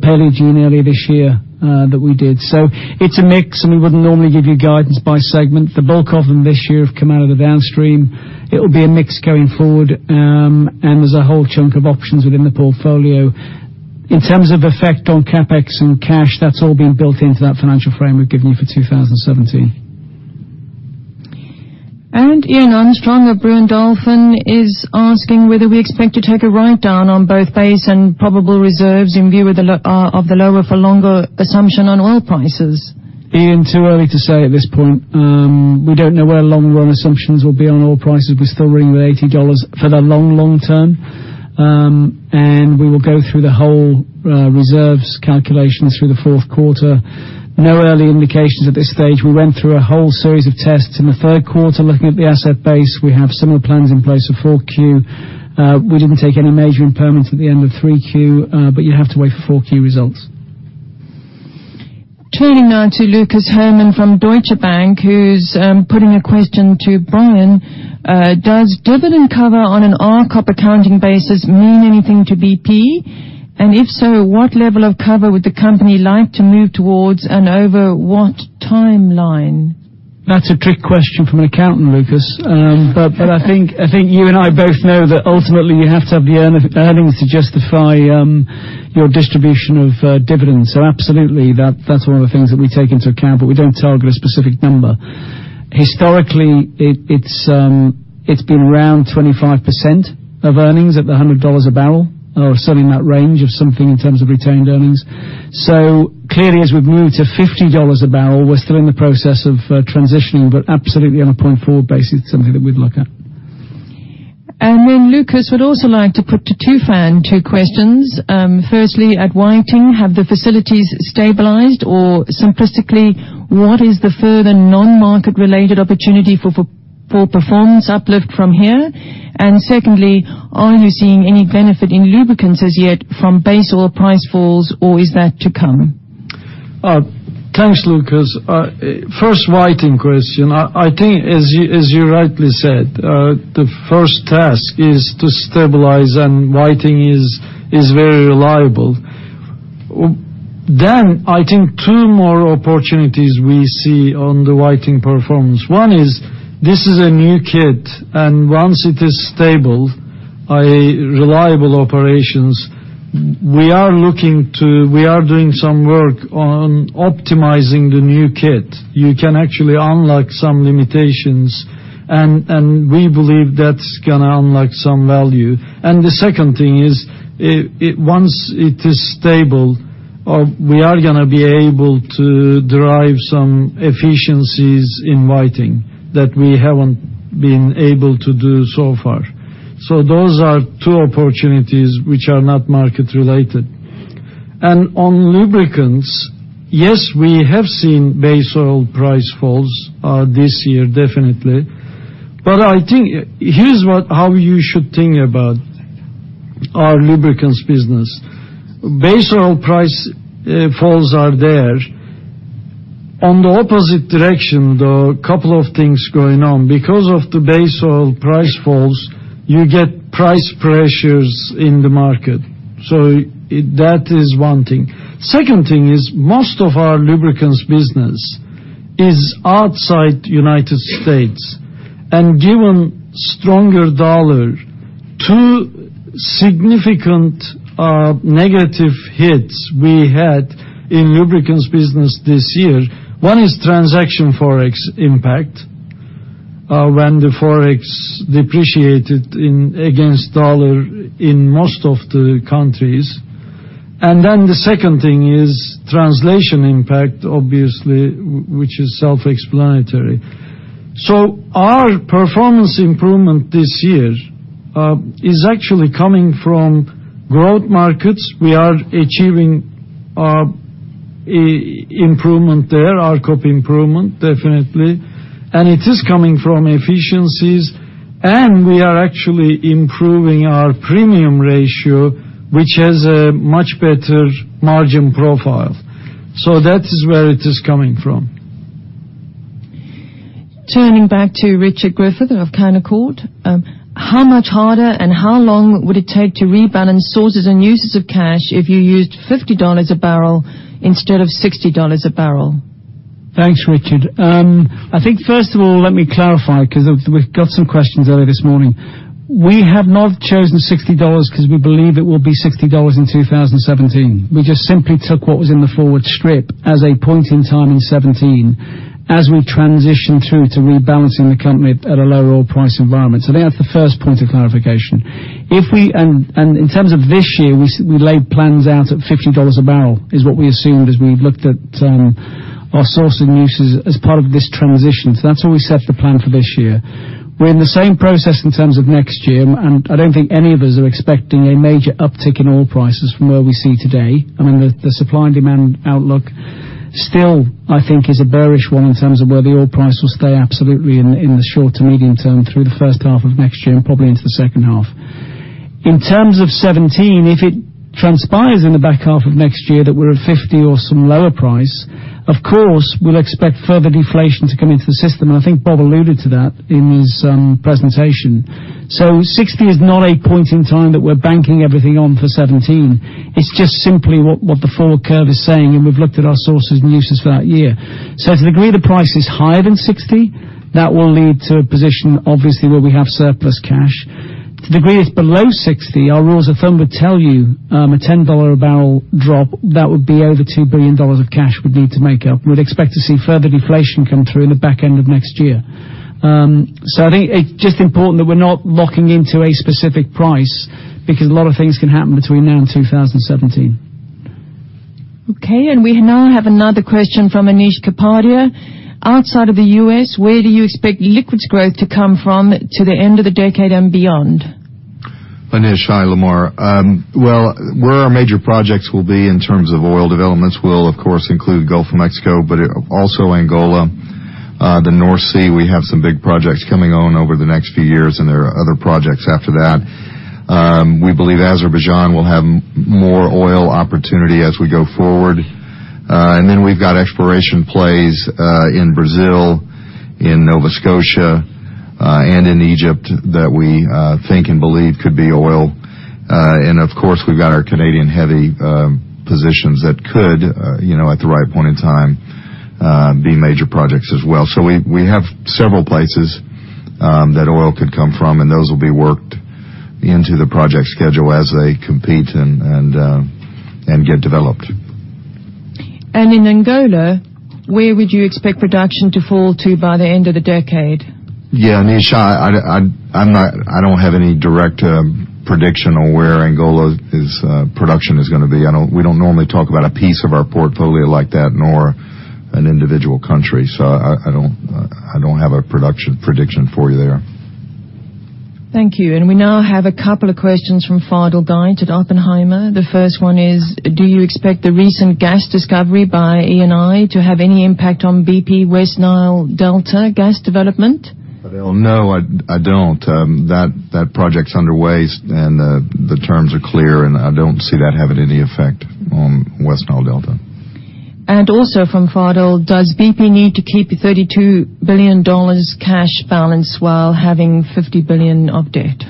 Paleogene earlier this year that we did. It's a mix, and we wouldn't normally give you guidance by segment. The bulk of them this year have come out of the Downstream. It will be a mix going forward. There's a whole chunk of options within the portfolio. In terms of effect on CapEx and cash, that's all been built into that financial frame we've given you for 2017. Iain Armstrong of Brewin Dolphin is asking whether we expect to take a write-down on both base and probable reserves in view of the lower for longer assumption on oil prices. Iain, too early to say at this point. We don't know where long run assumptions will be on oil prices. We still ring with $80 for the long, long term. We will go through the whole reserves calculation through the fourth quarter. No early indications at this stage. We went through a whole series of tests in the third quarter looking at the asset base. We have similar plans in place for 4Q. We didn't take any major impairments at the end of Q3, but you have to wait for Q4 results. Turning now to Lucas Herrmann from Deutsche Bank, who's putting a question to Brian. Does dividend cover on an RCOP accounting basis mean anything to BP? If so, what level of cover would the company like to move towards and over what timeline? That's a trick question from an accountant, Lucas. I think you and I both know that ultimately you have to have the earnings to justify your distribution of dividends. Absolutely, that's one of the things that we take into account, but we don't target a specific number. Historically, it's been around 25% of earnings at the $100 a barrel, or certainly in that range of something in terms of retained earnings. Clearly, as we've moved to $50 a barrel, we're still in the process of transitioning, but absolutely, on a point forward basis, something that we'd look at. Lucas would also like to put to Tufan 2 questions. Firstly, at Whiting, have the facilities stabilized or simplistically, what is the further non-market related opportunity for performance uplift from here? Secondly, are you seeing any benefit in lubricants as yet from base oil price falls, or is that to come? Thanks, Lucas. First Whiting question. I think as you rightly said, the first task is to stabilize, and Whiting is very reliable. I think 2 more opportunities we see on the Whiting performance. One is, this is a new kit, and once it is stable, i.e., reliable operations, we are doing some work on optimizing the new kit. You can actually unlock some limitations, and we believe that's going to unlock some value. The second thing is, once it is stable, we are going to be able to derive some efficiencies in Whiting that we haven't been able to do so far. Those are 2 opportunities which are not market related. On lubricants, yes, we have seen base oil price falls this year definitely. I think here's how you should think about our lubricants business. Base oil price falls are there. On the opposite direction, there are a couple of things going on. Because of the base oil price falls, you get price pressures in the market. That is one thing. Second thing is most of our lubricants business is outside U.S., and given stronger dollar, 2 significant negative hits we had in lubricants business this year. One is transaction Forex impact, when the Forex depreciated against dollar in most of the countries. The second thing is translation impact, obviously, which is self-explanatory. Our performance improvement this year is actually coming from growth markets. We are achieving improvement there, ROC improvement, definitely. It is coming from efficiencies, and we are actually improving our premium ratio, which has a much better margin profile. That is where it is coming from. Turning back to Richard Griffith of Canaccord. How much harder and how long would it take to rebalance sources and uses of cash if you used $50 a barrel instead of $60 a barrel? Thanks, Richard. I think first of all, let me clarify, because we've got some questions early this morning. We have not chosen $60 because we believe it will be $60 in 2017. We just simply took what was in the forward strip as a point in time in 2017, as we transition through to rebalancing the company at a lower oil price environment. That's the first point of clarification. In terms of this year, we laid plans out at $50 a barrel, is what we assumed as we looked at our source and uses as part of this transition. That's where we set the plan for this year. We're in the same process in terms of next year, and I don't think any of us are expecting a major uptick in oil prices from where we see today. I mean, the supply and demand outlook still, I think, is a bearish one in terms of where the oil price will stay absolutely in the short to medium term through the first half of next year and probably into the second half. In terms of 2017, if it transpires in the back half of next year that we're at $50 or some lower price, of course, we'll expect further deflation to come into the system, and I think Bob alluded to that in his presentation. $60 is not a point in time that we're banking everything on for 2017. It's just simply what the forward curve is saying, and we've looked at our sources and uses for that year. To the degree the price is higher than $60, that will lead to a position, obviously, where we have surplus cash. To the degree it's below $60, our rules of thumb would tell you a $10 a barrel drop, that would be over $2 billion of cash we'd need to make up. We'd expect to see further deflation come through in the back end of next year. I think it's just important that we're not locking into a specific price because a lot of things can happen between now and 2017. Okay, we now have another question from Anish Kapadia. Outside of the U.S., where do you expect liquids growth to come from to the end of the decade and beyond? Anish, hi, Lamar. Well, where our major projects will be in terms of oil developments will, of course, include Gulf of Mexico, but also Angola. The North Sea, we have some big projects coming on over the next few years, there are other projects after that. We believe Azerbaijan will have more oil opportunity as we go forward. Then we've got exploration plays in Brazil, in Nova Scotia, and in Egypt that we think and believe could be oil. Of course, we've got our Canadian heavy positions that could, at the right point in time, be major projects as well. We have several places that oil could come from, and those will be worked into the project schedule as they compete and get developed. In Angola, where would you expect production to fall to by the end of the decade? Yeah, Anish, I don't have any direct prediction on where Angola's production is going to be. We don't normally talk about a piece of our portfolio like that, nor an individual country. I don't have a production prediction for you there. Thank you. We now have a couple of questions from Fadel Gheit at Oppenheimer. The first one is, do you expect the recent gas discovery by Eni to have any impact on BP West Nile Delta gas development? Fadel, no, I don't. That project's underway and the terms are clear, and I don't see that having any effect on West Nile Delta. Also from Fadel, does BP need to keep a $32 billion cash balance while having $50 billion of debt?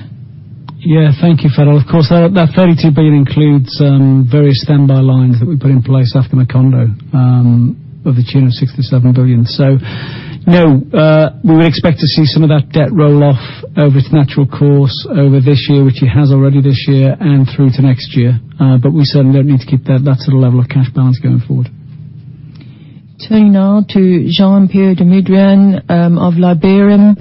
Yeah, thank you, Fadel. Of course, that $32 billion includes various standby lines that we put in place after Macondo of the tune of $67 billion. No, we would expect to see some of that debt roll off over its natural course over this year, which it has already this year, and through to next year. We certainly don't need to keep that sort of level of cash balance going forward. Turning now to Jean-Pierre Dmirdjian of Liberum,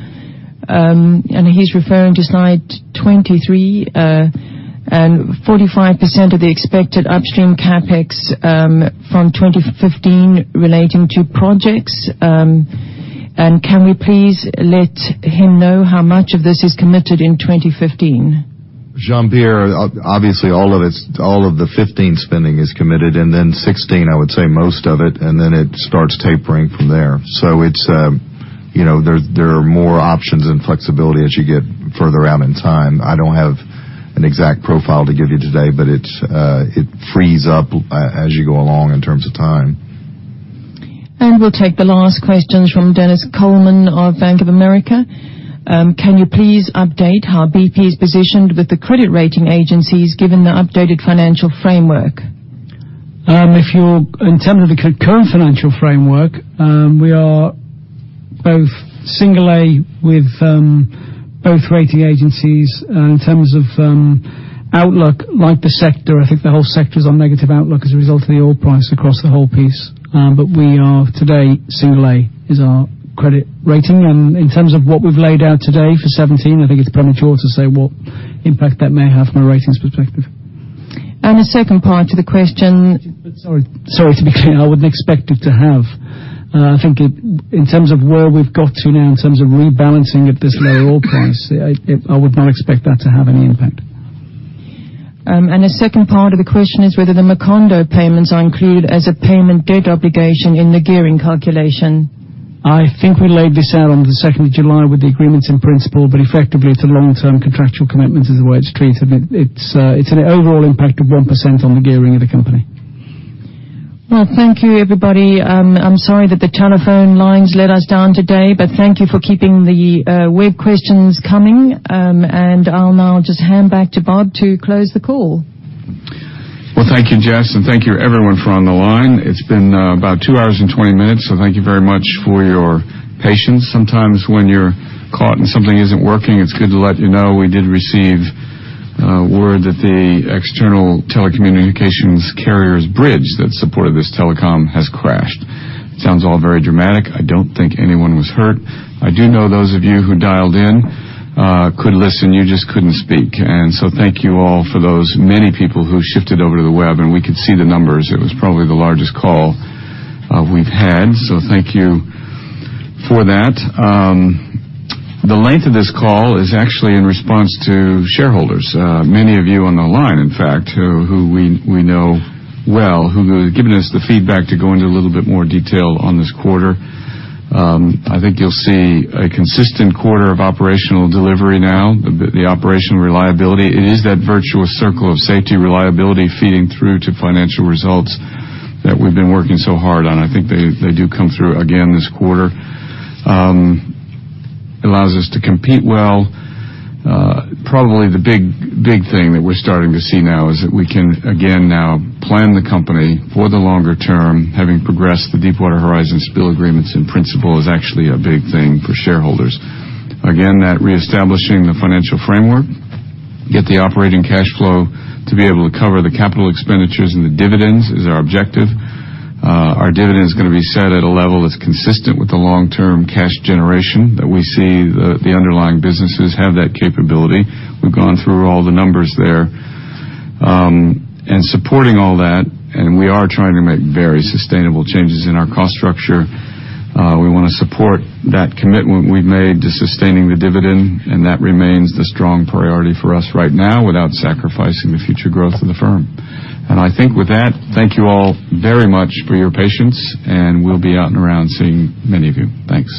he's referring to slide 23. 45% of the expected upstream CapEx from 2015 relating to projects. Can we please let him know how much of this is committed in 2015? Jean-Pierre, obviously all of the 2015 spending is committed, and then 2016, I would say most of it, and then it starts tapering from there. There are more options and flexibility as you get further out in time. I don't have an exact profile to give you today, but it frees up as you go along in terms of time. We'll take the last questions from Dennis Coleman of Bank of America. Can you please update how BP is positioned with the credit rating agencies given the updated financial framework? If you're in terms of the current financial framework, we are both single A with both rating agencies. In terms of outlook, like the sector, I think the whole sector's on negative outlook as a result of the oil price across the whole piece. We are today, single A is our credit rating. In terms of what we've laid out today for 2017, I think it's premature to say what impact that may have from a ratings perspective. The second part to the question. Sorry, to be clear, I wouldn't expect it to have. I think in terms of where we've got to now in terms of rebalancing at this low oil price, I would not expect that to have any impact. The second part of the question is whether the Macondo payments are included as a payment debt obligation in the gearing calculation. I think we laid this out on the 2nd of July with the agreements in principle, but effectively, it's a long-term contractual commitment is the way it's treated. It's an overall impact of 1% on the gearing of the company. Well, thank you, everybody. I'm sorry that the telephone lines let us down today. Thank you for keeping the web questions coming. I'll now just hand back to Bob to close the call. Well, thank you, Jess. Thank you everyone for on the line. It's been about 2 hours and 20 minutes. Thank you very much for your patience. Sometimes when you're caught and something isn't working, it's good to let you know we did receive word that the external telecommunications carrier's bridge that supported this telecom has crashed. Sounds all very dramatic. I don't think anyone was hurt. I do know those of you who dialed in could listen, you just couldn't speak. Thank you all for those many people who shifted over to the web, and we could see the numbers. It was probably the largest call we've had. Thank you for that. The length of this call is actually in response to shareholders. Many of you on the line, in fact, who we know well, who have given us the feedback to go into a little bit more detail on this quarter. I think you'll see a consistent quarter of operational delivery now. The operational reliability. It is that virtuous circle of safety, reliability feeding through to financial results that we've been working so hard on. I think they do come through again this quarter. Allows us to compete well. Probably the big thing that we're starting to see now is that we can again now plan the company for the longer term, having progressed the Deepwater Horizon spill agreements in principle is actually a big thing for shareholders. Again, that reestablishing the financial framework, get the operating cash flow to be able to cover the capital expenditures and the dividends is our objective. Our dividend is going to be set at a level that's consistent with the long-term cash generation that we see the underlying businesses have that capability. We've gone through all the numbers there. Supporting all that, and we are trying to make very sustainable changes in our cost structure. We want to support that commitment we've made to sustaining the dividend, and that remains the strong priority for us right now without sacrificing the future growth of the firm. I think with that, thank you all very much for your patience, and we'll be out and around seeing many of you. Thanks.